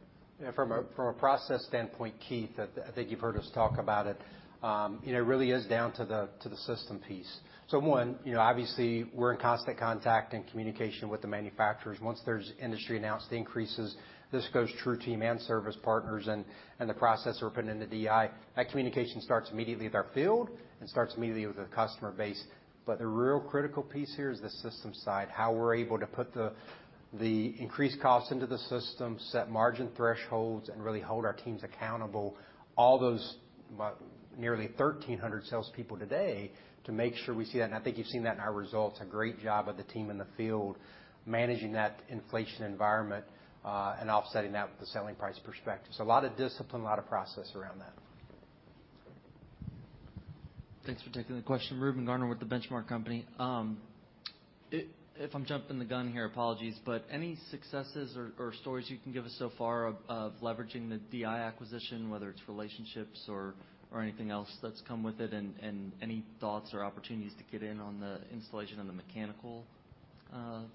[SPEAKER 3] Yeah, from a process standpoint, Keith, I think you've heard us talk about it. You know, it really is down to the system piece. One, you know, obviously we're in constant contact and communication with the manufacturers. Once there's industry-announced increases, this goes TruTeam and Service Partners and the process we're putting in the DI. That communication starts immediately with our field and starts immediately with the customer base. The real critical piece here is the system side, how we're able to put the increased costs into the system, set margin thresholds, and really hold our teams accountable, all those nearly 1,300 salespeople today to make sure we see that. I think you've seen that in our results, a great job of the team in the field managing that inflation environment, and offsetting that with the selling price perspective. A lot of discipline, a lot of process around that.
[SPEAKER 14] Thanks for taking the question. Reuben Garner with The Benchmark Company. If I'm jumping the gun here, apologies. Any successes or stories you can give us so far of leveraging the DI acquisition, whether it's relationships or anything else that's come with it, and any thoughts or opportunities to get in on the installation on the mechanical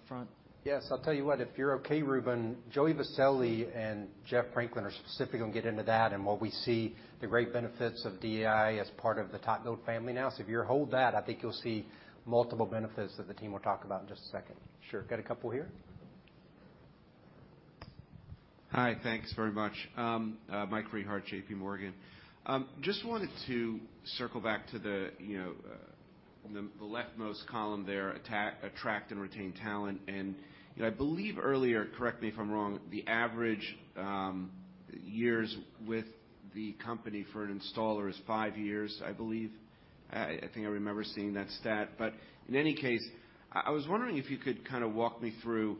[SPEAKER 14] front?
[SPEAKER 3] Yes. I'll tell you what. If you're okay, Reuben Garner, Joey Viselli and Jeff Franklin are specifically gonna get into that and what we see the great benefits of DI as part of the TopBuild family now. If you hold that, I think you'll see multiple benefits that the team will talk about in just a second. Sure. Got a couple here.
[SPEAKER 7] Hi. Thanks very much. Mike Rehaut, JPMorgan. Just wanted to circle back to the, you know, the leftmost column there, attract and retain talent. You know, I believe earlier, correct me if I'm wrong, the average years with the company for an installer is 5 years, I believe. I think I remember seeing that stat. In any case, I was wondering if you could kinda walk me through,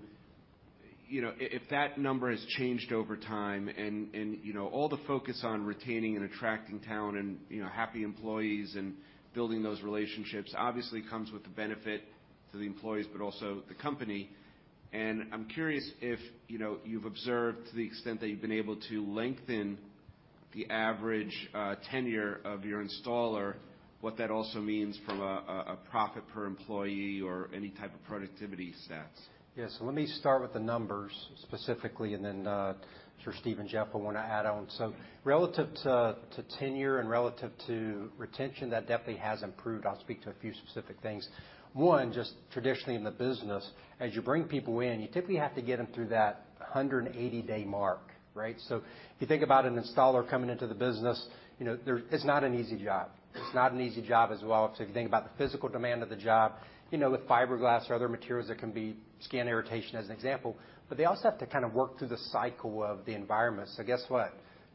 [SPEAKER 7] you know, if that number has changed over time and, you know, all the focus on retaining and attracting talent and, you know, happy employees and building those relationships obviously comes with the benefit to the employees but also the company. I'm curious if, you know, you've observed to the extent that you've been able to lengthen the average tenure of your installer, what that also means from a profit per employee or any type of productivity stats?
[SPEAKER 3] Yes. Let me start with the numbers specifically, and then, I'm sure Steve and Jeff will wanna add on. Relative to tenure and relative to retention, that definitely has improved. I'll speak to a few specific things. One, just traditionally in the business, as you bring people in, you typically have to get them through that 180-day mark, right? If you think about an installer coming into the business, you know, It's not an easy job as well. If you think about the physical demand of the job, you know, the fiberglass or other materials that can be skin irritation, as an example. But they also have to kind of work through the cycle of the environment. Guess what?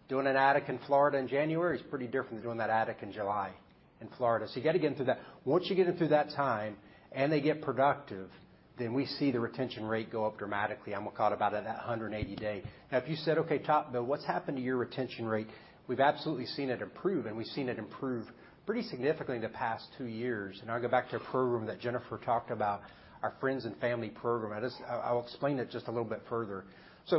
[SPEAKER 3] Doing an attic in Florida in January is pretty different than doing that attic in July in Florida. You gotta get through that. Once you get them through that time and they get productive, then we see the retention rate go up dramatically, and we'll call it about at that 180 day. Now, if you said, "Okay, TopBuild, what's happened to your retention rate?" We've absolutely seen it improve, and we've seen it improve pretty significantly in the past two years. I'll go back to a program that Jennifer talked about, our friends and family program. I'll explain it just a little bit further.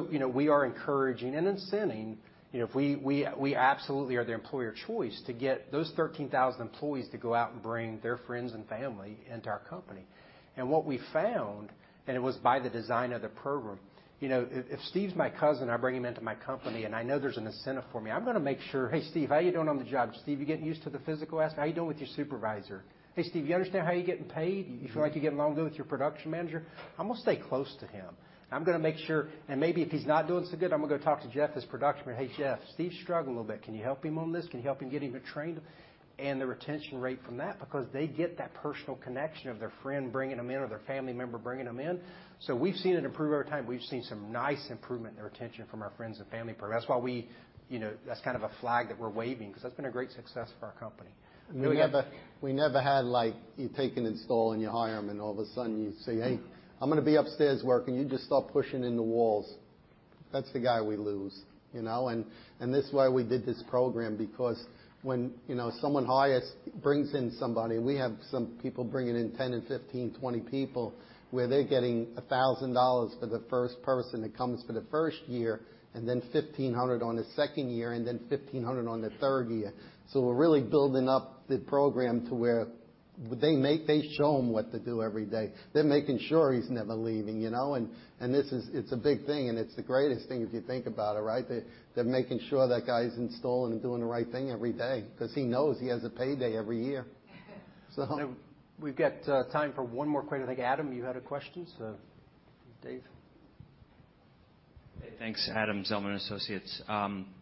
[SPEAKER 3] You know, we are encouraging and incenting, you know, if we absolutely are the employer choice to get those 13,000 employees to go out and bring their friends and family into our company. What we found, and it was by the design of the program, you know, if Steve's my cousin, I bring him into my company, and I know there's an incentive for me, I'm gonna make sure, "Hey, Steve, how you doing on the job? Steve, you getting used to the physical aspect? How you doing with your supervisor? Hey, Steve, you understand how you're getting paid? You feel like you're getting along good with your production manager?" I'm gonna stay close to him. I'm gonna make sure. Maybe if he's not doing so good, I'm gonna go talk to Jeff, his production manager. "Hey, Jeff, Steve's struggling a little bit. Can you help him on this? Can you help him get even trained?" The retention rate from that, because they get that personal connection of their friend bringing them in or their family member bringing them in. We've seen it improve over time. We've seen some nice improvement in the retention from our friends and family program. That's why we, you know, that's kind of a flag that we're waving, because that's been a great success for our company.
[SPEAKER 11] We never had, like, you take an installer and you hire them, and all of a sudden you say, "Hey, I'm gonna be upstairs working. You just start pushing in the walls." That's the guy we lose, you know? This is why we did this program, because when, you know, someone hires, brings in somebody, we have some people bringing in 10 and 15, 20 people, where they're getting $1,000 for the first person that comes for the first year and then $1,500 on the second year and then $1,500 on the third year. So we're really building up the program to where they show him what to do every day. They're making sure he's never leaving, you know? This is. It's a big thing, and it's the greatest thing if you think about it, right? They're making sure that guy's installing and doing the right thing every day, 'cause he knows he has a payday every year.
[SPEAKER 3] We've got time for one more question. I think, Adam, you had a question, so Dave.
[SPEAKER 15] Thanks. Adam ofZelman & Associates.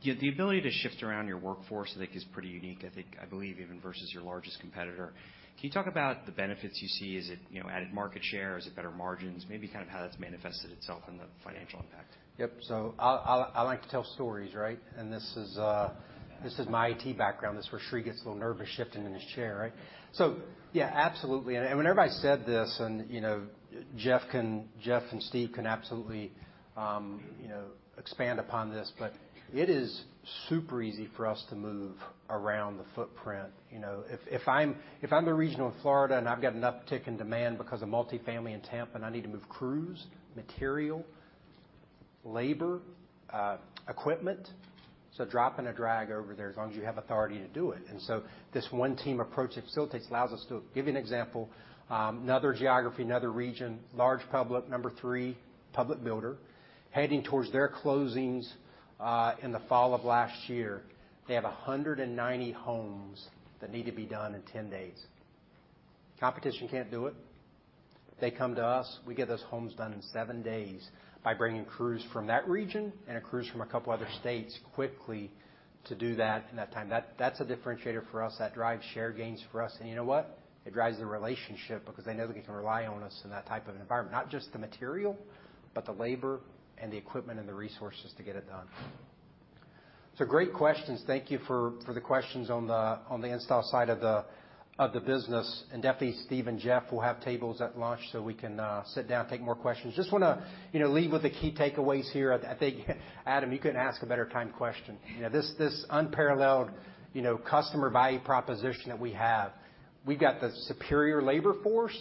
[SPEAKER 15] Yeah, the ability to shift around your workforce, I think, is pretty unique, I think, I believe even versus your largest competitor. Can you talk about the benefits you see? Is it, you know, added market share? Is it better margins? Maybe kind of how that's manifested itself in the financial impact.
[SPEAKER 3] Yep. I like to tell stories, right? This is my IT background. This is where Sri gets a little nervous shifting in his chair, right? Yeah, absolutely. Whenever I said this, you know, Jeff and Steve can absolutely, you know, expand upon this, but it is super easy for us to move around the footprint. You know, if I'm the regional in Florida, and I've got an uptick in demand because of multifamily in Tampa, and I need to move crews, material, labor, equipment, it's a drop and a drag over there as long as you have authority to do it. This one team approach facilitates, allows us to give you an example. Another geography, another region, large public number three public builder heading towards their closings in the fall of last year. They have 190 homes that need to be done in 10 days. Competition can't do it. They come to us. We get those homes done in seven days by bringing crews from that region and crews from a couple other states quickly to do that in that time. That's a differentiator for us. That drives share gains for us. You know what? It drives the relationship because they know they can rely on us in that type of environment, not just the material, but the labor and the equipment and the resources to get it done. Great questions. Thank you for the questions on the install side of the business. Definitely Steve and Jeff will have tables at lunch so we can sit down, take more questions. Just wanna, you know, leave with the key takeaways here. I think, Adam, you couldn't ask a better timed question. You know, this unparalleled, you know, customer value proposition that we have. We've got the superior labor force.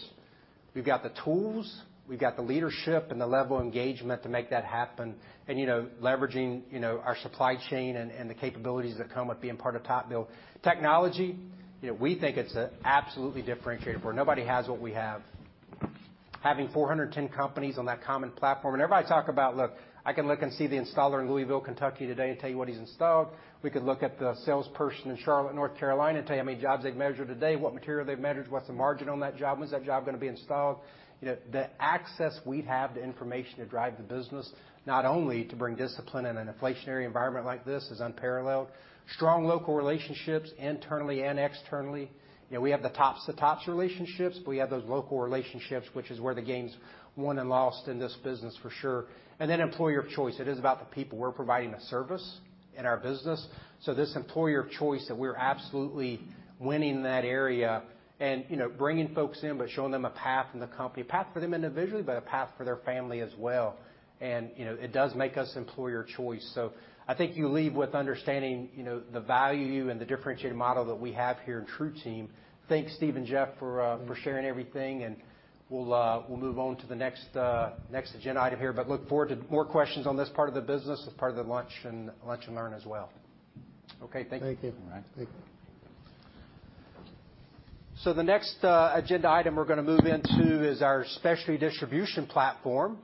[SPEAKER 3] We've got the tools. We've got the leadership and the level of engagement to make that happen and, you know, leveraging, you know, our supply chain and the capabilities that come with being part of TopBuild. Technology, you know, we think it's absolutely differentiated where nobody has what we have. Having 410 companies on that common platform. Everybody talk about, look, I can look and see the installer in Louisville, Kentucky today and tell you what he's installed. We could look at the salesperson in Charlotte, North Carolina, and tell you how many jobs they've measured today, what material they've measured, what's the margin on that job, when's that job gonna be installed. You know, the access we have to information to drive the business, not only to bring discipline in an inflationary environment like this, is unparalleled. Strong local relationships internally and externally. You know, we have the tops to tops relationships. We have those local relationships, which is where the game's won and lost in this business for sure. Employer of choice. It is about the people. We're providing a service in our business, so this employer of choice that we're absolutely winning that area and, you know, bringing folks in, but showing them a path in the company. Path for them individually, but a path for their family as well. You know, it does make us employer choice. I think you leave with understanding, you know, the value and the differentiated model that we have here in TruTeam. Thanks, Steve and Jeff for sharing everything, and we'll move on to the next agenda item here. Look forward to more questions on this part of the business as part of the Lunch and Learn as well. Okay, thank you.
[SPEAKER 15] Thank you.
[SPEAKER 3] All right. Thank you. The next agenda item we're gonna move into is our specialty distribution platform,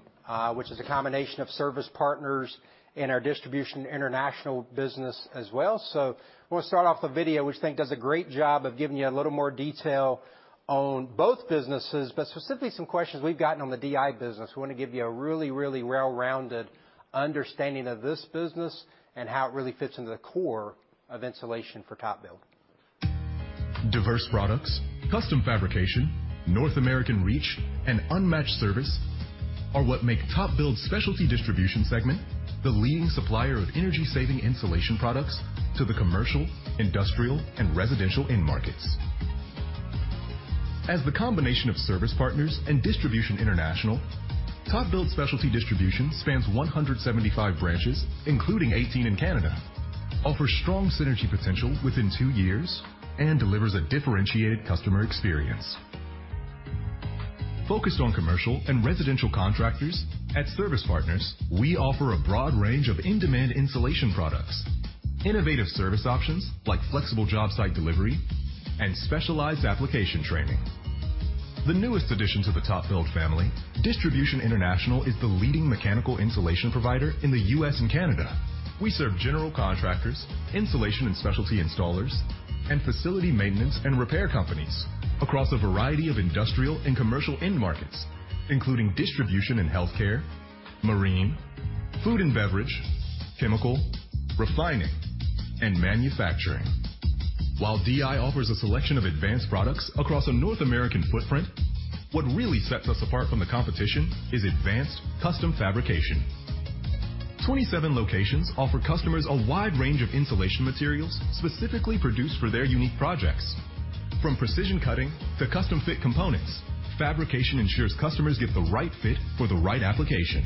[SPEAKER 3] which is a combination of Service Partners and our Distribution International business as well. I wanna start off the video, which I think does a great job of giving you a little more detail on both businesses. Specifically, some questions we've gotten on the DI business. We wanna give you a really, really well-rounded understanding of this business and how it really fits into the core of insulation for TopBuild.
[SPEAKER 2] Diverse products, custom fabrication, North American reach, and unmatched service are what make TopBuild's Specialty Distribution segment the leading supplier of energy-saving insulation products to the commercial, industrial, and residential end markets. As the combination of Service Partners and Distribution International, TopBuild Specialty Distribution spans 175 branches, including 18 in Canada, offers strong synergy potential within two years, and delivers a differentiated customer experience. Focused on commercial and residential contractors, at Service Partners, we offer a broad range of in-demand insulation products, innovative service options like flexible job site delivery, and specialized application training. The newest addition to the TopBuild family, Distribution International, is the leading mechanical insulation provider in the U.S. and Canada. We serve general contractors, insulation and specialty installers, and facility maintenance and repair companies across a variety of industrial and commercial end markets, including distribution and healthcare, marine, food and beverage, chemical, refining, and manufacturing. While DI offers a selection of advanced products across a North American footprint, what really sets us apart from the competition is advanced custom fabrication. 27 locations offer customers a wide range of insulation materials specifically produced for their unique projects. From precision cutting to custom fit components, fabrication ensures customers get the right fit for the right application,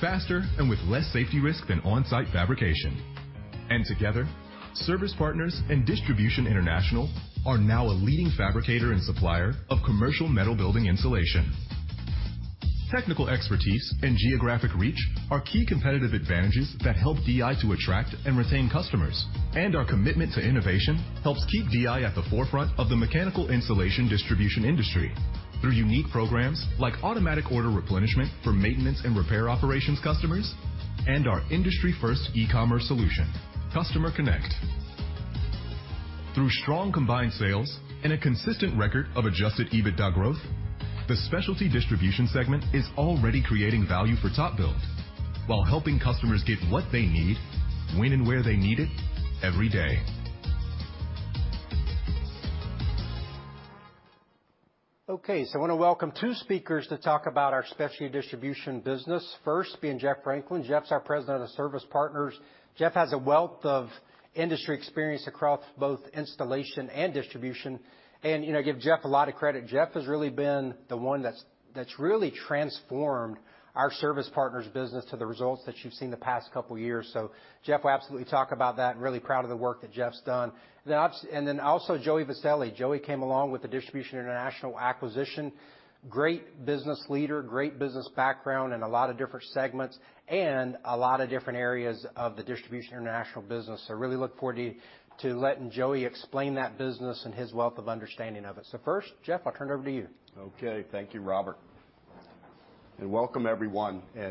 [SPEAKER 2] faster and with less safety risk than on-site fabrication. Together, Service Partners and Distribution International are now a leading fabricator and supplier of commercial metal building insulation. Technical expertise and geographic reach are key competitive advantages that help DI to attract and retain customers. Our commitment to innovation helps keep DI at the forefront of the mechanical insulation distribution industry through unique programs like automatic order replenishment for maintenance and repair operations customers and our industry-first e-commerce solution, Customer Connect. Through strong combined sales and a consistent record of adjusted EBITDA growth, the Specialty Distribution segment is already creating value for TopBuild while helping customers get what they need, when and where they need it, every day.
[SPEAKER 3] Okay. I wanna welcome two speakers to talk about our Specialty Distribution business. First being Jeff Franklin. Jeff's our President of Service Partners. Jeff has a wealth of industry experience across both installation and distribution. You know, give Jeff a lot of credit, Jeff has really been the one that's really transformed our Service Partners business to the results that you've seen the past couple years. Jeff will absolutely talk about that, and really proud of the work that Jeff's done. And then also Joey Viselli. Joey came along with the Distribution International acquisition. Great business leader, great business background in a lot of different segments, and a lot of different areas of the Distribution International business. I really look forward to letting Joey explain that business and his wealth of understanding of it. First, Jeff, I'll turn it over to you.
[SPEAKER 16] Okay. Thank you, Robert. Welcome, everyone. You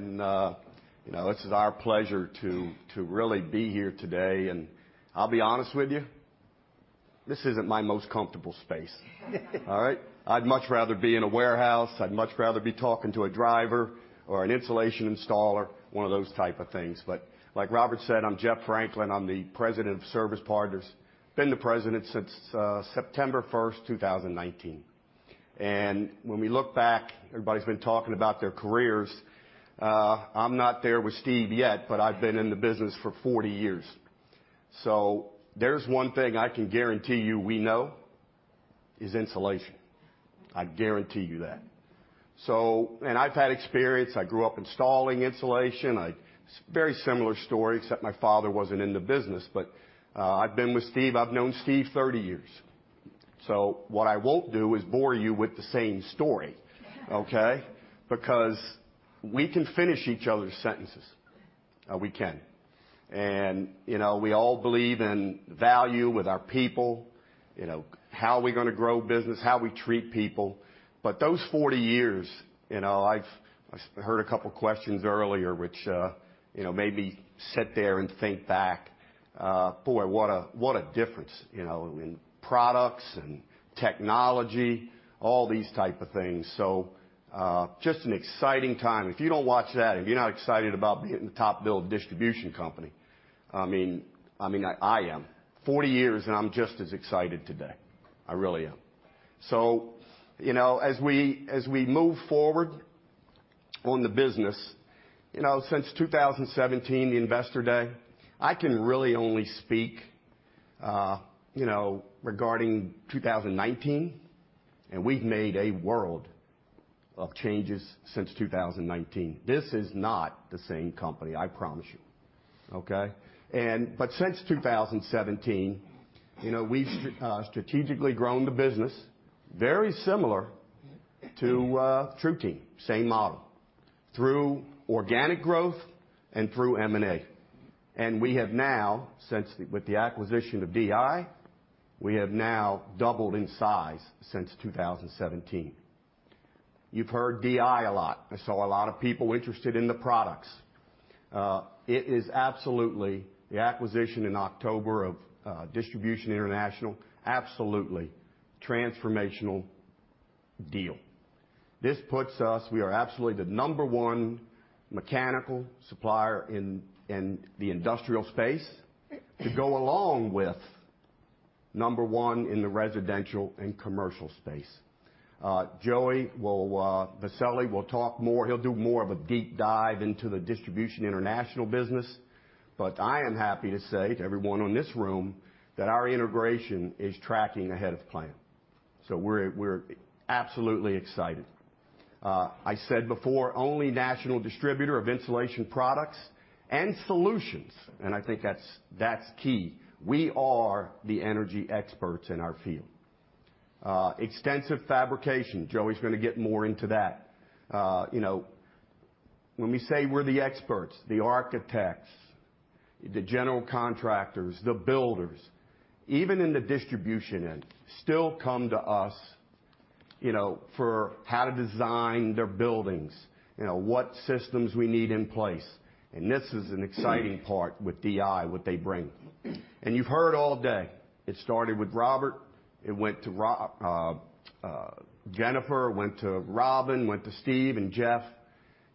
[SPEAKER 16] know, this is our pleasure to really be here today, and I'll be honest with you, this isn't my most comfortable space. All right. I'd much rather be in a warehouse. I'd much rather be talking to a driver or an insulation installer, one of those type of things. Like Robert said, I'm Jeff Franklin, president of Service Partners. Been the president since September 1, 2019. When we look back, everybody's been talking about their careers. I'm not there with Steve yet, but I've been in the business for 40 years. There's one thing I can guarantee you we know is insulation. I guarantee you that. I've had experience. I grew up installing insulation. Very similar story except my father wasn't in the business, but I've been with Steve. I've known Steve 30 years. What I won't do is bore you with the same story. Okay? Because we can finish each other's sentences. We can. You know, we all believe in value with our people, you know, how we're gonna grow business, how we treat people. Those 40 years, you know, I've heard a couple questions earlier, which you know made me sit there and think back, boy, what a difference, you know, in products, in technology, all these type of things. Just an exciting time. If you don't watch that, if you're not excited about being the TopBuild Distribution company, I mean, I am. 40 years and I'm just as excited today. I really am. You know, as we move forward on the business, you know, since 2017, the Investor Day, I can really only speak, you know, regarding 2019, and we've made a world of changes since 2019. This is not the same company, I promise you. Okay. But since 2017, you know, we've strategically grown the business, very similar to TruTeam, same model, through organic growth and through M&A. We have now, with the acquisition of DI, we have now doubled in size since 2017. You've heard DI a lot. I saw a lot of people interested in the products. It is absolutely the acquisition in October of Distribution International, absolutely transformational deal. This puts us. We are absolutely the number 1 mechanical supplier in the industrial space to go along with number one in the residential and commercial space. Joey Viselli will talk more. He'll do more of a deep dive into the Distribution International business. I am happy to say to everyone in this room that our integration is tracking ahead of plan. We're absolutely excited. I said before, only national distributor of insulation products and solutions, and I think that's key. We are the energy experts in our field. Extensive fabrication. Joey's gonna get more into that. You know, when we say we're the experts, the architects, the general contractors, the builders, even in the distribution end, still come to us, you know, for how to design their buildings, you know, what systems we need in place. This is an exciting part with DI, what they bring. You've heard all day, it started with Robert, it went to Jennifer, went to Robin, went to Steve and Jeff.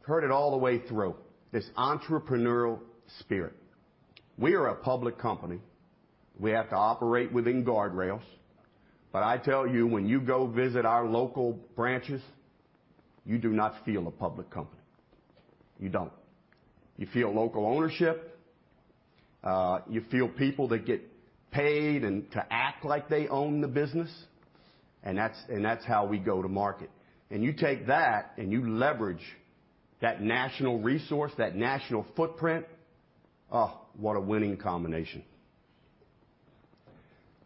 [SPEAKER 16] Heard it all the way through, this entrepreneurial spirit. We are a public company. We have to operate within guardrails. But I tell you, when you go visit our local branches, you do not feel a public company. You don't. You feel local ownership. You feel people that get paid and to act like they own the business, and that's how we go to market. You take that, and you leverage that national resource, that national footprint, oh, what a winning combination.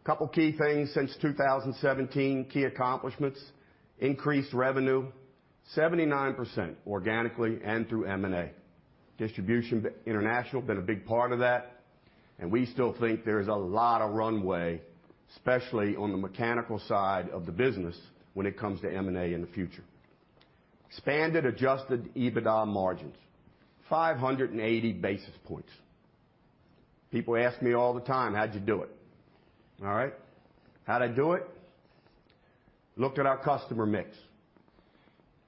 [SPEAKER 16] Couple key things since 2017, key accomplishments, increased revenue 79% organically and through M&A. Distribution International been a big part of that, and we still think there's a lot of runway, especially on the mechanical side of the business, when it comes to M&A in the future. Expanded adjusted EBITDA margins 580 basis points. People ask me all the time, "How'd you do it?" All right, how'd I do it? Looked at our customer mix,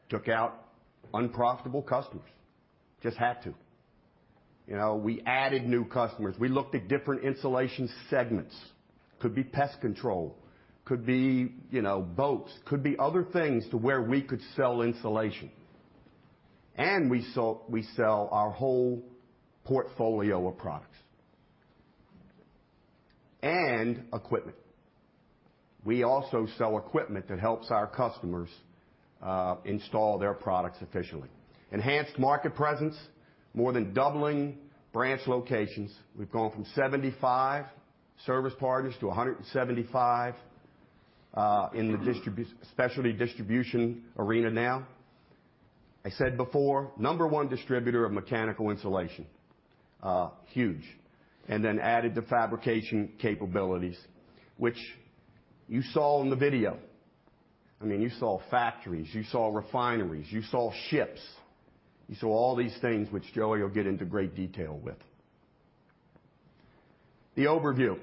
[SPEAKER 16] took out unprofitable customers. Just had to. You know, we added new customers. We looked at different insulation segments. Could be pest control, could be, you know, boats, could be other things to where we could sell insulation. We sell our whole portfolio of products and equipment. We also sell equipment that helps our customers install their products efficiently. Enhanced market presence, more than doubling branch locations. We've gone from 75 Service Partners to 175 in the distribution specialty distribution arena now. I said before, number one distributor of mechanical insulation, huge. Then added the fabrication capabilities, which you saw in the video. I mean, you saw factories, you saw refineries, you saw ships, you saw all these things, which Joey will get into great detail with. The overview,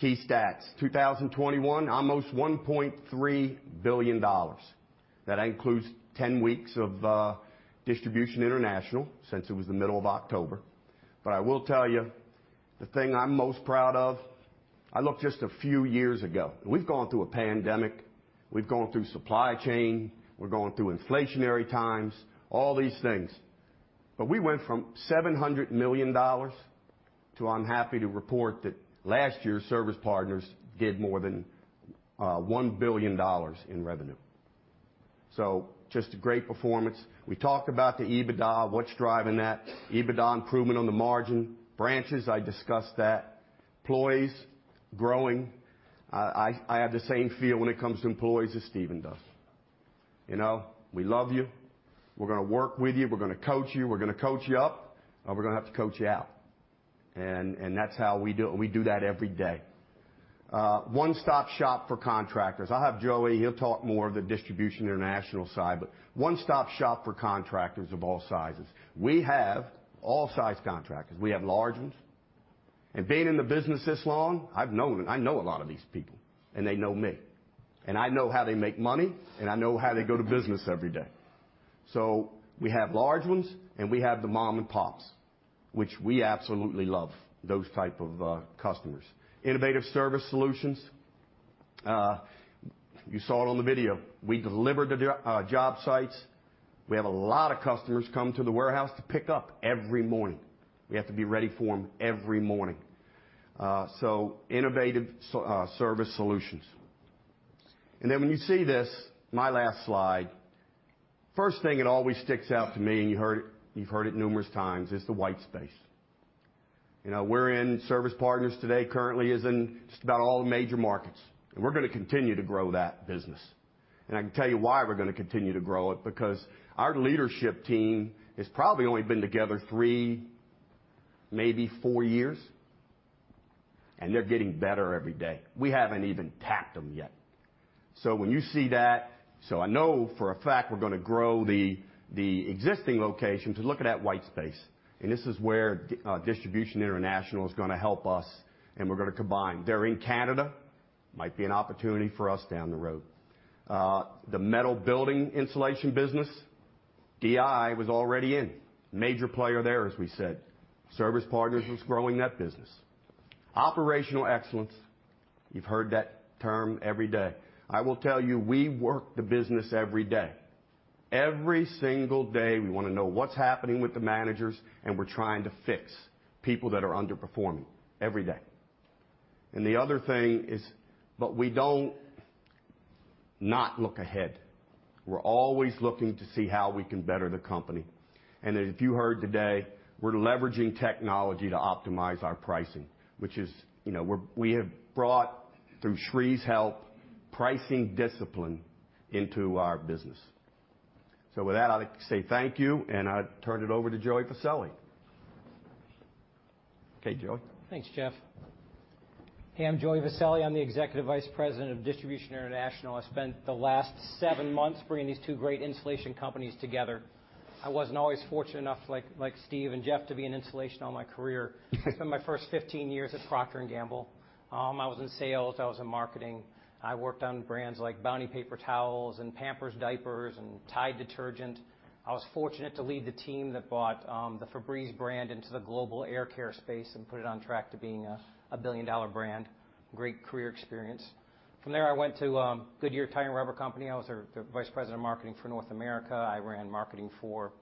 [SPEAKER 16] key stats. 2021, almost $1.3 billion. That includes ten weeks of Distribution International since it was the middle of October. I will tell you the thing I'm most proud of, I look just a few years ago. We've gone through a pandemic, we've gone through supply chain, we're going through inflationary times, all these things. We went from $700 million to I'm happy to report that last year, Service Partners did more than $1 billion in revenue. Just a great performance. We talked about the EBITDA, what's driving that. EBITDA improvement on the margin. Branches, I discussed that. Employees growing. I have the same feel when it comes to employees as Steven does. You know, we love you. We're gonna work with you. We're gonna coach you. We're gonna coach you up, or we're gonna have to coach you out. And that's how we do it, and we do that every day. One-stop shop for contractors. I'll have Joey, he'll talk more of the Distribution International side, but one-stop shop for contractors of all sizes. We have all size contractors. We have large ones. Being in the business this long, I've known and I know a lot of these people, and they know me, and I know how they make money, and I know how they go to business every day. We have large ones, and we have the mom and pops, which we absolutely love those type of, customers. Innovative service solutions. You saw it on the video. We deliver to the, job sites. We have a lot of customers come to the warehouse to pick up every morning. We have to be ready for them every morning. Innovative service solutions. Then when you see this, my last slide, first thing that always sticks out to me, and you heard it, you've heard it numerous times, is the white space. You know, we're in Service Partners today. Currently is in just about all the major markets, and we're gonna continue to grow that business. I can tell you why we're gonna continue to grow it, because our leadership team has probably only been together three, maybe four years, and they're getting better every day. We haven't even tapped them yet. When you see that. I know for a fact we're gonna grow the existing locations and look at that white space. This is where Distribution International is gonna help us, and we're gonna combine. They're in Canada. Might be an opportunity for us down the road. The metal building insulation business, DI was already in. Major player there, as we said. Service Partners was growing that business. Operational excellence. You've heard that term every day. I will tell you, we work the business every day. Every single day, we wanna know what's happening with the managers, and we're trying to fix people that are underperforming every day. The other thing is, we don't not look ahead. We're always looking to see how we can better the company. As you heard today, we're leveraging technology to optimize our pricing, which is, you know, we have brought through Sri's help, pricing discipline into our business. With that, I'd like to say thank you, and I turn it over to Joey Viselli. Okay, Joey.
[SPEAKER 17] Thanks, Jeff. Hey, I'm Joey Viselli. I'm the Executive Vice President of Distribution International. I spent the last seven months bringing these two great insulation companies together. I wasn't always fortunate enough like Steve and Jeff to be in insulation all my career. I spent my first 15 years at Procter & Gamble. I was in sales. I was in marketing. I worked on brands like Bounty paper towels and Pampers diapers and Tide detergent. I was fortunate to lead the team that brought the Febreze brand into the global air care space and put it on track to being a billion-dollar brand. Great career experience. From there, I went to Goodyear Tire & Rubber Company. I was their Vice President of Marketing for North America. I ran marketing for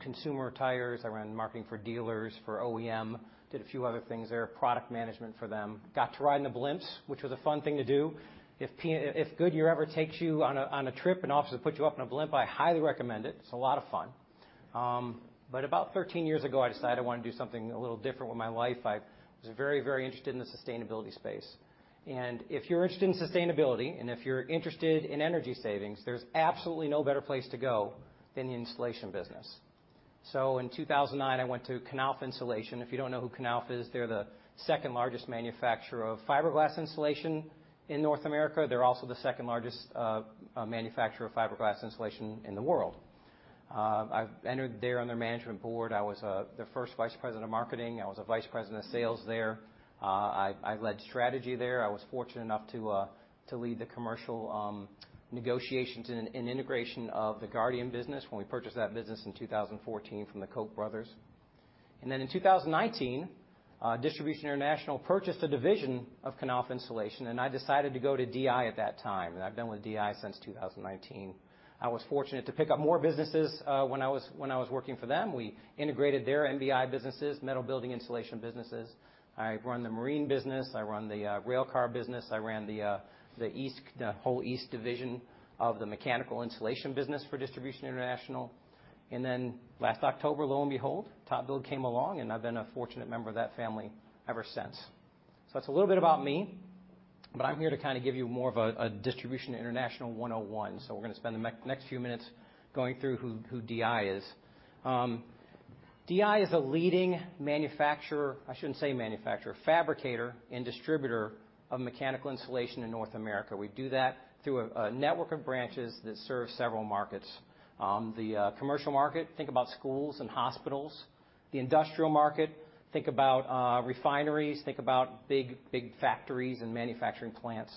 [SPEAKER 17] consumer tires. I ran marketing for dealers, for OEM. Did a few other things there, product management for them. Got to ride in the blimps, which was a fun thing to do. If Goodyear ever takes you on a trip and offers to put you up in a blimp, I highly recommend it. It's a lot of fun. About 13 years ago, I decided I wanna do something a little different with my life. I was very, very interested in the sustainability space. If you're interested in sustainability, and if you're interested in energy savings, there's absolutely no better place to go than the insulation business. In 2009, I went to Knauf Insulation. If you don't know who Knauf is, they're the second-largest manufacturer of fiberglass insulation in North America. They're also the second-largest manufacturer of fiberglass insulation in the world. I entered there on their management board. I was their first vice president of marketing. I was a vice president of sales there. I led strategy there. I was fortunate enough to lead the commercial negotiations and integration of the Guardian Insulation business when we purchased that business in 2014 from the Koch brothers. In 2019, Distribution International purchased a division of Knauf Insulation, and I decided to go to DI at that time. I've been with DI since 2019. I was fortunate to pick up more businesses when I was working for them. We integrated their MBI businesses, metal building insulation businesses. I run the marine business. I run the rail car business. I ran the whole east division of the mechanical insulation business for Distribution International. Then last October, lo and behold, TopBuild came along, and I've been a fortunate member of that family ever since. That's a little bit about me, but I'm here to kind of give you more of a Distribution International 101. We're gonna spend the next few minutes going through who DI is. DI is a leading fabricator and distributor of mechanical insulation in North America. We do that through a network of branches that serve several markets. The commercial market, think about schools and hospitals. The industrial market, think about refineries, think about big factories and manufacturing plants.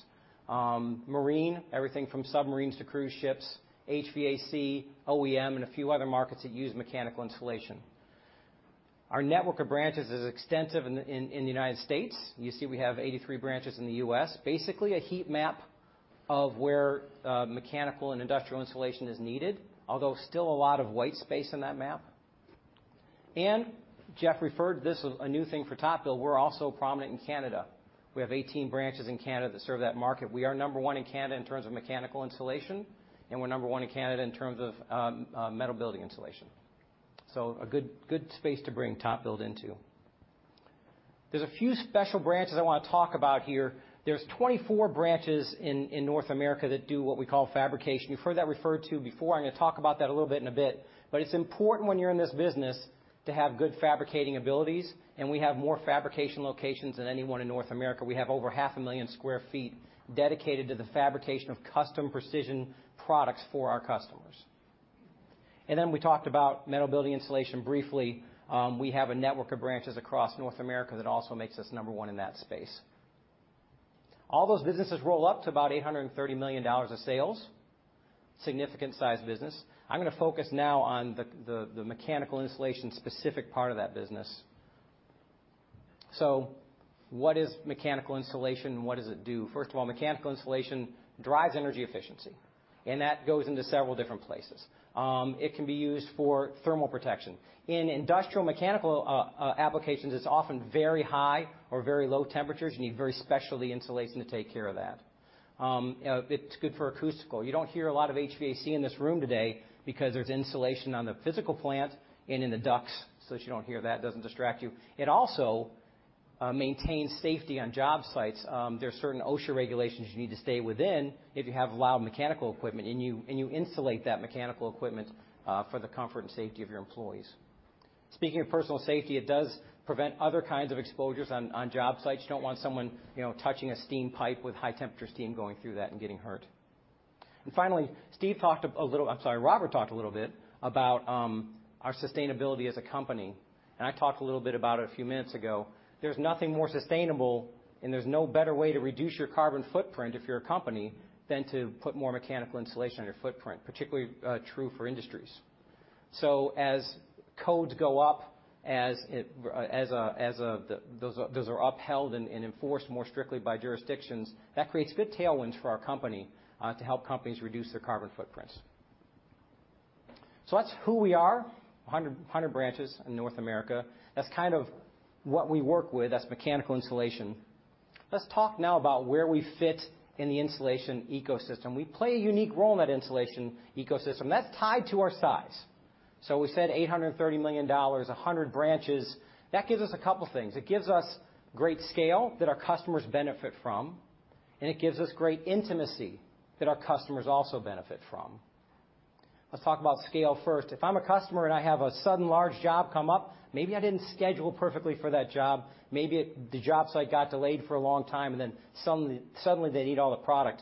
[SPEAKER 17] Marine, everything from submarines to cruise ships, HVAC, OEM, and a few other markets that use mechanical insulation. Our network of branches is extensive in the United States. You see we have 83 branches in the U.S., basically a heat map of where mechanical and industrial insulation is needed, although still a lot of white space in that map. Jeff referred to this as a new thing for TopBuild. We're also prominent in Canada. We have 18 branches in Canada that serve that market. We are number one in Canada in terms of mechanical insulation, and we're number one in Canada in terms of metal building insulation. A good space to bring TopBuild into. There are a few special branches I wanna talk about here. There are 24 branches in North America that do what we call fabrication. You've heard that referred to before. I'm gonna talk about that a little bit in a bit. It's important when you're in this business to have good fabricating abilities, and we have more fabrication locations than anyone in North America. We have over 500,000 sq ft dedicated to the fabrication of custom precision products for our customers. We talked about metal building insulation briefly. We have a network of branches across North America that also makes us number one in that space. All those businesses roll up to about $830 million of sales, significant size business. I'm gonna focus now on the mechanical insulation specific part of that business. What is mechanical insulation, and what does it do? First of all, mechanical insulation drives energy efficiency, and that goes into several different places. It can be used for thermal protection. In industrial mechanical applications, it's often very high or very low temperatures. You need very specialty insulation to take care of that. It's good for acoustical. You don't hear a lot of HVAC in this room today because there's insulation on the physical plant and in the ducts, so that you don't hear that. It doesn't distract you. It also maintains safety on job sites. There's certain OSHA regulations you need to stay within if you have loud mechanical equipment, and you insulate that mechanical equipment for the comfort and safety of your employees. Speaking of personal safety, it does prevent other kinds of exposures on job sites. You don't want someone, you know, touching a steam pipe with high temperature steam going through that and getting hurt. Finally, Steve talked a little. I'm sorry, Robert talked a little bit about our sustainability as a company, and I talked a little bit about it a few minutes ago. There's nothing more sustainable, and there's no better way to reduce your carbon footprint if you're a company than to put more mechanical insulation on your footprint, particularly true for industries. As codes go up, those are upheld and enforced more strictly by jurisdictions, that creates good tailwinds for our company to help companies reduce their carbon footprints. That's who we are, 100 branches in North America. That's kind of what we work with. That's mechanical insulation. Let's talk now about where we fit in the insulation ecosystem. We play a unique role in that insulation ecosystem, and that's tied to our size. We said $830 million, 100 branches. That gives us a couple things. It gives us great scale that our customers benefit from, and it gives us great intimacy that our customers also benefit from. Let's talk about scale first. If I'm a customer and I have a sudden large job come up, maybe I didn't schedule perfectly for that job. Maybe the job site got delayed for a long time, and then suddenly they need all the product.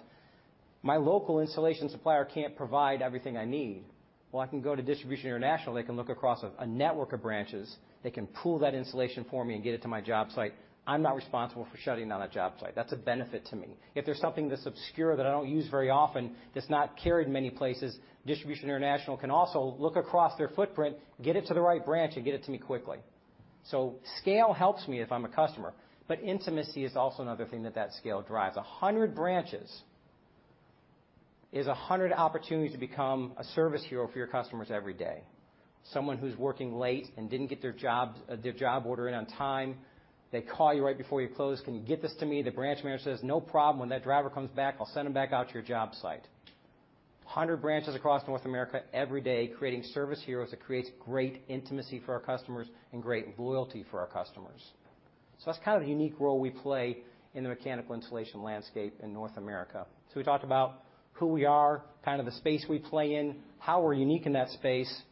[SPEAKER 17] My local insulation supplier can't provide everything I need. Well, I can go to Distribution International. They can look across a network of branches. They can pool that insulation for me and get it to my job site. I'm not responsible for shutting down that job site. That's a benefit to me. If there's something that's obscure that I don't use very often, that's not carried many places, Distribution International can also look across their footprint, get it to the right branch, and get it to me quickly. Scale helps me if I'm a customer, but intimacy is also another thing that scale drives. 100 branches is 100 opportunities to become a service hero for your customers every day. Someone who's working late and didn't get their job, their job order in on time, they call you right before you close. "Can you get this to me?" The branch manager says, "No problem. When that driver comes back, I'll send him back out to your job site." 100 branches across North America every day creating service heroes that creates great intimacy for our customers and great loyalty for our customers. That's kind of the unique role we play in the mechanical insulation landscape in North America. We talked about who we are, kind of the space we play in, how we're unique in that space.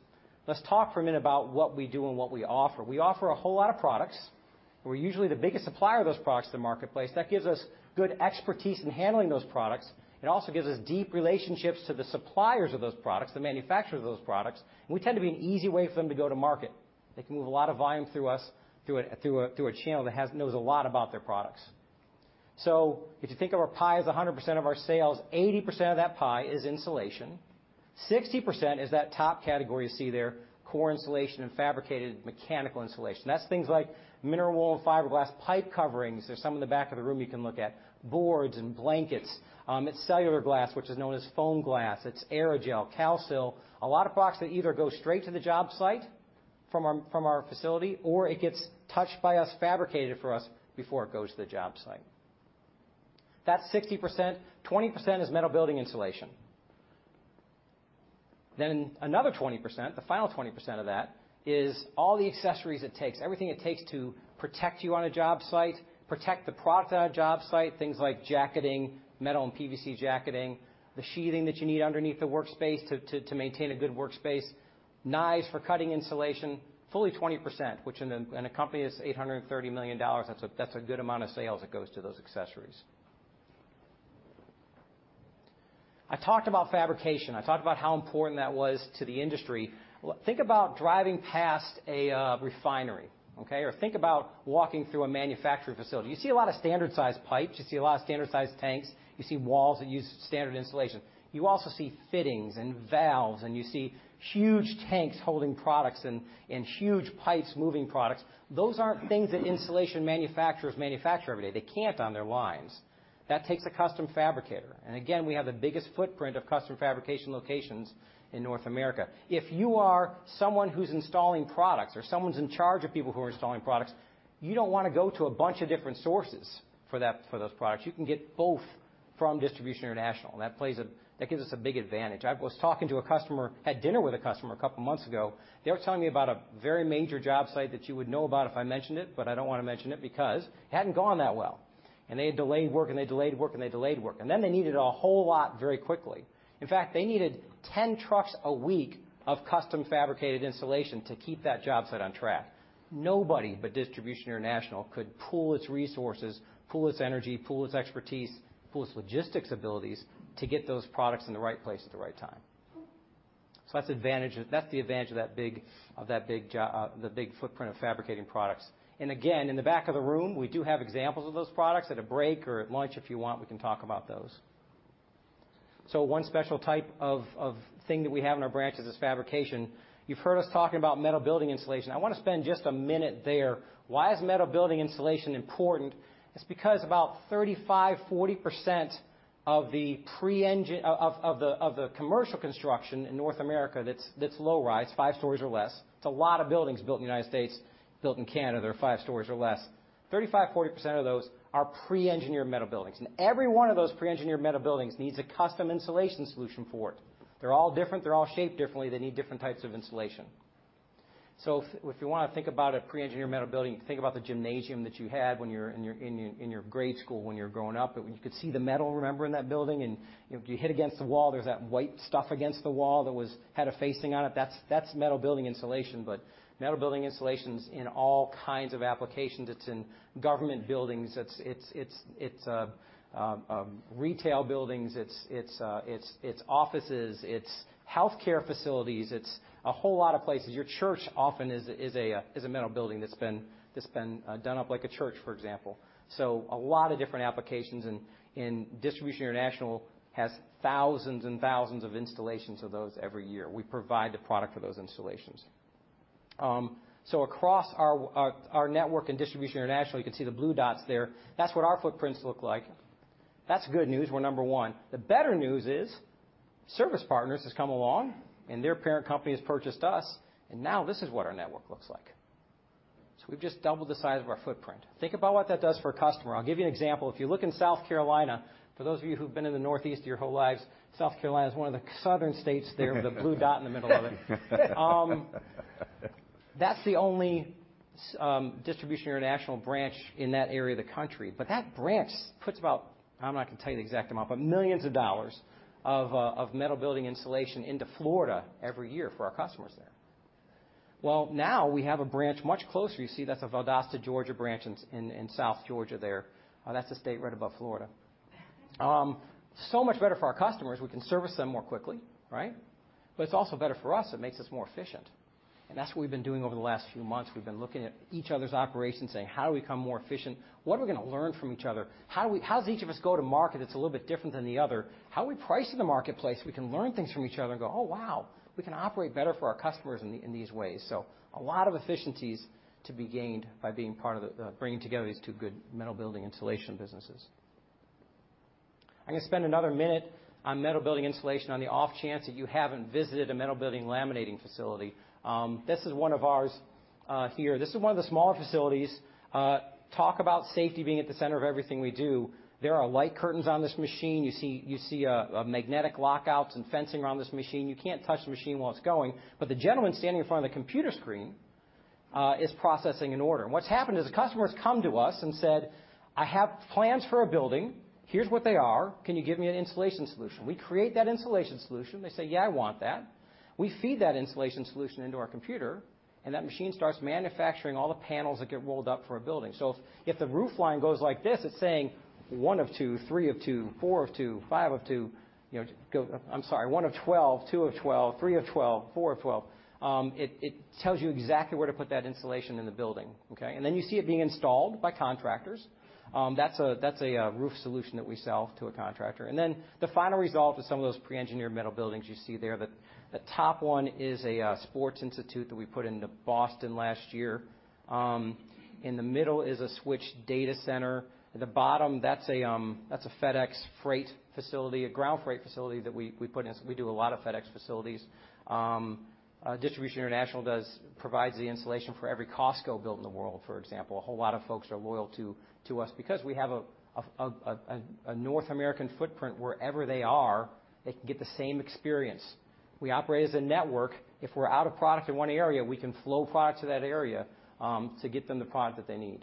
[SPEAKER 17] Let's talk for a minute about what we do and what we offer. We offer a whole lot of products. We're usually the biggest supplier of those products to the marketplace. That gives us good expertise in handling those products. It also gives us deep relationships to the suppliers of those products, the manufacturer of those products. We tend to be an easy way for them to go to market. They can move a lot of volume through us, through a channel that knows a lot about their products. If you think of our pie as 100% of our sales, 80% of that pie is insulation. 60% is that top category you see there, core insulation and fabricated mechanical insulation. That's things like mineral wool and fiberglass pipe coverings. There's some in the back of the room you can look at. Boards and blankets. It's cellular glass, which is known as foam glass. It's aerogel, calcium silicate. A lot of products that either go straight to the job site from our facility, or it gets touched by us, fabricated for us before it goes to the job site. That's 60%. 20% is metal building insulation. Another 20%, the final 20% of that is all the accessories it takes, everything it takes to protect you on a job site, protect the product on a job site, things like jacketing, metal and PVC jacketing, the sheathing that you need underneath the workspace to maintain a good workspace, knives for cutting insulation, fully 20%, which in a company that's $830 million, that's a good amount of sales that goes to those accessories. I talked about fabrication. I talked about how important that was to the industry. Think about driving past a refinery, okay? Or think about walking through a manufacturing facility. You see a lot of standard-sized pipes. You see a lot of standard-sized tanks. You see walls that use standard insulation. You also see fittings and valves, and you see huge tanks holding products and huge pipes moving products. Those aren't things that insulation manufacturers manufacture every day. They can't on their lines. That takes a custom fabricator. Again, we have the biggest footprint of custom fabrication locations in North America. If you are someone who's installing products or someone's in charge of people who are installing products, you don't wanna go to a bunch of different sources for that, for those products. You can get both from Distribution International, and that plays a, that gives us a big advantage. I was talking to a customer, had dinner with a customer a couple of months ago. They were telling me about a very major job site that you would know about if I mentioned it, but I don't wanna mention it because it hadn't gone that well, and they had delayed work, and then they needed a whole lot very quickly. In fact, they needed 10 trucks a week of custom fabricated insulation to keep that job site on track. Nobody but Distribution International could pool its resources, pool its energy, pool its expertise, pool its logistics abilities to get those products in the right place at the right time. So that's advantage. That's the advantage of that big, the big footprint of fabricating products. Again, in the back of the room, we do have examples of those products. At a break or at lunch, if you want, we can talk about those. One special type of thing that we have in our branches is fabrication. You've heard us talking about metal building insulation. I wanna spend just a minute there. Why is metal building insulation important? It's because about 35%-40% of the commercial construction in North America that's low rise, five stories or less. It's a lot of buildings built in the United States, built in Canada that are five stories or less. 35%-40% of those are pre-engineered metal buildings, and every one of those pre-engineered metal buildings needs a custom insulation solution for it. They're all different. They're all shaped differently. They need different types of insulation. If you wanna think about a pre-engineered metal building, think about the gymnasium that you had when you're in your grade school when you were growing up. You could see the metal, remember, in that building? If you hit against the wall, there's that white stuff against the wall that was had a facing on it. That's metal building insulation. But metal building insulation is in all kinds of applications. It's in government buildings. It's retail buildings. It's offices. It's healthcare facilities. It's a whole lot of places. Your church often is a metal building that's been done up like a church, for example. A lot of different applications, and Distribution International has thousands and thousands of installations of those every year. We provide the product for those installations. Across our network in Distribution International, you can see the blue dots there. That's what our footprints look like. That's good news. We're number one. The better news is Service Partners has come along and their parent company has purchased us, and now this is what our network looks like. We've just doubled the size of our footprint. Think about what that does for a customer. I'll give you an example. If you look in South Carolina, for those of you who've been in the Northeast your whole lives, South Carolina is one of the southern states there with a blue dot in the middle of it. That's the only Distribution International branch in that area of the country. That branch puts about, I'm not gonna tell you the exact amount, but millions of dollars of metal building insulation into Florida every year for our customers there. Well, now we have a branch much closer. You see that's a Valdosta, Georgia branch in South Georgia there. That's the state right above Florida. So much better for our customers. We can service them more quickly, right? It's also better for us. It makes us more efficient. That's what we've been doing over the last few months. We've been looking at each other's operations, saying, how do we become more efficient? What are we gonna learn from each other? How does each of us go to market that's a little bit different than the other? How do we price in the marketplace so we can learn things from each other and go, "Oh, wow, we can operate better for our customers in these ways"? A lot of efficiencies to be gained by being part of the bringing together these two good metal building insulation businesses. I'm gonna spend another minute on metal building insulation on the off chance that you haven't visited a metal building laminating facility. This is one of ours, here. This is one of the smaller facilities. Talk about safety being at the center of everything we do. There are light curtains on this machine. You see magnetic lockouts and fencing around this machine. You can't touch the machine while it's going, but the gentleman standing in front of the computer screen is processing an order. What's happened is the customers come to us and said, "I have plans for a building. Here's what they are. Can you give me an insulation solution?" We create that insulation solution. They say, "Yeah, I want that." We feed that insulation solution into our computer, and that machine starts manufacturing all the panels that get rolled up for a building. So if the roof line goes like this, it's saying one of twelve, two of twelve, three of twelve, four of twelve. It tells you exactly where to put that insulation in the building, okay? Then you see it being installed by contractors. That's a roof solution that we sell to a contractor. The final result is some of those pre-engineered metal buildings you see there. The top one is a sports institute that we put into Boston last year. In the middle is a Switch data center. At the bottom, that's a FedEx freight facility, a ground freight facility that we put in. We do a lot of FedEx facilities. Distribution International provides the insulation for every Costco built in the world, for example. A whole lot of folks are loyal to us because we have a North American footprint. Wherever they are, they can get the same experience. We operate as a network. If we're out of product in one area, we can flow product to that area to get them the product that they need.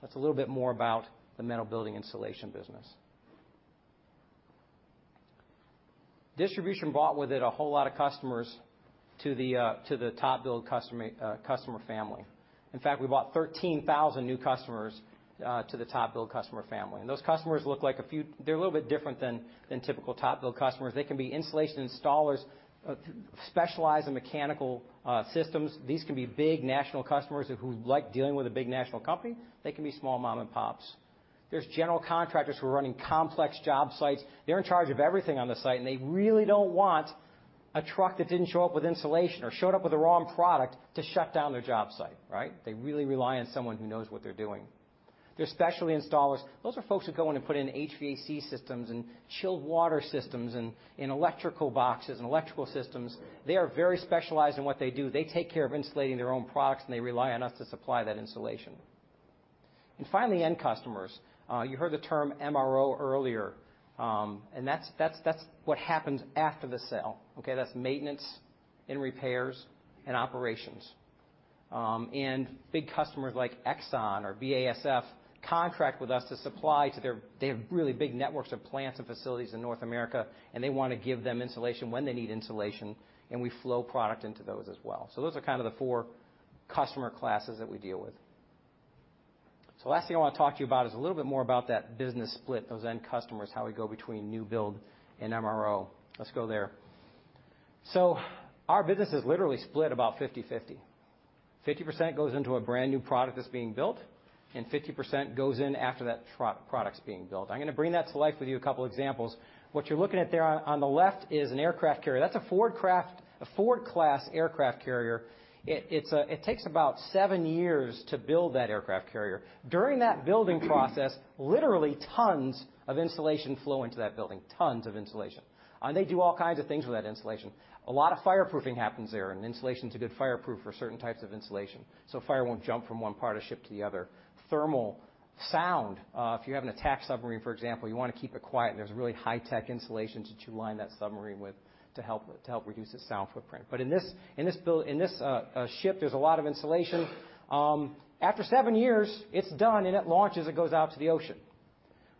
[SPEAKER 17] That's a little bit more about the metal building insulation business. Distribution bought with it a whole lot of customers to the TopBuild customer family. In fact, we bought 13,000 new customers to the TopBuild customer family. Those customers. They're a little bit different than typical TopBuild customers. They can be insulation installers specialize in mechanical systems. These can be big national customers who like dealing with a big national company. They can be small mom and pops. There's general contractors who are running complex job sites. They're in charge of everything on the site, and they really don't want a truck that didn't show up with insulation or showed up with the wrong product to shut down their job site, right? They really rely on someone who knows what they're doing. There's specialty installers. Those are folks who go in and put in HVAC systems and chilled water systems and in electrical boxes and electrical systems. They are very specialized in what they do. They take care of insulating their own products, and they rely on us to supply that insulation. Finally, end customers. You heard the term MRO earlier, and that's what happens after the sale, okay? That's maintenance and repairs and operations. Big customers like Exxon or BASF contract with us. They have really big networks of plants and facilities in North America, and they wanna give them insulation when they need insulation, and we flow product into those as well. Those are kind of the four customer classes that we deal with. Last thing I wanna talk to you about is a little bit more about that business split, those end customers, how we go between new build and MRO. Let's go there. Our business is literally split about 50/50. 50% goes into a brand-new product that's being built, and 50% goes in after that product's being built. I'm gonna bring that to life with you, a couple examples. What you're looking at there on the left is an aircraft carrier. That's a Ford-class aircraft carrier. It takes about seven years to build that aircraft carrier. During that building process, literally tons of insulation flow into that building, tons of insulation. They do all kinds of things with that insulation. A lot of fireproofing happens there, and insulation's a good fireproof for certain types of insulation, so fire won't jump from one part of ship to the other. Thermal, sound. If you have an attack submarine, for example, you wanna keep it quiet, and there's really high-tech insulations that you line that submarine with to help reduce its sound footprint. In this ship, there's a lot of insulation. After seven years, it's done, and it launches, it goes out to the ocean.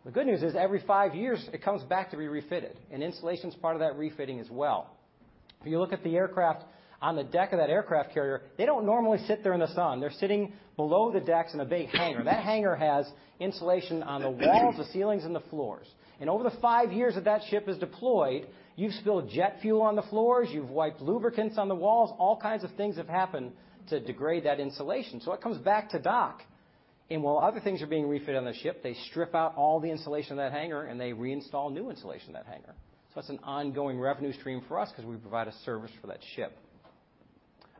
[SPEAKER 17] The good news is, every five years, it comes back to be refitted, and insulation's part of that refitting as well. If you look at the aircraft on the deck of that aircraft carrier, they don't normally sit there in the sun. They're sitting below the decks in a big hangar. That hangar has insulation on the walls, the ceilings, and the floors. Over the five years that ship is deployed, you've spilled jet fuel on the floors, you've wiped lubricants on the walls, all kinds of things have happened to degrade that insulation. It comes back to dock, and while other things are being refitted on the ship, they strip out all the insulation in that hangar, and they reinstall new insulation in that hangar. That's an ongoing revenue stream for us 'cause we provide a service for that ship.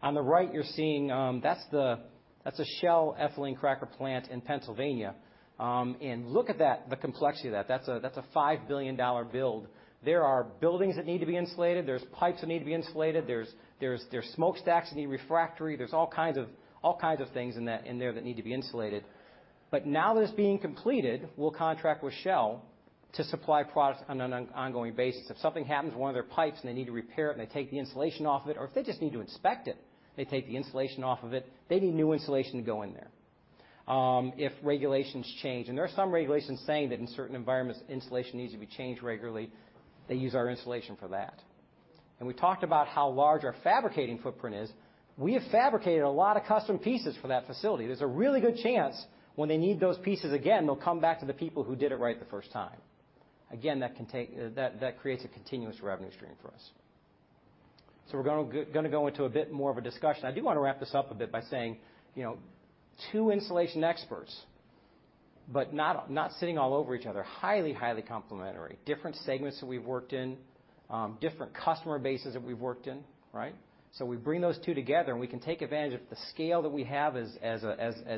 [SPEAKER 17] On the right, you're seeing, that's a Shell ethylene cracker plant in Pennsylvania. And look at that, the complexity of that. That's a $5 billion build. There are buildings that need to be insulated. There are pipes that need to be insulated. There are smokestacks that need refractory. There's all kinds of things in there that need to be insulated. Now that it's being completed, we'll contract with Shell to supply products on an ongoing basis. If something happens to one of their pipes, and they need to repair it, and they take the insulation off it, or if they just need to inspect it, they take the insulation off of it, they need new insulation to go in there. If regulations change, and there are some regulations saying that in certain environments, insulation needs to be changed regularly, they use our insulation for that. We talked about how large our fabricating footprint is. We have fabricated a lot of custom pieces for that facility. There's a really good chance when they need those pieces again, they'll come back to the people who did it right the first time. Again, that creates a continuous revenue stream for us. We're gonna go into a bit more of a discussion. I do wanna wrap this up a bit by saying, you know, two insulation experts, but not sitting all over each other. Highly complementary. Different segments that we've worked in, different customer bases that we've worked in, right? We bring those two together, and we can take advantage of the scale that we have as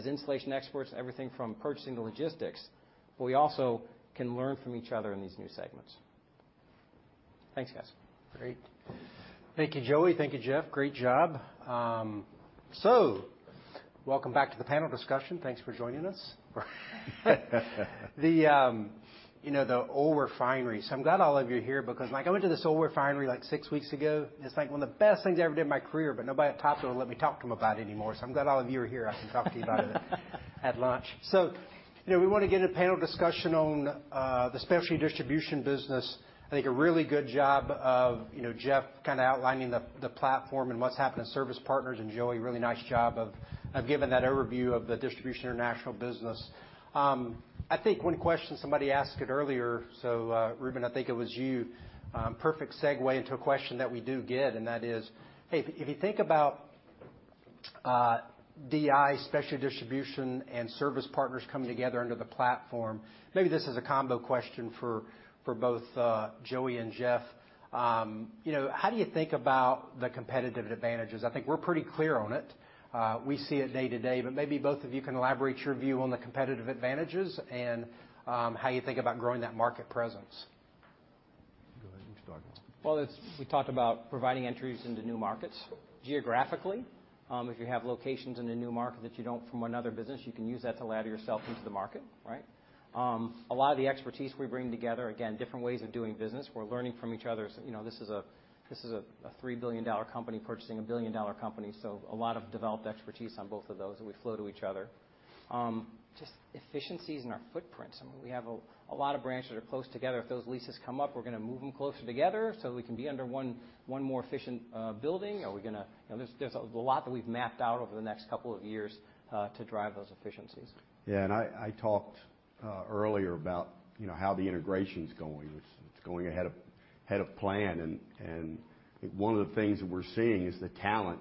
[SPEAKER 17] insulation experts, everything from purchasing to logistics, but we also can learn from each other in these new segments. Thanks, guys.
[SPEAKER 3] Great. Thank you, Joey. Thank you, Jeff. Great job. Welcome back to the panel discussion. Thanks for joining us. The, you know, the oil refineries. I'm glad all of you are here because, like, I went to this oil refinery, like, six weeks ago, and it's, like, one of the best things I ever did in my career, but nobody at TopBuild will let me talk to them about it anymore, so I'm glad all of you are here. I can talk to you about it at lunch. You know, we wanna get a panel discussion on the specialty distribution business. I think a really good job of, you know, Jeff kinda outlining the platform and what's happening with Service Partners, and Joey, really nice job of giving that overview of the Distribution International business. I think one question, somebody asked it earlier, so, Reuben, I think it was you, perfect segue into a question that we do get, and that is, hey, if you think about, DI, Specialty Distribution, and Service Partners coming together under the platform, maybe this is a combo question for both, Joey and Jeff. You know, how do you think about the competitive advantages? I think we're pretty clear on it. We see it day to day, but maybe both of you can elaborate your view on the competitive advantages and, how you think about growing that market presence. Go ahead. You start.
[SPEAKER 17] Well, we talked about providing entries into new markets geographically. If you have locations in a new market that you don't from another business, you can use that to ladder yourself into the market, right? A lot of the expertise we bring together, again, different ways of doing business. We're learning from each other. You know, this is a $3 billion company purchasing a $1 billion company, so a lot of developed expertise on both of those, and we flow to each other. Just efficiencies in our footprints. I mean, we have a lot of branches that are close together. If those leases come up, we're gonna move them closer together, so we can be under one more efficient building. Are we gonna... You know, there's a lot that we've mapped out over the next couple of years to drive those efficiencies.
[SPEAKER 16] I talked earlier about, you know, how the integration's going. It's going ahead of plan. One of the things that we're seeing is the talent,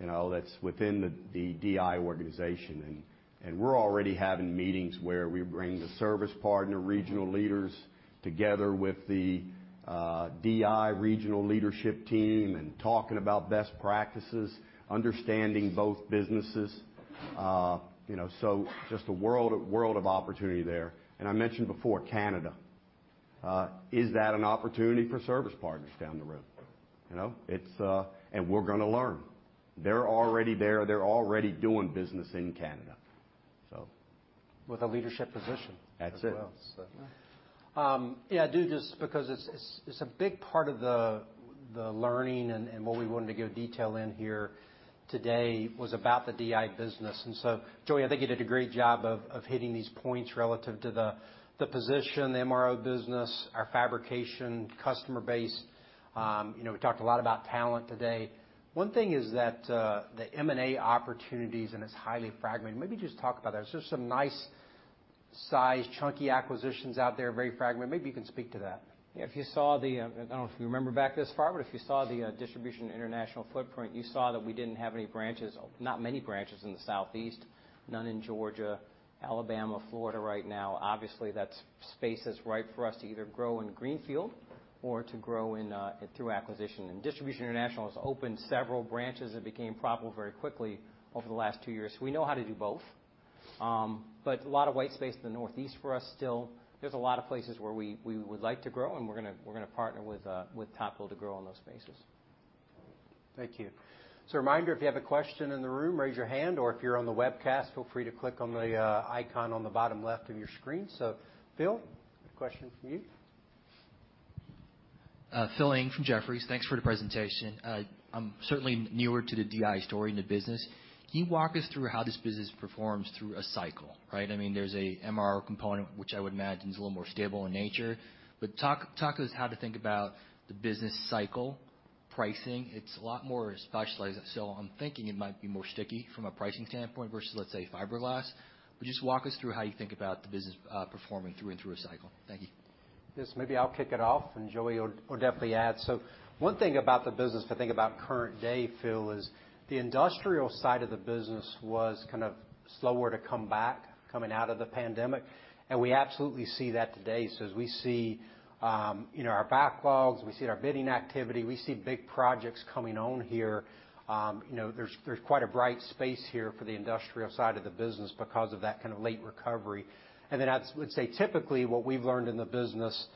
[SPEAKER 16] you know, that's within the DI organization. We're already having meetings where we bring the Service Partners regional leaders together with the DI regional leadership team and talking about best practices, understanding both businesses. You know, just a world of opportunity there. I mentioned before Canada. Is that an opportunity for Service Partners down the road? You know? We're gonna learn. They're already there. They're already doing business in Canada, so.
[SPEAKER 5] With a leadership position as well.
[SPEAKER 16] That's it.
[SPEAKER 3] Yeah, dude, just because it's a big part of the learning and what we wanted to go into detail here today was about the DI business. Joey, I think you did a great job of hitting these points relative to the position, the MRO business, our fabrication customer base. You know, we talked a lot about talent today. One thing is that the M&A opportunities, and it's highly fragmented. Maybe just talk about that. Is there some nice sized chunky acquisitions out there, very fragmented? Maybe you can speak to that.
[SPEAKER 11] Yeah. If you saw the Distribution International Footprint, you saw that we didn't have any branches, not many branches in the southeast, none in Georgia, Alabama, Florida right now. Obviously, that space is ripe for us to either grow in greenfield or to grow in through acquisition. Distribution International has opened several branches that became profitable very quickly over the last two years. We know how to do both. But a lot of white space in the northeast for us still. There's a lot of places where we would like to grow, and we're gonna partner with TopBuild to grow in those spaces.
[SPEAKER 3] Thank you. Reminder, if you have a question in the room, raise your hand, or if you're on the webcast, feel free to click on the icon on the bottom left of your screen. Phil, question from you.
[SPEAKER 8] Phil Ng from Jefferies. Thanks for the presentation. I'm certainly newer to the DI story in the business. Can you walk us through how this business performs through a cycle, right? I mean, there's a MRO component, which I would imagine is a little more stable in nature. But talk to us how to think about the business cycle pricing. It's a lot more specialized, so I'm thinking it might be more sticky from a pricing standpoint versus, let's say, fiberglass. But just walk us through how you think about the business, performing through and through a cycle. Thank you.
[SPEAKER 3] This, maybe I'll kick it off, and Joey will definitely add. One thing about the business to think about current day, Phil, is the industrial side of the business was kind of slower to come back coming out of the pandemic, and we absolutely see that today. As we see, you know, our backlogs, we see it in our bidding activity, we see big projects coming on here, you know, there's quite a bright space here for the industrial side of the business because of that kind of late recovery. Then I would say typically what we've learned in the business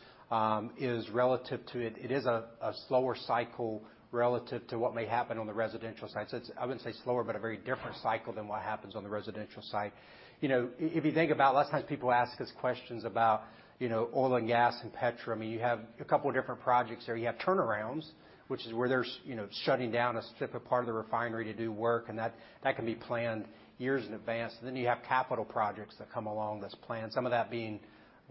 [SPEAKER 3] is relative to it is a slower cycle relative to what may happen on the residential side. It's, I wouldn't say slower, but a very different cycle than what happens on the residential side. You know, if you think about lots of times people ask us questions about, you know, oil and gas and petroleum. I mean, you have a couple of different projects there. You have turnarounds, which is where there's, you know, shutting down a specific part of the refinery to do work, and that can be planned years in advance. Then you have capital projects that come along that's planned, some of that being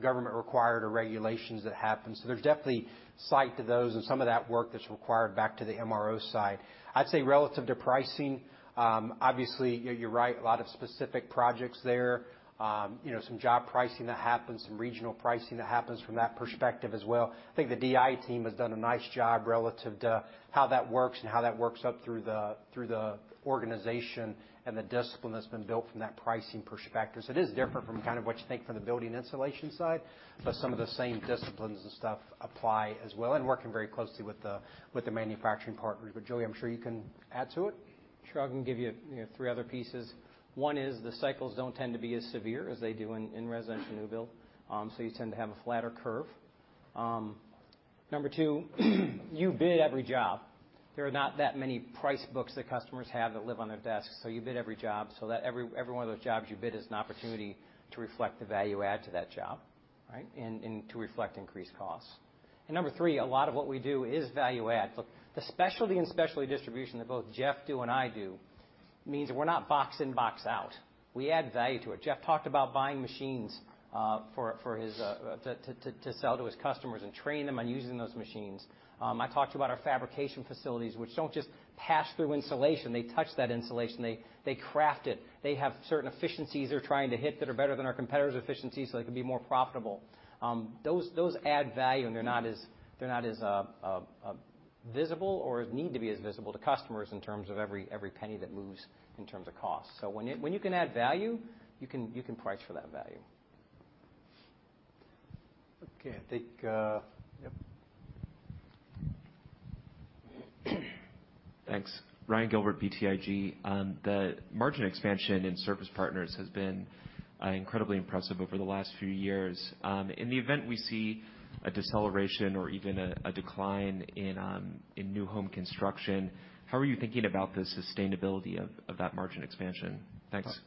[SPEAKER 3] government required or regulations that happen. There's definitely size to those and some of that work that's required back to the MRO side. I'd say relative to pricing, obviously, you're right, a lot of specific projects there. You know, some job pricing that happens, some regional pricing that happens from that perspective as well. I think the DI team has done a nice job relative to how that works up through the organization and the discipline that's been built from that pricing perspective. It is different from kind of what you think from the building insulation side, but some of the same disciplines and stuff apply as well and working very closely with the manufacturing partners. Joey, I'm sure you can add to it.
[SPEAKER 17] Sure. I can give you know, three other pieces. One is the cycles don't tend to be as severe as they do in residential new build, so you tend to have a flatter curve. Number two, you bid every job. There are not that many price books that customers have that live on their desk, so you bid every job so that every one of those jobs you bid is an opportunity to reflect the value add to that job, right? And to reflect increased costs. And number three, a lot of what we do is value add. Look, the specialty and specialty distribution that both Jeff and I do means we're not box in, box out. We add value to it. Jeff talked about buying machines for his. To sell to his customers and train them on using those machines. I talked about our fabrication facilities, which don't just pass through insulation. They touch that insulation. They craft it. They have certain efficiencies they're trying to hit that are better than our competitors' efficiencies, so they can be more profitable. Those add value, and they're not as visible or need to be as visible to customers in terms of every penny that moves in terms of cost. When you can add value, you can price for that value.
[SPEAKER 3] Okay. I think. Yep.
[SPEAKER 9] Thanks. Ryan Gilbert, BTIG. The margin expansion in Service Partners has been incredibly impressive over the last few years. In the event we see a deceleration or even a decline in new home construction, how are you thinking about the sustainability of that margin expansion? Thanks.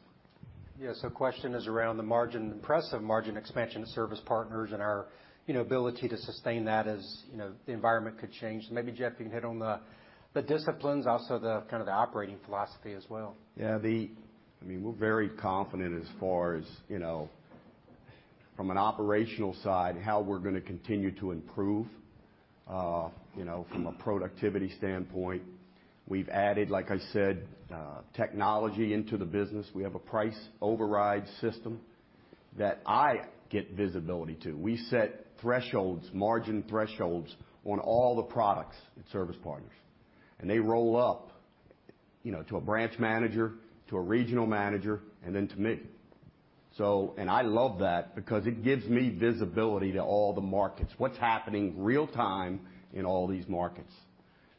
[SPEAKER 3] Yeah, question is around the margin, impressive margin expansion of Service Partners and our, you know, ability to sustain that as, you know, the environment could change. Maybe, Jeff, you can hit on the disciplines, also the kind of the operating philosophy as well.
[SPEAKER 16] Yeah. I mean, we're very confident as far as, you know, from an operational side, how we're gonna continue to improve, you know, from a productivity standpoint. We've added, like I said, technology into the business. We have a price override system that I get visibility to. We set thresholds, margin thresholds on all the products at Service Partners. They roll up, you know, to a branch manager, to a regional manager, and then to me. I love that because it gives me visibility to all the markets, what's happening real time in all these markets,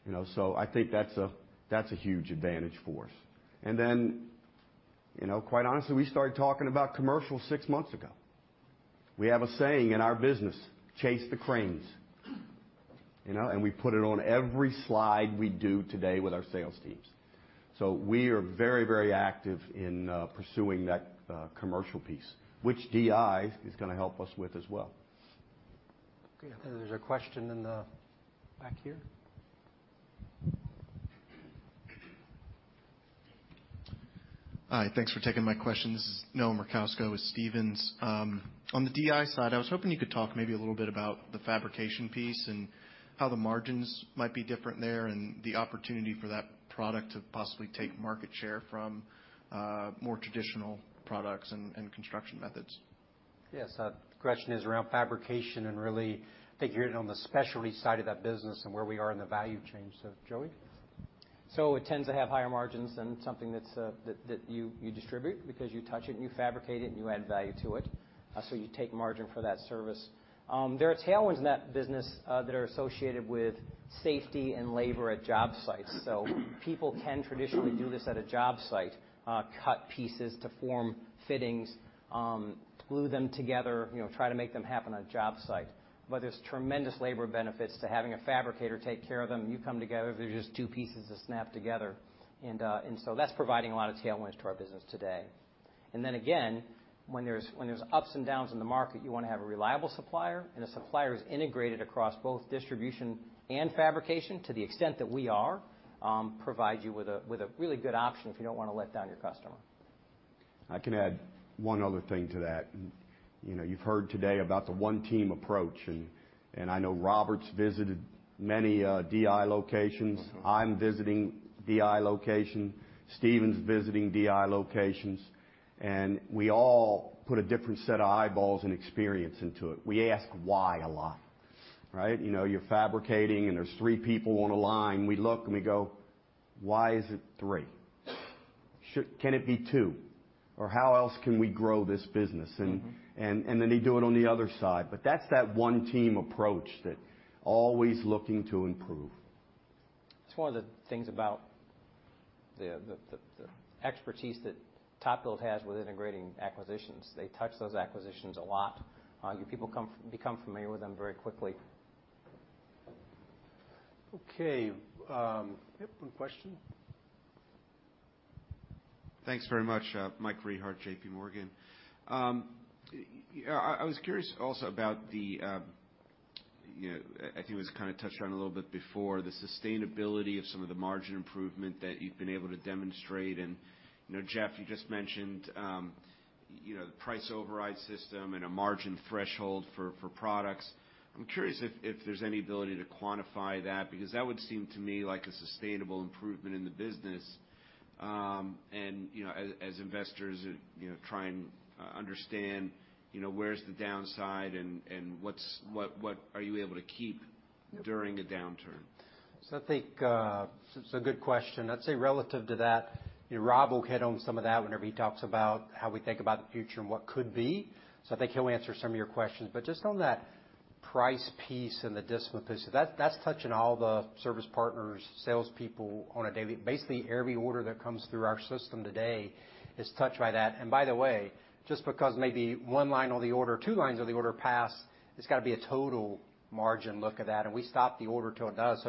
[SPEAKER 16] you know? I think that's a huge advantage for us. You know, quite honestly, we started talking about commercial six months ago. We have a saying in our business, "Chase the cranes," you know, and we put it on every slide we do today with our sales teams. We are very, very active in pursuing that commercial piece, which DI is gonna help us with as well.
[SPEAKER 3] Okay. There's a question in the back here.
[SPEAKER 18] Hi. Thanks for taking my questions. This is Noah Murkowski with Stephens. On the DI side, I was hoping you could talk maybe a little bit about the fabrication piece and how the margins might be different there and the opportunity for that product to possibly take market share from, more traditional products and construction methods.
[SPEAKER 3] Yes. The question is around fabrication and really figuring on the specialty side of that business and where we are in the value chain. Joey?
[SPEAKER 17] It tends to have higher margins than something that you distribute because you touch it and you fabricate it and you add value to it, so you take margin for that service. There are tailwinds in that business that are associated with safety and labor at job sites. People can traditionally do this at a job site, cut pieces to form fittings, glue them together, you know, try to make them happen on a job site. There's tremendous labor benefits to having a fabricator take care of them. You come together, they're just two pieces that snap together. That's providing a lot of tailwinds to our business today. When there's ups and downs in the market, you wanna have a reliable supplier, and the supplier is integrated across both distribution and fabrication to the extent that we are, provide you with a really good option if you don't wanna let down your customer.
[SPEAKER 16] I can add one other thing to that. You know, you've heard today about the one team approach, and I know Robert's visited many DI locations.
[SPEAKER 3] Mm-hmm.
[SPEAKER 16] I'm visiting DI location. Stephens visiting DI locations. We all put a different set of eyeballs and experience into it. We ask why a lot, right? You know, you're fabricating, and there's three people on a line. We look and we go, "Why is it three? Can it be two?" Or, "How else can we grow this business?
[SPEAKER 3] Mm-hmm.
[SPEAKER 16] They do it on the other side. That's that one team approach that always looking to improve.
[SPEAKER 17] It's one of the things about the expertise that TopBuild has with integrating acquisitions. They touch those acquisitions a lot. Your people become familiar with them very quickly.
[SPEAKER 3] Okay. Yep. One question.
[SPEAKER 7] Thanks very much. Michael Rehaut, JPMorgan. I was curious also about the, you know, I think it was kinda touched on a little bit before, the sustainability of some of the margin improvement that you've been able to demonstrate. You know, Jeff, you just mentioned, you know, the price override system and a margin threshold for products. I'm curious if there's any ability to quantify that, because that would seem to me like a sustainable improvement in the business. You know, as investors, you know, try and understand, you know, where's the downside and what are you able to keep during a downturn?
[SPEAKER 3] I think it's a good question. I'd say relative to that, you know, Rob will hit on some of that whenever he talks about how we think about the future and what could be, so I think he'll answer some of your questions. Just on that price piece and the discipline piece. That's touching all the Service Partners salespeople on a daily basis. Basically, every order that comes through our system today is touched by that. By the way, just because maybe one line or the order, two lines of the order pass, it's gotta be a total margin look of that, and we stop the order till it does.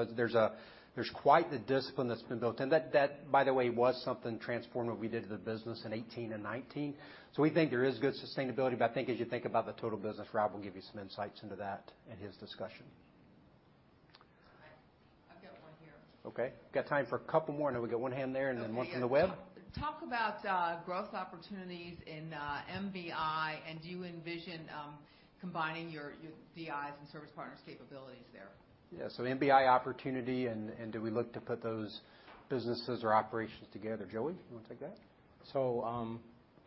[SPEAKER 3] There's quite the discipline that's been built in. That by the way was something transformative we did to the business in 2018 and 2019. We think there is good sustainability, but I think as you think about the total business, Rob will give you some insights into that in his discussion.
[SPEAKER 13] I've got one here.
[SPEAKER 3] Okay. Got time for a couple more? Now we got one hand there and then one from the web.
[SPEAKER 13] Talk about growth opportunities in MBI, and do you envision combining your BIs and Service Partners capabilities there?
[SPEAKER 3] Yeah. MBI opportunity and do we look to put those businesses or operations together? Joey, you wanna take that?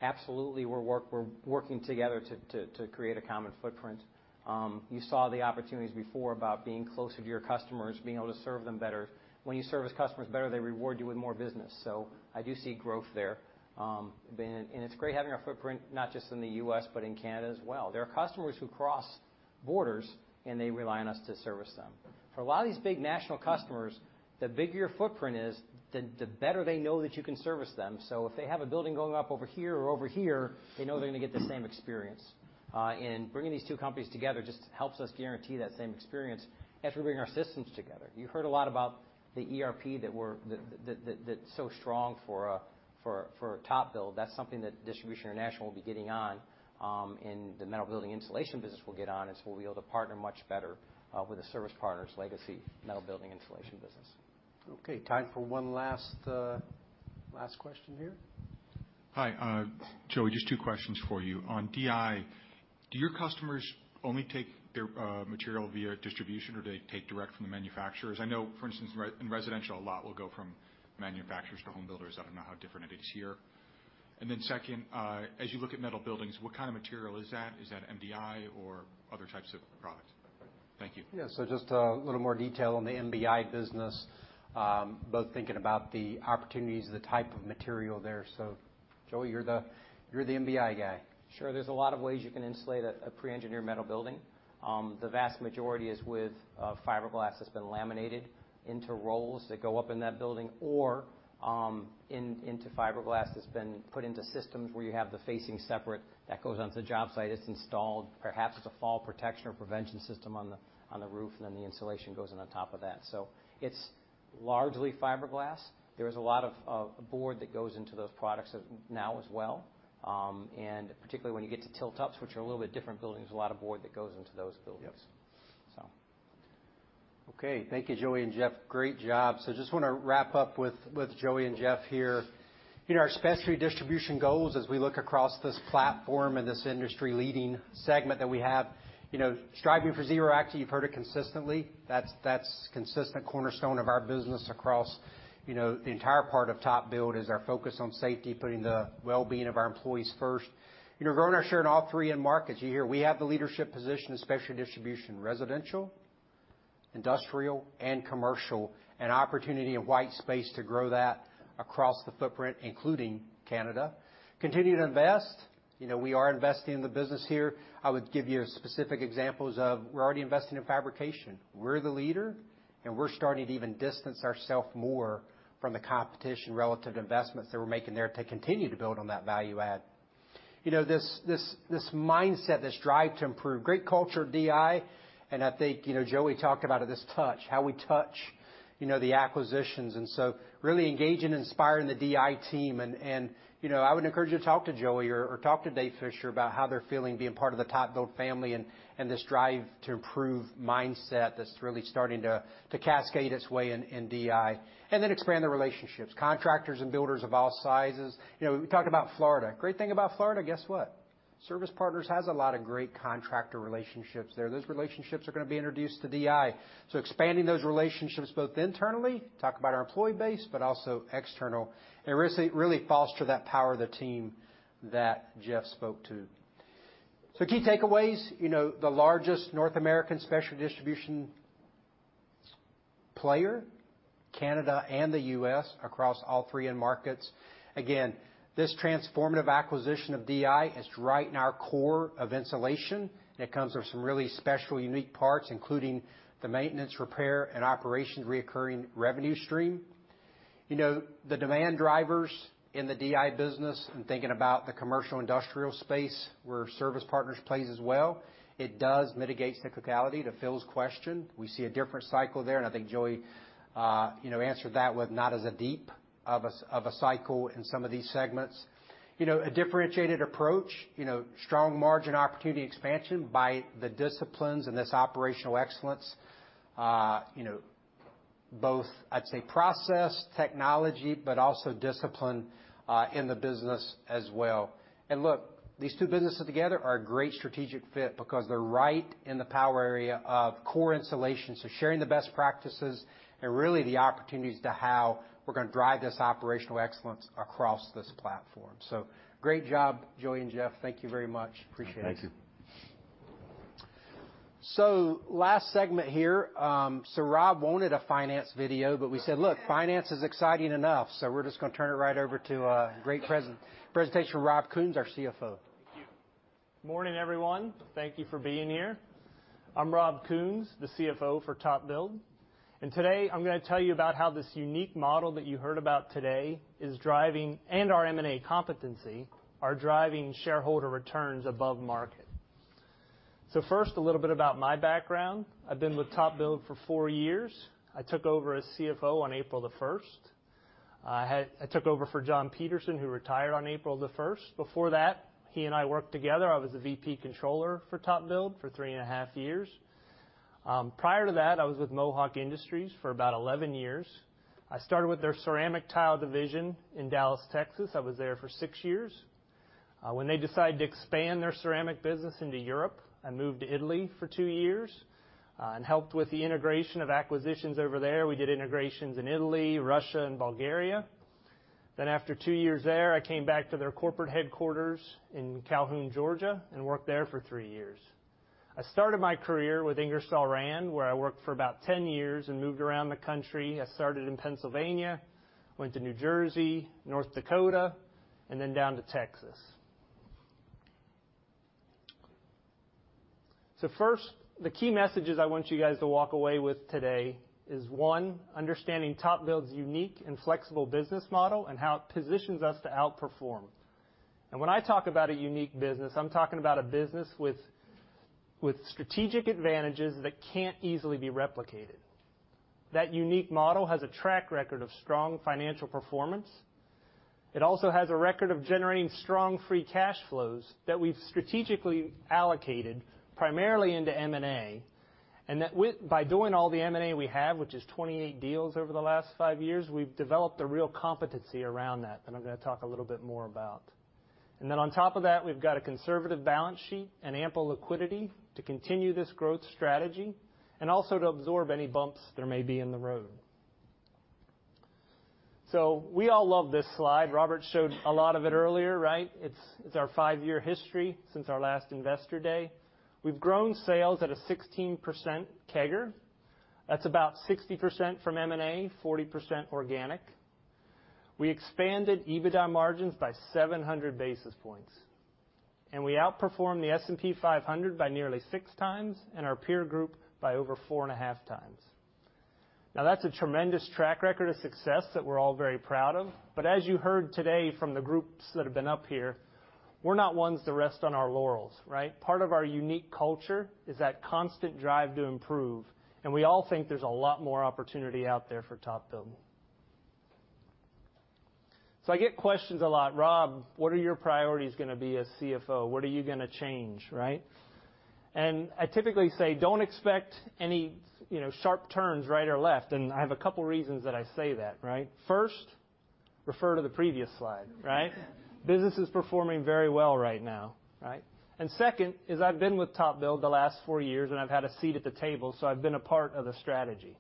[SPEAKER 17] Absolutely, we're working together to create a common footprint. You saw the opportunities before about being closer to your customers, being able to serve them better. When you service customers better, they reward you with more business. I do see growth there. It's great having our footprint, not just in the U.S., but in Canada as well. There are customers who cross borders, and they rely on us to service them. For a lot of these big national customers, the bigger your footprint is, the better they know that you can service them. If they have a building going up over here or over here, they know they're gonna get the same experience. Bringing these two companies together just helps us guarantee that same experience as we're bringing our systems together. You heard a lot about the ERP that's so strong for TopBuild. That's something that Distribution International will be getting on, and the metal building insulation business will get on, and we'll be able to partner much better with the Service Partners legacy metal building insulation business.
[SPEAKER 3] Okay, time for one last question here. Hi, Joey, just two questions for you. On DI, do your customers only take their material via distribution, or do they take direct from the manufacturers? I know, for instance, in residential, a lot will go from manufacturers to home builders. I don't know how different it is here. Second, as you look at metal buildings, what kind of material is that? Is that MBI or other types of product? Thank you. Just a little more detail on the MBI business, both thinking about the opportunities, the type of material there. Joey, you're the MBI guy.
[SPEAKER 17] Sure. There's a lot of ways you can insulate a pre-engineered metal building. The vast majority is with fiberglass that's been laminated into rolls that go up in that building or into fiberglass that's been put into systems where you have the facing separate that goes onto the job site. It's installed, perhaps it's a fall protection or prevention system on the roof, and then the insulation goes in on top of that. So it's largely fiberglass. There's a lot of board that goes into those products now as well. Particularly when you get to tilt-ups, which are a little bit different buildings, there's a lot of board that goes into those buildings.
[SPEAKER 3] Yep.
[SPEAKER 17] So.
[SPEAKER 3] Okay. Thank you, Joey and Jeff. Great job. Just wanna wrap up with Joey and Jeff here. You know, our specialty distribution goals as we look across this platform and this industry-leading segment that we have, you know, striving for zero accidents. You've heard it consistently. That's consistent cornerstone of our business across, you know, the entire part of TopBuild is our focus on safety, putting the well-being of our employees first. You know, growing our share in all three end markets. You hear we have the leadership position in specialty distribution, residential, industrial, and commercial, and opportunity of white space to grow that across the footprint, including Canada. Continue to invest. You know, we are investing in the business here. I would give you specific examples of we're already investing in fabrication. We're the leader, and we're starting to even distance ourselves more from the competition relative to investments that we're making there to continue to build on that value add. You know, this mindset, this drive to improve. Great culture at DI, and I think, you know, Joey talked about it, this touch, how we touch, you know, the acquisitions, and so really engaging, inspiring the DI team. You know, I would encourage you to talk to Joey or talk to Dave Fisher about how they're feeling being part of the TopBuild family and this drive to improve mindset that's really starting to cascade its way in DI. Expand the relationships. Contractors and builders of all sizes. You know, we talked about Florida. Great thing about Florida, guess what? Service Partners has a lot of great contractor relationships there. Those relationships are gonna be introduced to DI. Expanding those relationships, both internally, talk about our employee base, but also external, and really, really foster that power of the team that Jeff spoke to. Key takeaways, you know, the largest North American specialty distribution player, Canada and the U.S. across all three end markets. Again, this transformative acquisition of DI is right in our core of insulation. It comes with some really special, unique parts, including the maintenance, repair and operations recurring revenue stream. You know, the demand drivers in the DI business and thinking about the commercial industrial space where Service Partners plays as well, it does mitigate cyclicality to Phil's question. We see a different cycle there, and I think Joey, you know, answered that with not as deep of a cycle in some of these segments. You know, a differentiated approach, you know, strong margin opportunity expansion by the disciplines and this operational excellence, you know, both, I'd say, process, technology, but also discipline, in the business as well. Look, these two businesses together are a great strategic fit because they're right in the power area of core insulation, so sharing the best practices and really the opportunities to how we're gonna drive this operational excellence across this platform. Great job, Joey and Jeff. Thank you very much. Appreciate it.
[SPEAKER 17] Thank you.
[SPEAKER 3] Last segment here. Rob wanted a finance video, but we said, "Look, finance is exciting enough," we're just gonna turn it right over to a great presentation from Rob Kuhns, our CFO.
[SPEAKER 19] Morning, everyone. Thank you for being here. I'm Rob Kuhns, the CFO for TopBuild. Today, I'm gonna tell you about how this unique model that you heard about today is driving, and our M&A competency are driving shareholder returns above market. First, a little bit about my background. I've been with TopBuild for four years. I took over as CFO on April the 1st. I took over for John Peterson, who retired on April the 1st. Before that, he and I worked together. I was the VP Controller for TopBuild for three and a half years. Prior to that, I was with Mohawk Industries for about 11 years. I started with their ceramic tile division in Dallas, Texas. I was there for six years. When they decided to expand their ceramic business into Europe, I moved to Italy for two years and helped with the integration of acquisitions over there. We did integrations in Italy, Russia, and Bulgaria. After two years there, I came back to their corporate headquarters in Calhoun, Georgia, and worked there for three years. I started my career with Ingersoll-Rand, where I worked for about 10 years and moved around the country. I started in Pennsylvania, went to New Jersey, North Dakota, and then down to Texas. First, the key messages I want you guys to walk away with today is, one, understanding TopBuild's unique and flexible business model and how it positions us to outperform. When I talk about a unique business, I'm talking about a business with strategic advantages that can't easily be replicated. That unique model has a track record of strong financial performance. It also has a record of generating strong free cash flows that we've strategically allocated primarily into M&A, and that by doing all the M&A we have, which is 28 deals over the last five years, we've developed a real competency around that I'm gonna talk a little bit more about. Then on top of that, we've got a conservative balance sheet and ample liquidity to continue this growth strategy and also to absorb any bumps there may be in the road. We all love this slide. Robert showed a lot of it earlier, right? It's our fiveyear history since our last investor day. We've grown sales at a 16% CAGR. That's about 60% from M&A, 40% organic. We expanded EBITDA margins by 700 basis points. We outperformed the S&P 500 by nearly six times and our peer group by over four and a half times. Now, that's a tremendous track record of success that we're all very proud of. As you heard today from the groups that have been up here, we're not ones to rest on our laurels, right? Part of our unique culture is that constant drive to improve, and we all think there's a lot more opportunity out there for TopBuild. I get questions a lot, "Rob, what are your priorities gonna be as CFO? What are you gonna change?" Right? I typically say, "Don't expect any, you know, sharp turns right or left." I have a couple reasons that I say that, right? First, refer to the previous slide, right? Business is performing very well right now, right? Second is I've been with TopBuild the last four years, and I've had a seat at the table, so I've been a part of the strategy.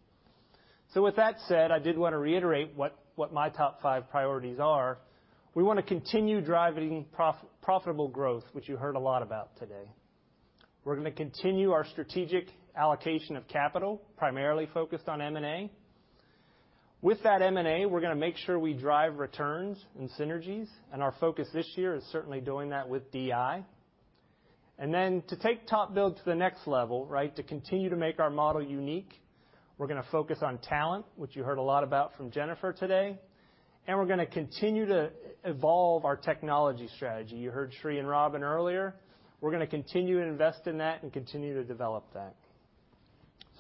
[SPEAKER 19] With that said, I did wanna reiterate what my top five priorities are. We wanna continue driving profitable growth, which you heard a lot about today. We're gonna continue our strategic allocation of capital, primarily focused on M&A. With that M&A, we're gonna make sure we drive returns and synergies, and our focus this year is certainly doing that with DI. Then to take TopBuild to the next level, right, to continue to make our model unique, we're gonna focus on talent, which you heard a lot about from Jennifer today. We're gonna continue to evolve our technology strategy. You heard Sri and Robin earlier. We're gonna continue to invest in that and continue to develop that.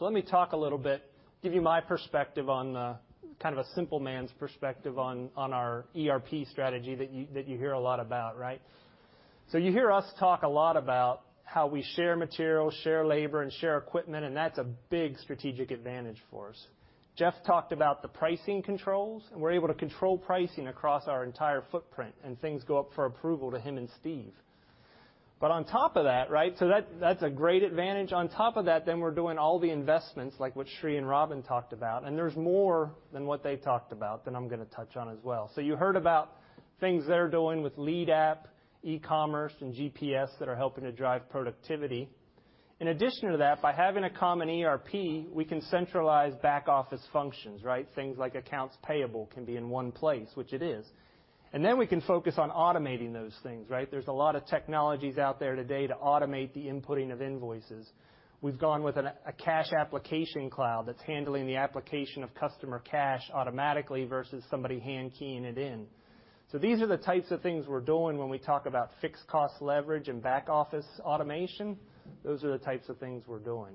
[SPEAKER 19] Let me talk a little bit, give you my perspective on kind of a simple man's perspective on our ERP strategy that you hear a lot about, right? You hear us talk a lot about how we share materials, share labor, and share equipment, and that's a big strategic advantage for us. Jeff talked about the pricing controls, and we're able to control pricing across our entire footprint, and things go up for approval to him and Steve. On top of that, right? That's a great advantage. On top of that, we're doing all the investments like what Sri and Robin talked about, and there's more than what they talked about that I'm gonna touch on as well. You heard about things they're doing with Lead App, e-commerce, and GPS that are helping to drive productivity. In addition to that, by having a common ERP, we can centralize back office functions, right? Things like accounts payable can be in one place, which it is. We can focus on automating those things, right? There's a lot of technologies out there today to automate the inputting of invoices. We've gone with a cash application cloud that's handling the application of customer cash automatically versus somebody hand-keying it in. These are the types of things we're doing when we talk about fixed cost leverage and back office automation. Those are the types of things we're doing.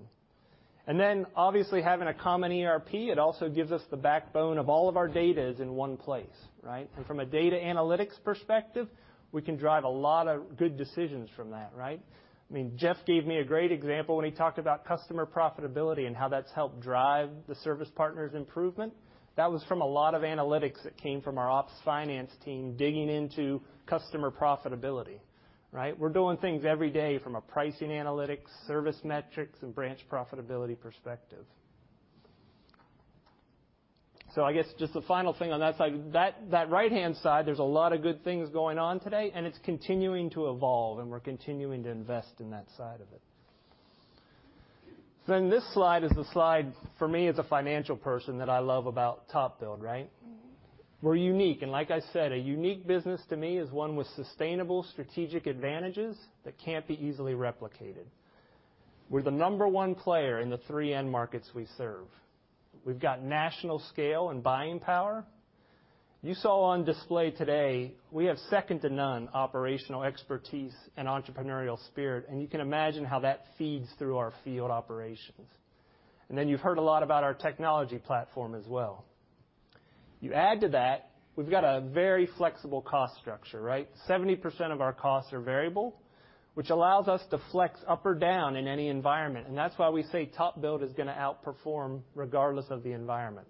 [SPEAKER 19] Obviously, having a common ERP, it also gives us the backbone of all of our data is in one place, right? From a data analytics perspective, we can drive a lot of good decisions from that, right? I mean, Jeff gave me a great example when he talked about customer profitability and how that's helped drive the Service Partners' improvement. That was from a lot of analytics that came from our ops finance team digging into customer profitability, right? We're doing things every day from a pricing analytics, service metrics, and branch profitability perspective. I guess just the final thing on that side. That right-hand side, there's a lot of good things going on today, and it's continuing to evolve, and we're continuing to invest in that side of it. This slide is the slide for me as a financial person that I love about TopBuild, right? We're unique, and like I said, a unique business to me is one with sustainable strategic advantages that can't be easily replicated. We're the number one player in the three end markets we serve. We've got national scale and buying power. You saw on display today, we have second to none operational expertise and entrepreneurial spirit, and you can imagine how that feeds through our field operations. You've heard a lot about our technology platform as well. You add to that, we've got a very flexible cost structure, right? 70% of our costs are variable, which allows us to flex up or down in any environment. That's why we say TopBuild is gonna outperform regardless of the environment.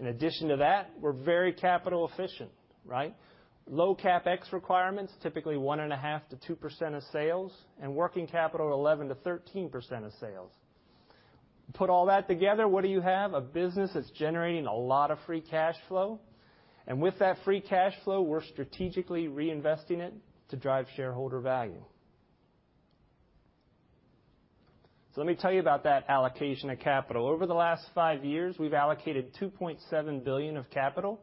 [SPEAKER 19] In addition to that, we're very capital efficient, right? Low CapEx requirements, typically 1.5%-2% of sales, and working capital, 11%-13% of sales. Put all that together, what do you have? A business that's generating a lot of free cash flow. With that free cash flow, we're strategically reinvesting it to drive shareholder value. Let me tell you about that allocation of capital. Over the last five years, we've allocated $2.7 billion of capital.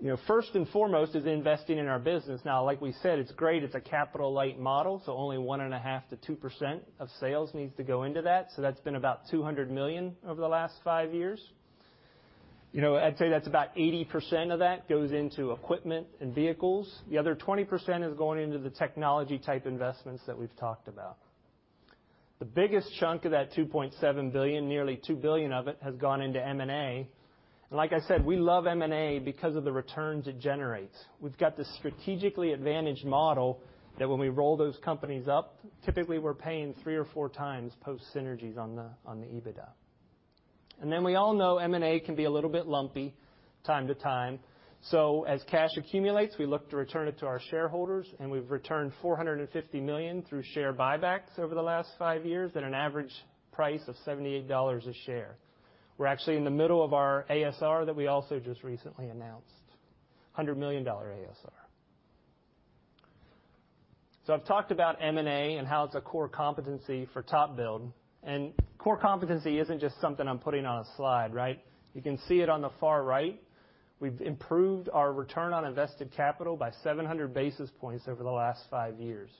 [SPEAKER 19] You know, first and foremost is investing in our business. Now, like we said, it's great it's a capital-light model, so only 1.5%-2% of sales needs to go into that. So that's been about $200 million over the last 5 years. You know, I'd say that's about 80% of that goes into equipment and vehicles. The other 20% is going into the technology-type investments that we've talked about. The biggest chunk of that $2.7 billion, nearly $2 billion of it, has gone into M&A. Like I said, we love M&A because of the returns it generates. We've got this strategically advantaged model that when we roll those companies up, typically we're paying 3x or 4x post synergies on the EBITDA. We all know M&A can be a little bit lumpy from time to time. As cash accumulates, we look to return it to our shareholders, and we've returned $450 million through share buybacks over the last five years at an average price of $78 a share. We're actually in the middle of our ASR that we also just recently announced, $100 million ASR. I've talked about M&A and how it's a core competency for TopBuild. Core competency isn't just something I'm putting on a slide, right? You can see it on the far right. We've improved our return on invested capital by 700 basis points over the last five years.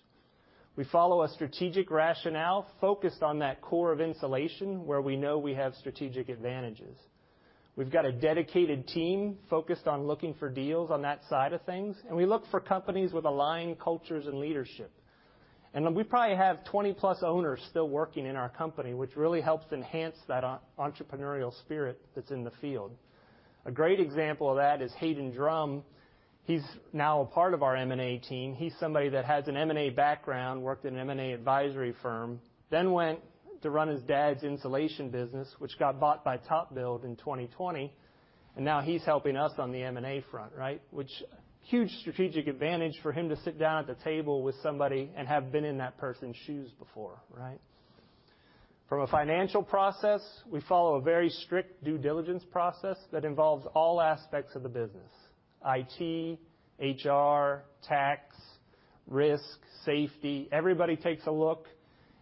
[SPEAKER 19] We follow a strategic rationale focused on that core of insulation, where we know we have strategic advantages. We've got a dedicated team focused on looking for deals on that side of things, and we look for companies with aligned cultures and leadership. We probably have 20+ owners still working in our company, which really helps enhance that entrepreneurial spirit that's in the field. A great example of that is Hayden Drum. He's now a part of our M&A team. He's somebody that has an M&A background, worked in an M&A advisory firm, then went to run his dad's insulation business, which got bought by TopBuild in 2020, and now he's helping us on the M&A front, right? Which huge strategic advantage for him to sit down at the table with somebody and have been in that person's shoes before, right? From a financial process, we follow a very strict due diligence process that involves all aspects of the business, IT, HR, tax, risk, safety. Everybody takes a look,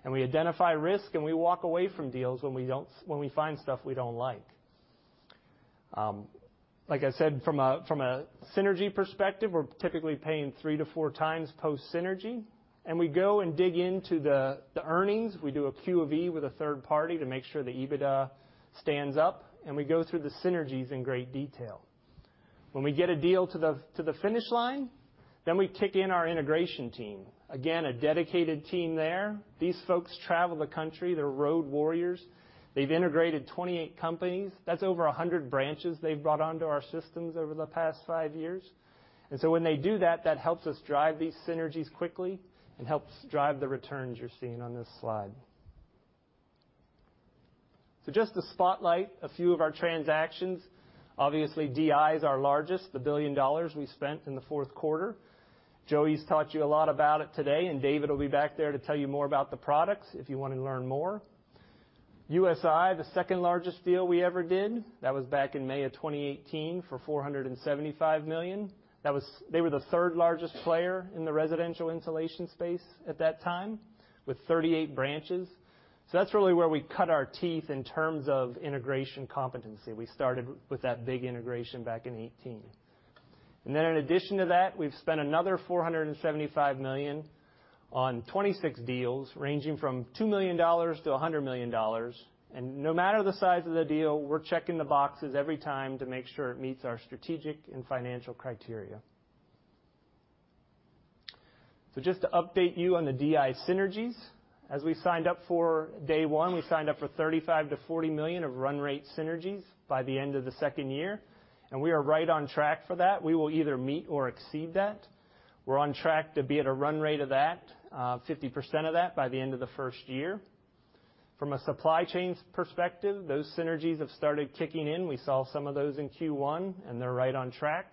[SPEAKER 19] and we identify risk, and we walk away from deals when we find stuff we don't like. Like I said, from a synergy perspective, we're typically paying 3x-4x post synergy, and we go and dig into the earnings. We do a Q of E with a third party to make sure the EBITDA stands up, and we go through the synergies in great detail. When we get a deal to the finish line, then we kick in our integration team. Again, a dedicated team there. These folks travel the country. They're road warriors. They've integrated 28 companies. That's over 100 branches they've brought onto our systems over the past five years. When they do that helps us drive these synergies quickly and helps drive the returns you're seeing on this slide. Just to spotlight a few of our transactions. Obviously, DI is our largest, the $1 billion we spent in the fourth quarter. Joey's taught you a lot about it today, and Dave will be back there to tell you more about the products if you wanna learn more. USI, the second-largest deal we ever did, that was back in May of 2018 for $475 million. That was. They were the third-largest player in the residential insulation space at that time with 38 branches. That's really where we cut our teeth in terms of integration competency. We started with that big integration back in 2018. In addition to that, we've spent another $475 million on 26 deals, ranging from $2 million-$100 million. No matter the size of the deal, we're checking the boxes every time to make sure it meets our strategic and financial criteria. Just to update you on the DI synergies. As we signed up for day one, we signed up for $35 million-$40 million of run rate synergies by the end of the second year, and we are right on track for that. We will either meet or exceed that. We're on track to be at a run rate of that, 50% of that by the end of the first year. From a supply chains perspective, those synergies have started kicking in. We saw some of those in Q1, and they're right on track.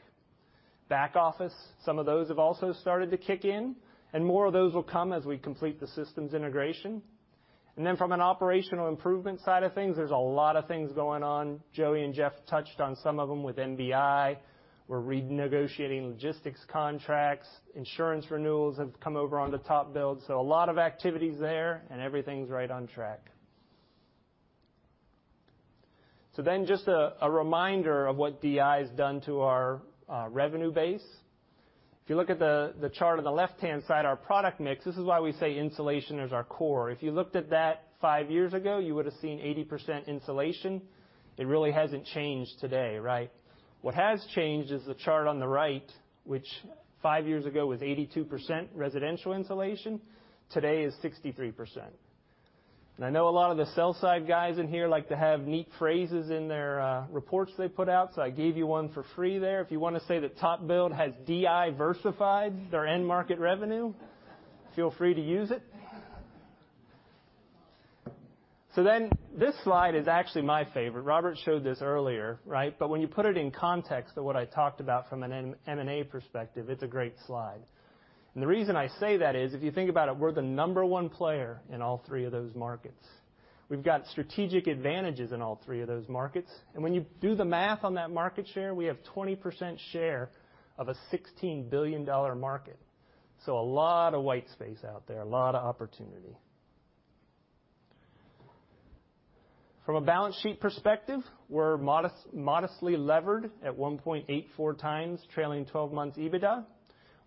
[SPEAKER 19] Back office, some of those have also started to kick in, and more of those will come as we complete the systems integration. From an operational improvement side of things, there's a lot of things going on. Joey and Jeff touched on some of them with NBI. We're renegotiating logistics contracts. Insurance renewals have come over onto TopBuild. A lot of activities there, and everything's right on track. Just a reminder of what DI has done to our revenue base. If you look at the chart on the left-hand side, our product mix, this is why we say insulation is our core. If you looked at that five years ago, you would have seen 80% insulation. It really hasn't changed today, right? What has changed is the chart on the right, which five years ago was 82% residential insulation, today is 63%. I know a lot of the sell-side guys in here like to have neat phrases in their reports they put out, so I gave you one for free there. If you wanna say that TopBuild has DI-versified their end market revenue, feel free to use it. This slide is actually my favorite. Robert showed this earlier, right? When you put it in context of what I talked about from an M&A perspective, it's a great slide. The reason I say that is, if you think about it, we're the number one player in all three of those markets. We've got strategic advantages in all three of those markets. When you do the math on that market share, we have 20% share of a $16 billion market. A lot of white space out there, a lot of opportunity. From a balance sheet perspective, we're modestly levered at 1.84x trailing 12 months EBITDA.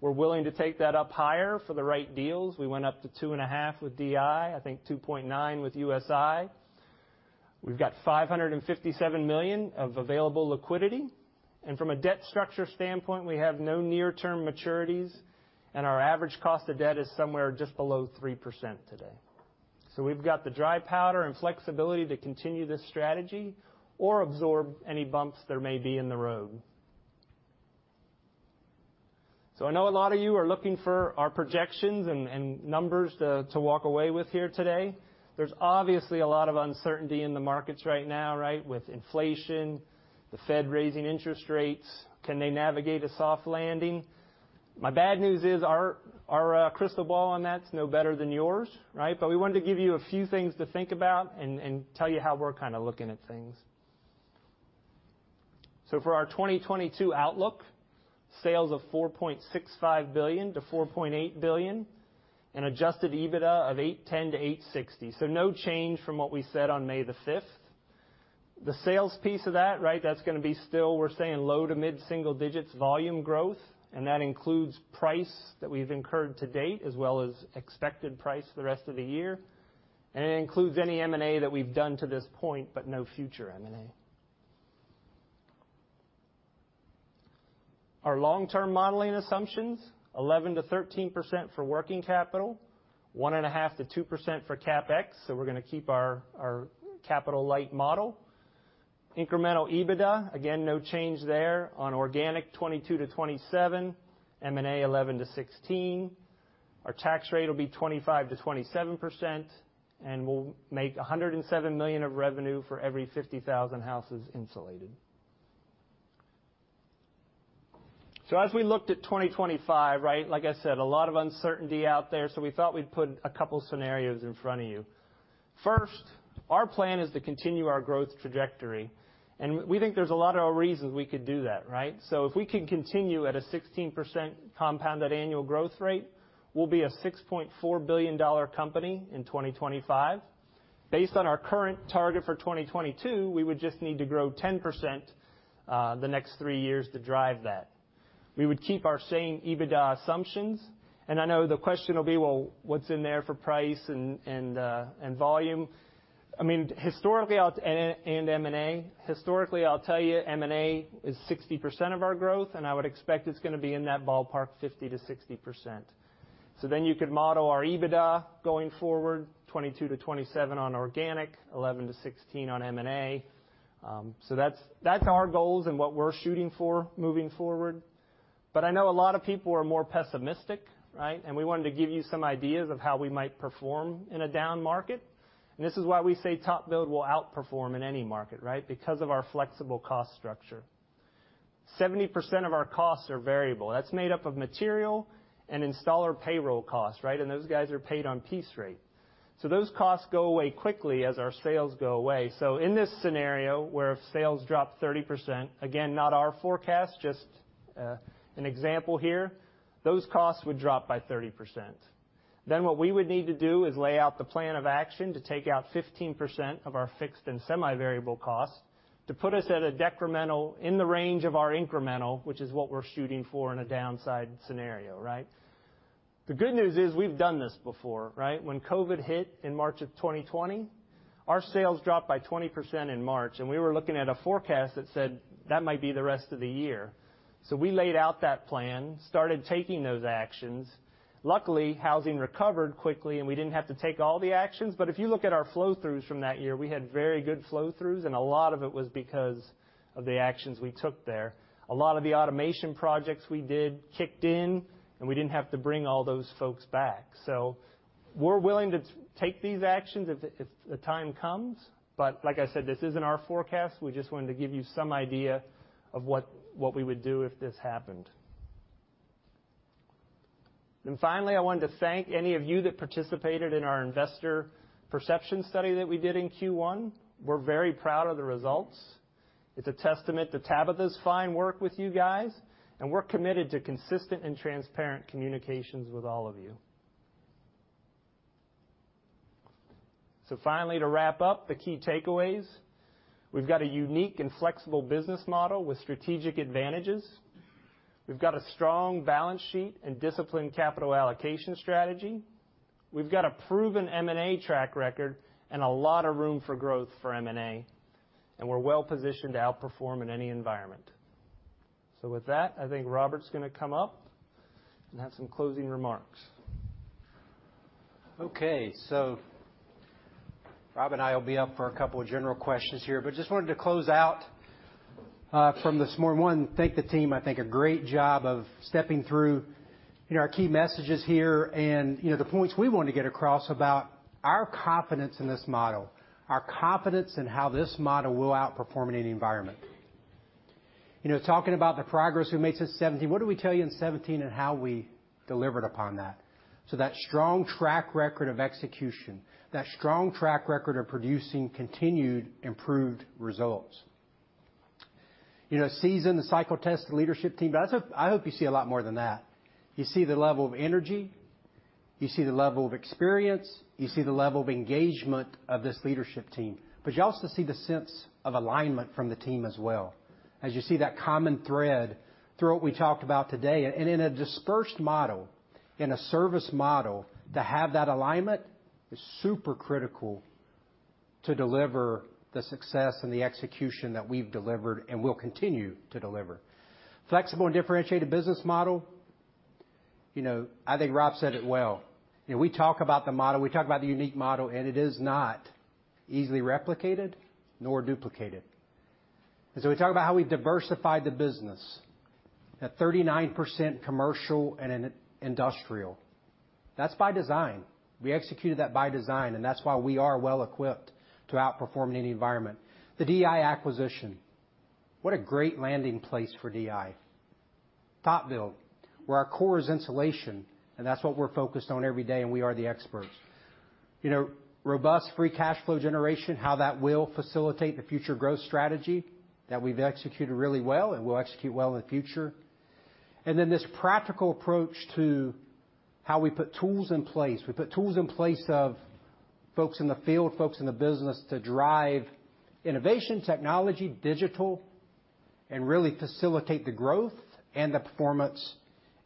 [SPEAKER 19] We're willing to take that up higher for the right deals. We went up to 2.5 with DI, I think 2.9 with USI. We've got $557 million of available liquidity. From a debt structure standpoint, we have no near-term maturities, and our average cost of debt is somewhere just below 3% today. We've got the dry powder and flexibility to continue this strategy or absorb any bumps there may be in the road. I know a lot of you are looking for our projections and numbers to walk away with here today. There's obviously a lot of uncertainty in the markets right now, right? With inflation, the Fed raising interest rates. Can they navigate a soft landing? My bad news is our crystal ball on that is no better than yours, right? We wanted to give you a few things to think about and tell you how we're kinda looking at things. For our 2022 outlook, sales of $4.65 billion-$4.8 billion, and adjusted EBITDA of $810 million-$860 million. No change from what we said on May the 5th. The sales piece of that, right, that's gonna be still, we're saying low- to mid-single-digit volume growth, and that includes price that we've incurred to date as well as expected price for the rest of the year. It includes any M&A that we've done to this point, but no future M&A. Our long-term modeling assumptions, 11%-13% for working capital, 1.5%-2% for CapEx, so we're gonna keep our capital-light model. Incremental EBITDA, again, no change there. On organic, 22%-27%, M&A, 11%-16%. Our tax rate will be 25%-27%, and we'll make $107 million of revenue for every 50,000 houses insulated. As we looked at 2025, right, like I said, a lot of uncertainty out there, we thought we'd put a couple scenarios in front of you. First, our plan is to continue our growth trajectory, and we think there's a lot of reasons we could do that, right? If we can continue at a 16% compounded annual growth rate, we'll be a $6.4 billion company in 2025. Based on our current target for 2022, we would just need to grow 10% the next three years to drive that. We would keep our same EBITDA assumptions, and I know the question will be, "Well, what's in there for price and volume?" I mean, historically, and M&A. Historically, I'll tell you M&A is 60% of our growth, and I would expect it's gonna be in that ballpark, 50%-60%. You could model our EBITDA going forward, $22-$27 on organic, $11-$16 on M&A. That's our goals and what we're shooting for moving forward. I know a lot of people are more pessimistic, right? We wanted to give you some ideas of how we might perform in a down market. This is why we say TopBuild will outperform in any market, right? Because of our flexible cost structure. 70% of our costs are variable. That's made up of material and installer payroll costs, right? Those guys are paid on piece rate. Those costs go away quickly as our sales go away. In this scenario where if sales drop 30%, again, not our forecast, just, an example here, those costs would drop by 30%. Then what we would need to do is lay out the plan of action to take out 15% of our fixed and semi-variable costs to put us at a decremental in the range of our incremental, which is what we're shooting for in a downside scenario, right? The good news is we've done this before, right? When COVID hit in March of 2020, our sales dropped by 20% in March, and we were looking at a forecast that said that might be the rest of the year. We laid out that plan, started taking those actions. Luckily, housing recovered quickly, and we didn't have to take all the actions. If you look at our flow-throughs from that year, we had very good flow-throughs, and a lot of it was because of the actions we took there. A lot of the automation projects we did kicked in, and we didn't have to bring all those folks back. We're willing to take these actions if the time comes, but like I said, this isn't our forecast. We just wanted to give you some idea of what we would do if this happened. Finally, I wanted to thank any of you that participated in our investor perception study that we did in Q1. We're very proud of the results. It's a testament to Tabitha's fine work with you guys, and we're committed to consistent and transparent communications with all of you. Finally, to wrap up the key takeaways, we've got a unique and flexible business model with strategic advantages. We've got a strong balance sheet and disciplined capital allocation strategy. We've got a proven M&A track record and a lot of room for growth for M&A, and we're well-positioned to outperform in any environment. With that, I think Robert's gonna come up and have some closing remarks.
[SPEAKER 3] Okay. Rob and I will be up for a couple of general questions here, but just wanted to close out from this morning. Want to thank the team. They did a great job of stepping through, you know, our key messages here and, you know, the points we want to get across about our confidence in this model, our confidence in how this model will outperform in any environment. You know, talking about the progress we made since 2017, what did we tell you in 2017 and how we delivered upon that. That strong track record of execution, that strong track record of producing continued improved results. You know, seasoned, cycle-tested leadership team, but I hope you see a lot more than that. You see the level of energy, you see the level of experience, you see the level of engagement of this leadership team, but you also see the sense of alignment from the team as well. As you see that common thread through what we talked about today, and in a dispersed model, in a service model, to have that alignment is super critical to deliver the success and the execution that we've delivered and will continue to deliver. Flexible and differentiated business model. You know, I think Rob said it well. You know, we talk about the model, we talk about the unique model, and it is not easily replicated nor duplicated. We talk about how we diversified the business. That 39% commercial and in-industrial. That's by design. We executed that by design, and that's why we are well-equipped to outperform in any environment. The DI acquisition, what a great landing place for DI. TopBuild, where our core is insulation, and that's what we're focused on every day, and we are the experts. You know, robust free cash flow generation, how that will facilitate the future growth strategy that we've executed really well and will execute well in the future. This practical approach to how we put tools in place. We put tools in place of folks in the field, folks in the business to drive innovation, technology, digital, and really facilitate the growth and the performance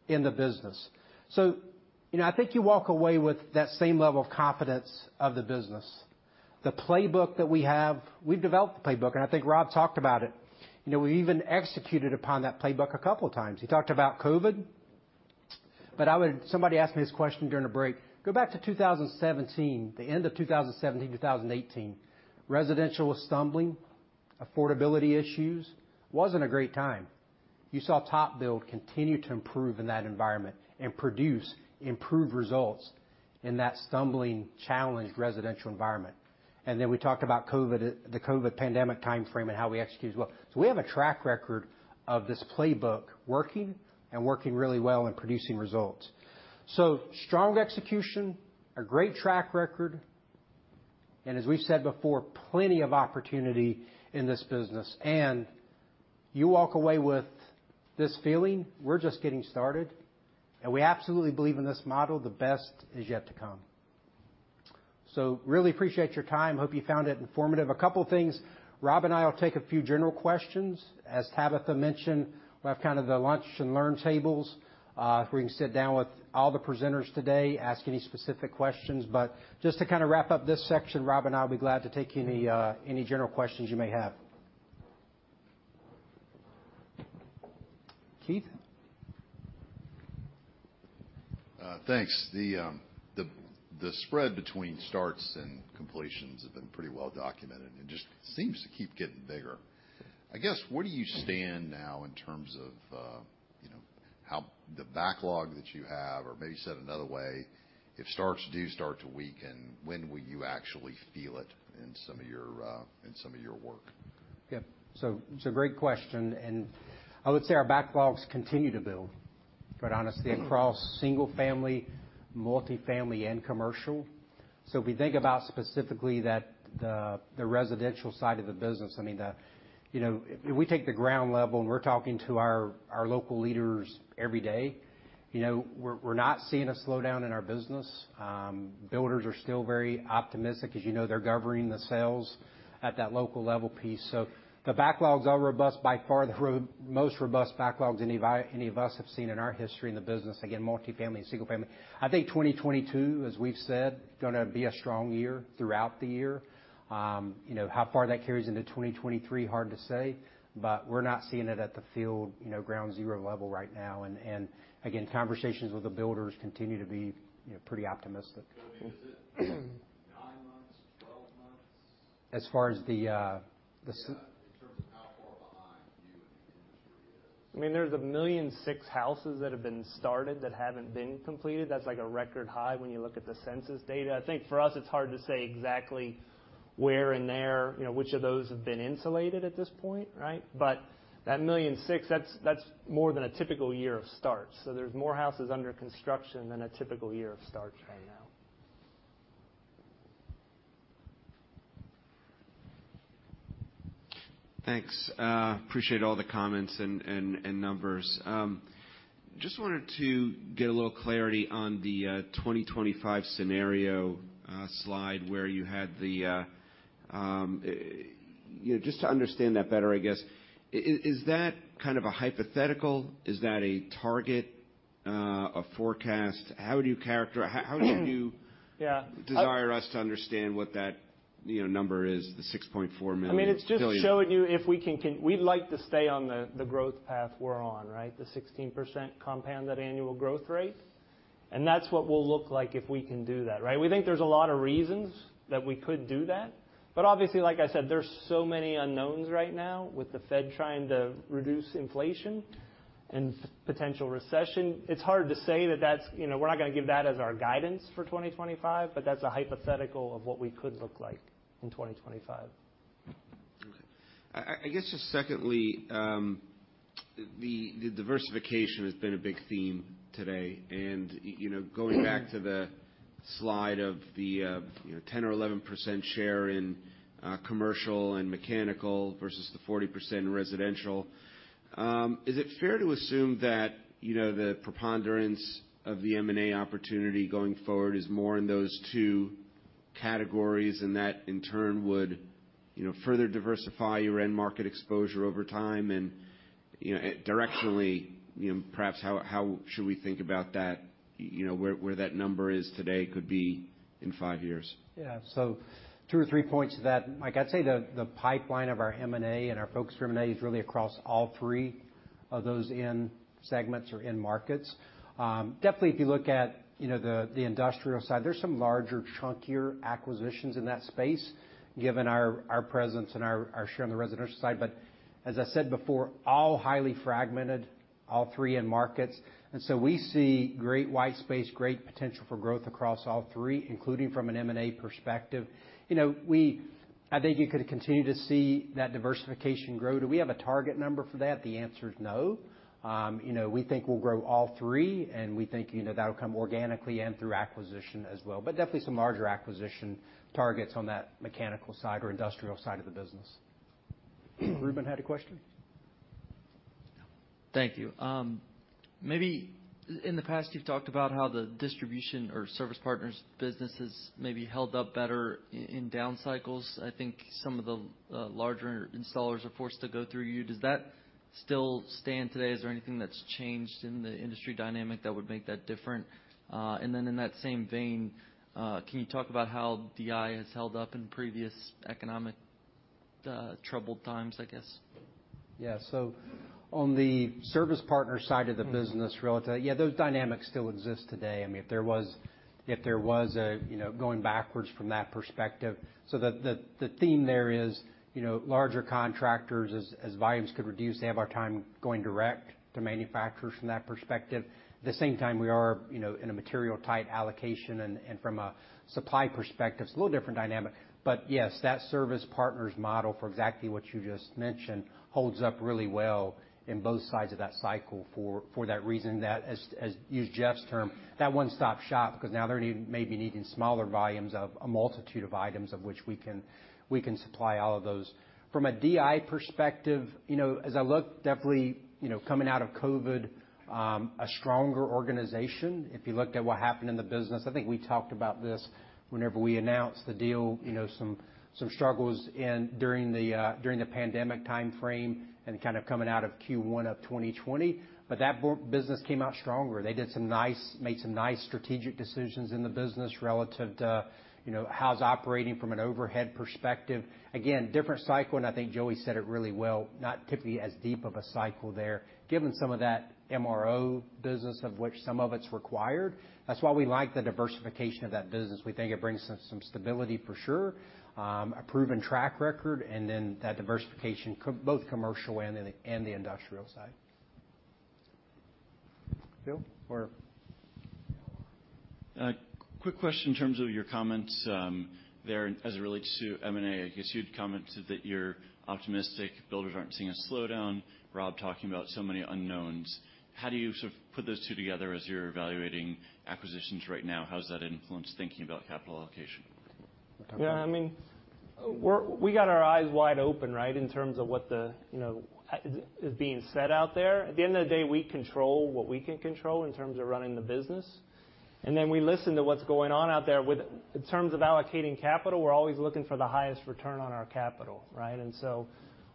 [SPEAKER 3] in the business. You know, I think you walk away with that same level of confidence of the business. The playbook that we have, we've developed the playbook, and I think Rob talked about it. You know, we even executed upon that playbook a couple times. He talked about COVID, but I would... Somebody asked me this question during a break. Go back to 2017, the end of 2017 to 2018. Residential was stumbling. Affordability issues. Wasn't a great time. You saw TopBuild continue to improve in that environment and produce improved results in that stumbling, challenged residential environment. We talked about COVID, the COVID pandemic timeframe and how we executed as well. We have a track record of this playbook working and working really well in producing results. Strong execution, a great track record, and as we've said before, plenty of opportunity in this business. You walk away with this feeling, we're just getting started, and we absolutely believe in this model, the best is yet to come. Really appreciate your time. Hope you found it informative. A couple things. Rob and I will take a few general questions. As Tabitha mentioned, we'll have kind of the lunch-and-learn tables, where you can sit down with all the presenters today, ask any specific questions. Just to kinda wrap up this section, Rob and I'll be glad to take any general questions you may have. Keith?
[SPEAKER 13] Thanks. The spread between starts and completions have been pretty well documented, and just seems to keep getting bigger. I guess, where do you stand now in terms of, you know, how the backlog that you have or maybe said another way, if starts do start to weaken, when will you actually feel it in some of your work?
[SPEAKER 3] Yeah. It's a great question, and I would say our backlogs continue to build, quite honestly, across single family, multifamily and commercial. If we think about specifically the residential side of the business, I mean, you know, we take the ground level and we're talking to our local leaders every day. You know, we're not seeing a slowdown in our business. Builders are still very optimistic. As you know, they're governing the sales at that local level piece. The backlogs are robust by far the most robust backlogs any of us have seen in our history in the business. Again, multifamily and single family. I think 2022, as we've said, gonna be a strong year throughout the year. You know, how far that carries into 2023, hard to say, but we're not seeing it at the field, you know, ground zero level right now. Again, conversations with the builders continue to be, you know, pretty optimistic.
[SPEAKER 13] Cody, is it nine months, 12 months?
[SPEAKER 3] As far as the
[SPEAKER 13] Yeah, in terms of how far behind you and the industry is?
[SPEAKER 19] I mean, there's 1.6 million houses that have been started that haven't been completed. That's like a record high when you look at the census data. I think for us it's hard to say exactly where and there, you know, which of those have been insulated at this point, right? That 1.6 million, that's more than a typical year of starts. There's more houses under construction than a typical year of starts right now.
[SPEAKER 7] Thanks. Appreciate all the comments and numbers. Just wanted to get a little clarity on the 2025 scenario slide where you had the. You know, just to understand that better, I guess, is that kind of a hypothetical? Is that a target? A forecast? How would you
[SPEAKER 19] Yeah.
[SPEAKER 7] desire us to understand what that, you know, number is, the $6.4 million.
[SPEAKER 19] I mean, it's just showing you if we can. We'd like to stay on the growth path we're on, right? The 16% compounded annual growth rate. That's what we'll look like if we can do that, right? We think there's a lot of reasons that we could do that. Obviously, like I said, there's so many unknowns right now with the Fed trying to reduce inflation and potential recession. It's hard to say that that's, you know, we're not gonna give that as our guidance for 2025, but that's a hypothetical of what we could look like in 2025.
[SPEAKER 7] Okay. I guess just secondly, the diversification has been a big theme today. You know, going back to the slide of the you know 10% or 11% share in commercial and mechanical versus the 40% in residential, is it fair to assume that, you know, the preponderance of the M&A opportunity going forward is more in those two categories and that in turn would, you know, further diversify your end market exposure over time and, you know, directionally, you know, perhaps how should we think about that, you know, where that number is today could be in five years?
[SPEAKER 3] Yeah. Two or three points to that. Michael, I'd say the pipeline of our M&A and our focus for M&A is really across all three of those end segments or end markets. Definitely, if you look at, you know, the industrial side, there's some larger chunkier acquisitions in that space given our presence and our share on the residential side. As I said before, all highly fragmented, all three end markets. We see great white space, great potential for growth across all three, including from an M&A perspective. You know, I think you could continue to see that diversification grow. Do we have a target number for that? The answer is no. You know, we think we'll grow all three, and we think, you know, that'll come organically and through acquisition as well. Definitely some larger acquisition targets on that mechanical side or industrial side of the business.
[SPEAKER 19] Reuben had a question.
[SPEAKER 14] Thank you. Maybe in the past, you've talked about how the distribution or Service Partners business has maybe held up better in down cycles. I think some of the larger installers are forced to go through you. Does that still stand today? Is there anything that's changed in the industry dynamic that would make that different? In that same vein, can you talk about how DI has held up in previous economic troubled times, I guess?
[SPEAKER 3] Yeah. On the Service Partners side of the business relative, yeah, those dynamics still exist today. I mean, if there was a, you know, going backwards from that perspective. The theme there is, you know, larger contractors as volumes could reduce, they have more time going direct to manufacturers from that perspective. At the same time, we are, you know, in a material-tight allocation and from a supply perspective, it's a little different dynamic. Yes, that Service Partners model for exactly what you just mentioned holds up really well in both sides of that cycle for that reason that as use Jeff's term, that one-stop shop, because now they're maybe needing smaller volumes of a multitude of items of which we can supply all of those. From a DI perspective, you know, as I look definitely, you know, coming out of COVID, a stronger organization, if you looked at what happened in the business, I think we talked about this whenever we announced the deal, you know, some struggles during the pandemic timeframe and kind of coming out of Q1 of 2020. That business came out stronger. They made some nice strategic decisions in the business relative to, you know, how it's operating from an overhead perspective. Again, different cycle, and I think Joey said it really well, not typically as deep of a cycle there, given some of that MRO business of which some of it's required. That's why we like the diversification of that business. We think it brings some stability for sure, a proven track record, and then that diversification both commercial and the industrial side.
[SPEAKER 19] Phil or
[SPEAKER 8] Quick question in terms of your comments there as it relates to M&A. I guess you'd commented that you're optimistic builders aren't seeing a slowdown. Rob talking about so many unknowns. How do you sort of put those two together as you're evaluating acquisitions right now? How does that influence thinking about capital allocation?
[SPEAKER 19] Yeah. I mean, we got our eyes wide open, right, in terms of what, you know, is being said out there. At the end of the day, we control what we can control in terms of running the business. We listen to what's going on out there. In terms of allocating capital, we're always looking for the highest return on our capital, right?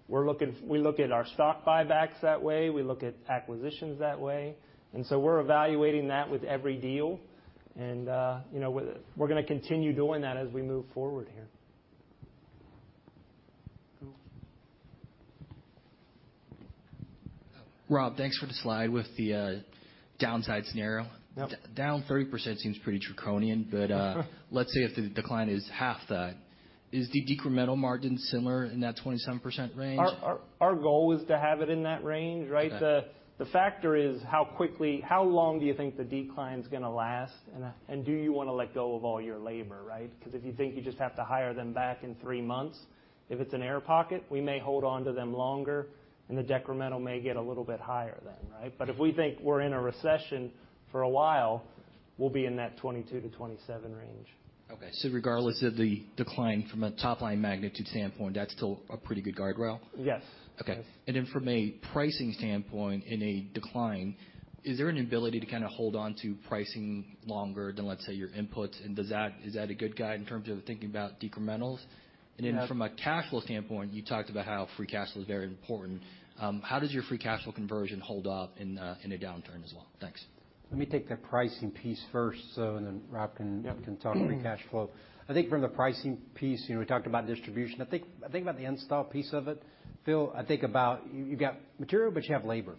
[SPEAKER 19] We look at our stock buybacks that way, we look at acquisitions that way. We're evaluating that with every deal. You know, we're gonna continue doing that as we move forward here. Cool.
[SPEAKER 7] Rob, thanks for the slide with the downside scenario.
[SPEAKER 3] Yep.
[SPEAKER 7] Down 30% seems pretty draconian, but let's say if the decline is half that.
[SPEAKER 8] Is the decremental margin similar in that 27% range?
[SPEAKER 19] Our goal is to have it in that range, right?
[SPEAKER 8] Okay.
[SPEAKER 19] The factor is how long do you think the decline's gonna last? Do you wanna let go of all your labor, right? Because if you think you just have to hire them back in three months, if it's an air pocket, we may hold on to them longer, and the decremental may get a little bit higher then, right? If we think we're in a recession for a while, we'll be in that 22%-27% range.
[SPEAKER 8] Okay. Regardless of the decline from a top-line magnitude standpoint, that's still a pretty good guardrail?
[SPEAKER 19] Yes.
[SPEAKER 8] Okay. From a pricing standpoint in a decline, is there an ability to kinda hold on to pricing longer than, let's say, your inputs, and is that a good guide in terms of thinking about decrementals?
[SPEAKER 19] Yeah.
[SPEAKER 8] From a cash flow standpoint, you talked about how free cash flow is very important. How does your free cash flow conversion hold up in a downturn as well? Thanks.
[SPEAKER 3] Let me take the pricing piece first, and then Rob can
[SPEAKER 8] Yep.
[SPEAKER 3] can talk free cash flow. I think from the pricing piece, you know, we talked about distribution. I think about the install piece of it. Phil Ng, I think about you got material, but you have labor.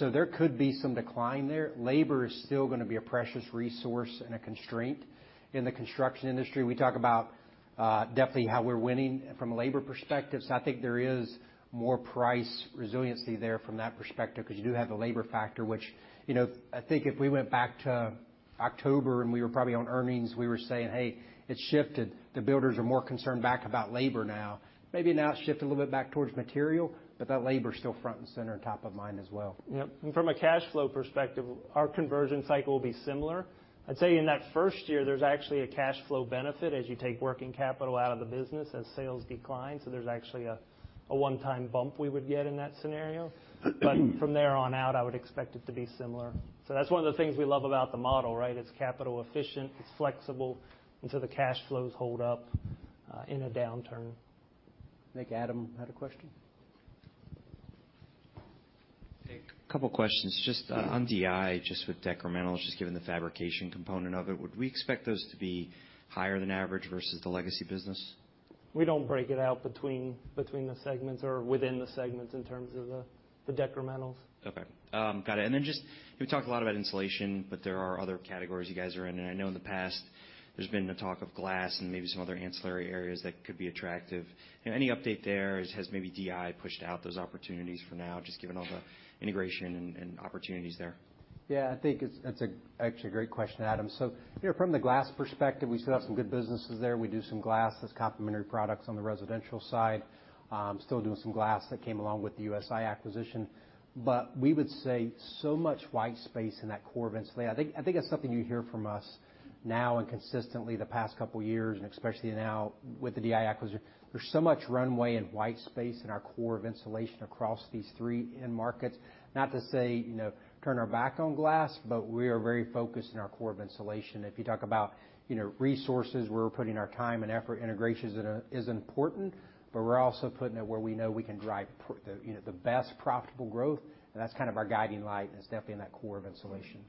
[SPEAKER 3] There could be some decline there. Labor is still gonna be a precious resource and a constraint in the construction industry. We talk about definitely how we're winning from a labor perspective. I think there is more price resiliency there from that perspective, 'cause you do have the labor factor, which, you know, I think if we went back to October, and we were probably on earnings, we were saying, "Hey, it's shifted. The builders are more concerned back about labor now." Maybe now it's shifted a little bit back towards material, but that labor's still front and center and top of mind as well.
[SPEAKER 19] Yep. From a cash flow perspective, our conversion cycle will be similar. I'd say in that first year, there's actually a cash flow benefit as you take working capital out of the business as sales decline, so there's actually a one-time bump we would get in that scenario. From there on out, I would expect it to be similar. That's one of the things we love about the model, right? It's capital efficient, it's flexible, and so the cash flows hold up in a downturn.
[SPEAKER 3] I think Adam had a question.
[SPEAKER 15] Hey. A couple questions. Just on DI, just with decremental, just given the fabrication component of it, would we expect those to be higher than average versus the legacy business?
[SPEAKER 19] We don't break it out between the segments or within the segments in terms of the decrementals.
[SPEAKER 15] Okay. Got it. Then just, you talked a lot about insulation, but there are other categories you guys are in. I know in the past there's been the talk of glass and maybe some other ancillary areas that could be attractive. You know, any update there? Has maybe DI pushed out those opportunities for now, just given all the integration and opportunities there?
[SPEAKER 3] Yeah. I think it's. That's actually a great question, Adam. So, you know, from the glass perspective, we still have some good businesses there. We do some glass as complementary products on the residential side. Still doing some glass that came along with the USI acquisition. But we would say so much white space in that core of insulation. I think that's something you hear from us now and consistently the past couple years, and especially now with the DI acquisition. There's so much runway and white space in our core of insulation across these three end markets. Not to say, you know, turn our back on glass, but we are very focused in our core of insulation. If you talk about, you know, resources, where we're putting our time and effort, integration is important, but we're also putting it where we know we can drive the, you know, the best profitable growth, and that's kind of our guiding light, and it's definitely in that core of insulation.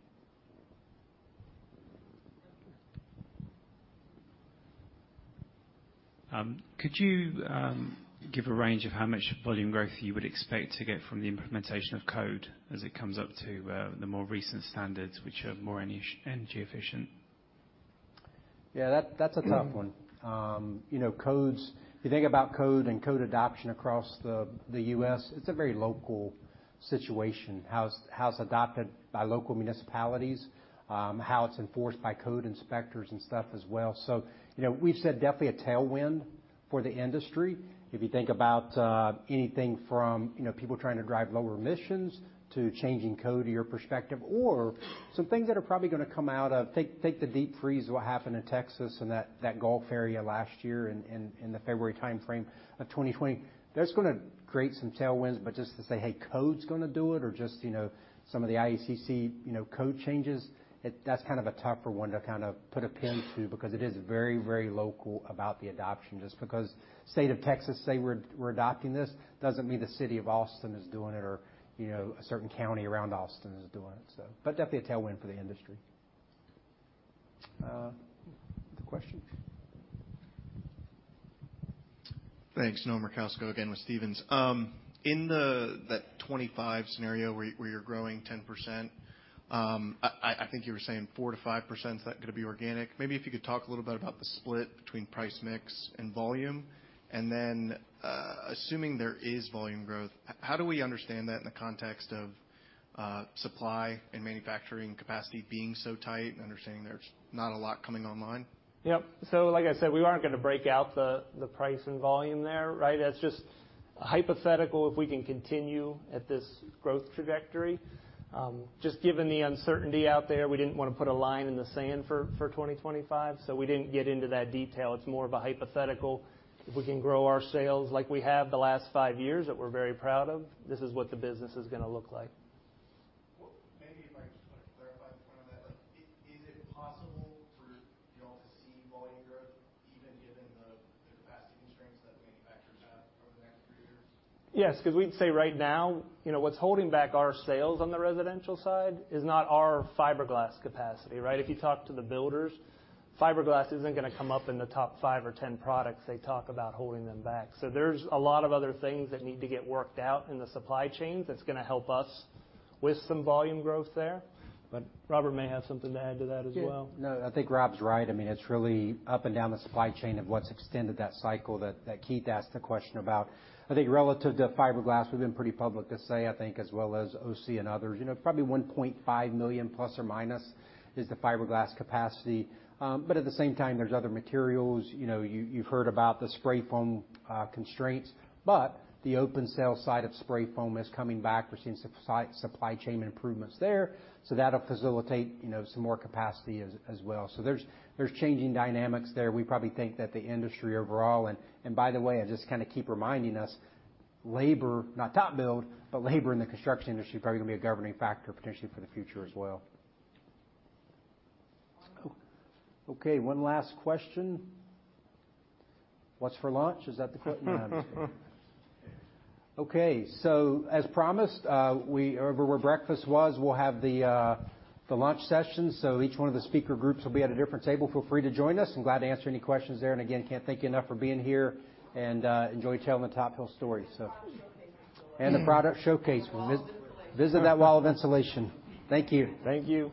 [SPEAKER 8] Could you give a range of how much volume growth you would expect to get from the implementation of code as it comes up to the more recent standards, which are more energy efficient?
[SPEAKER 3] Yeah, that's a tough one. You know, codes. If you think about code and code adoption across the U.S., it's a very local situation, how it's adopted by local municipalities, how it's enforced by code inspectors and stuff as well. You know, we've said definitely a tailwind for the industry. If you think about anything from people trying to drive lower emissions to changing code to your perspective or some things that are probably gonna come out of. Take the deep freeze what happened in Texas and that Gulf area last year in the February timeframe of 2020. That's gonna create some tailwinds, but just to say, "Hey, code's gonna do it," or just, you know, some of the IECC, you know, code changes, that's kind of a tougher one to kind of put a pin to because it is very, very local about the adoption. Just because State of Texas say we're adopting this, doesn't mean the City of Austin is doing it or, you know, a certain county around Austin is doing it, so. But definitely a tailwind for the industry. Other questions?
[SPEAKER 18] Thanks. Noah Murkowski again with Stephens. In that 25 scenario where you're growing 10%, I think you were saying 4%-5% is that gonna be organic. Maybe if you could talk a little bit about the split between price mix and volume. Then, assuming there is volume growth, how do we understand that in the context of supply and manufacturing capacity being so tight and understanding there's not a lot coming online?
[SPEAKER 19] Yep. Like I said, we aren't gonna break out the price and volume there, right? That's just hypothetical if we can continue at this growth trajectory. Just given the uncertainty out there, we didn't wanna put a line in the sand for 2025, so we didn't get into that detail. It's more of a hypothetical. If we can grow our sales like we have the last five years, that we're very proud of, this is what the business is gonna look like.
[SPEAKER 18] Well, maybe if I just wanna clarify one of that. Like, is it possible for y'all to see volume growth even given the capacity constraints that manufacturers have over the next three years?
[SPEAKER 19] Yes, 'cause we'd say right now, you know, what's holding back our sales on the residential side is not our fiberglass capacity, right? If you talk to the builders, fiberglass isn't gonna come up in the top five or 10 products they talk about holding them back. So there's a lot of other things that need to get worked out in the supply chains that's gonna help us with some volume growth there, but Robert may have something to add to that as well.
[SPEAKER 3] Yeah. No, I think Rob's right. I mean, it's really up and down the supply chain of what's extended that cycle that Keith asked the question about. I think relative to fiberglass, we've been pretty public to say, I think, as well as OC and others. You know, probably 1.5 million ± is the fiberglass capacity. But at the same time, there's other materials. You know, you've heard about the spray foam constraints, but the open cell side of spray foam is coming back. We're seeing supply chain improvements there. So that'll facilitate, you know, some more capacity as well. So there's changing dynamics there. We probably think that the industry overall, and by the way, I just kinda keep reminding us, labor, not TopBuild, but labor in the construction industry is probably gonna be a governing factor potentially for the future as well. Okay, one last question. What's for lunch? No, I'm just kidding. Okay. As promised, wherever breakfast was, we'll have the lunch session. Each one of the speaker groups will be at a different table. Feel free to join us. I'm glad to answer any questions there. Again, can't thank you enough for being here and enjoy telling the TopBuild story.
[SPEAKER 19] Product showcase as well.
[SPEAKER 3] The product showcase.
[SPEAKER 19] The wall of insulation.
[SPEAKER 3] Visit that wall of insulation. Thank you.
[SPEAKER 19] Thank you.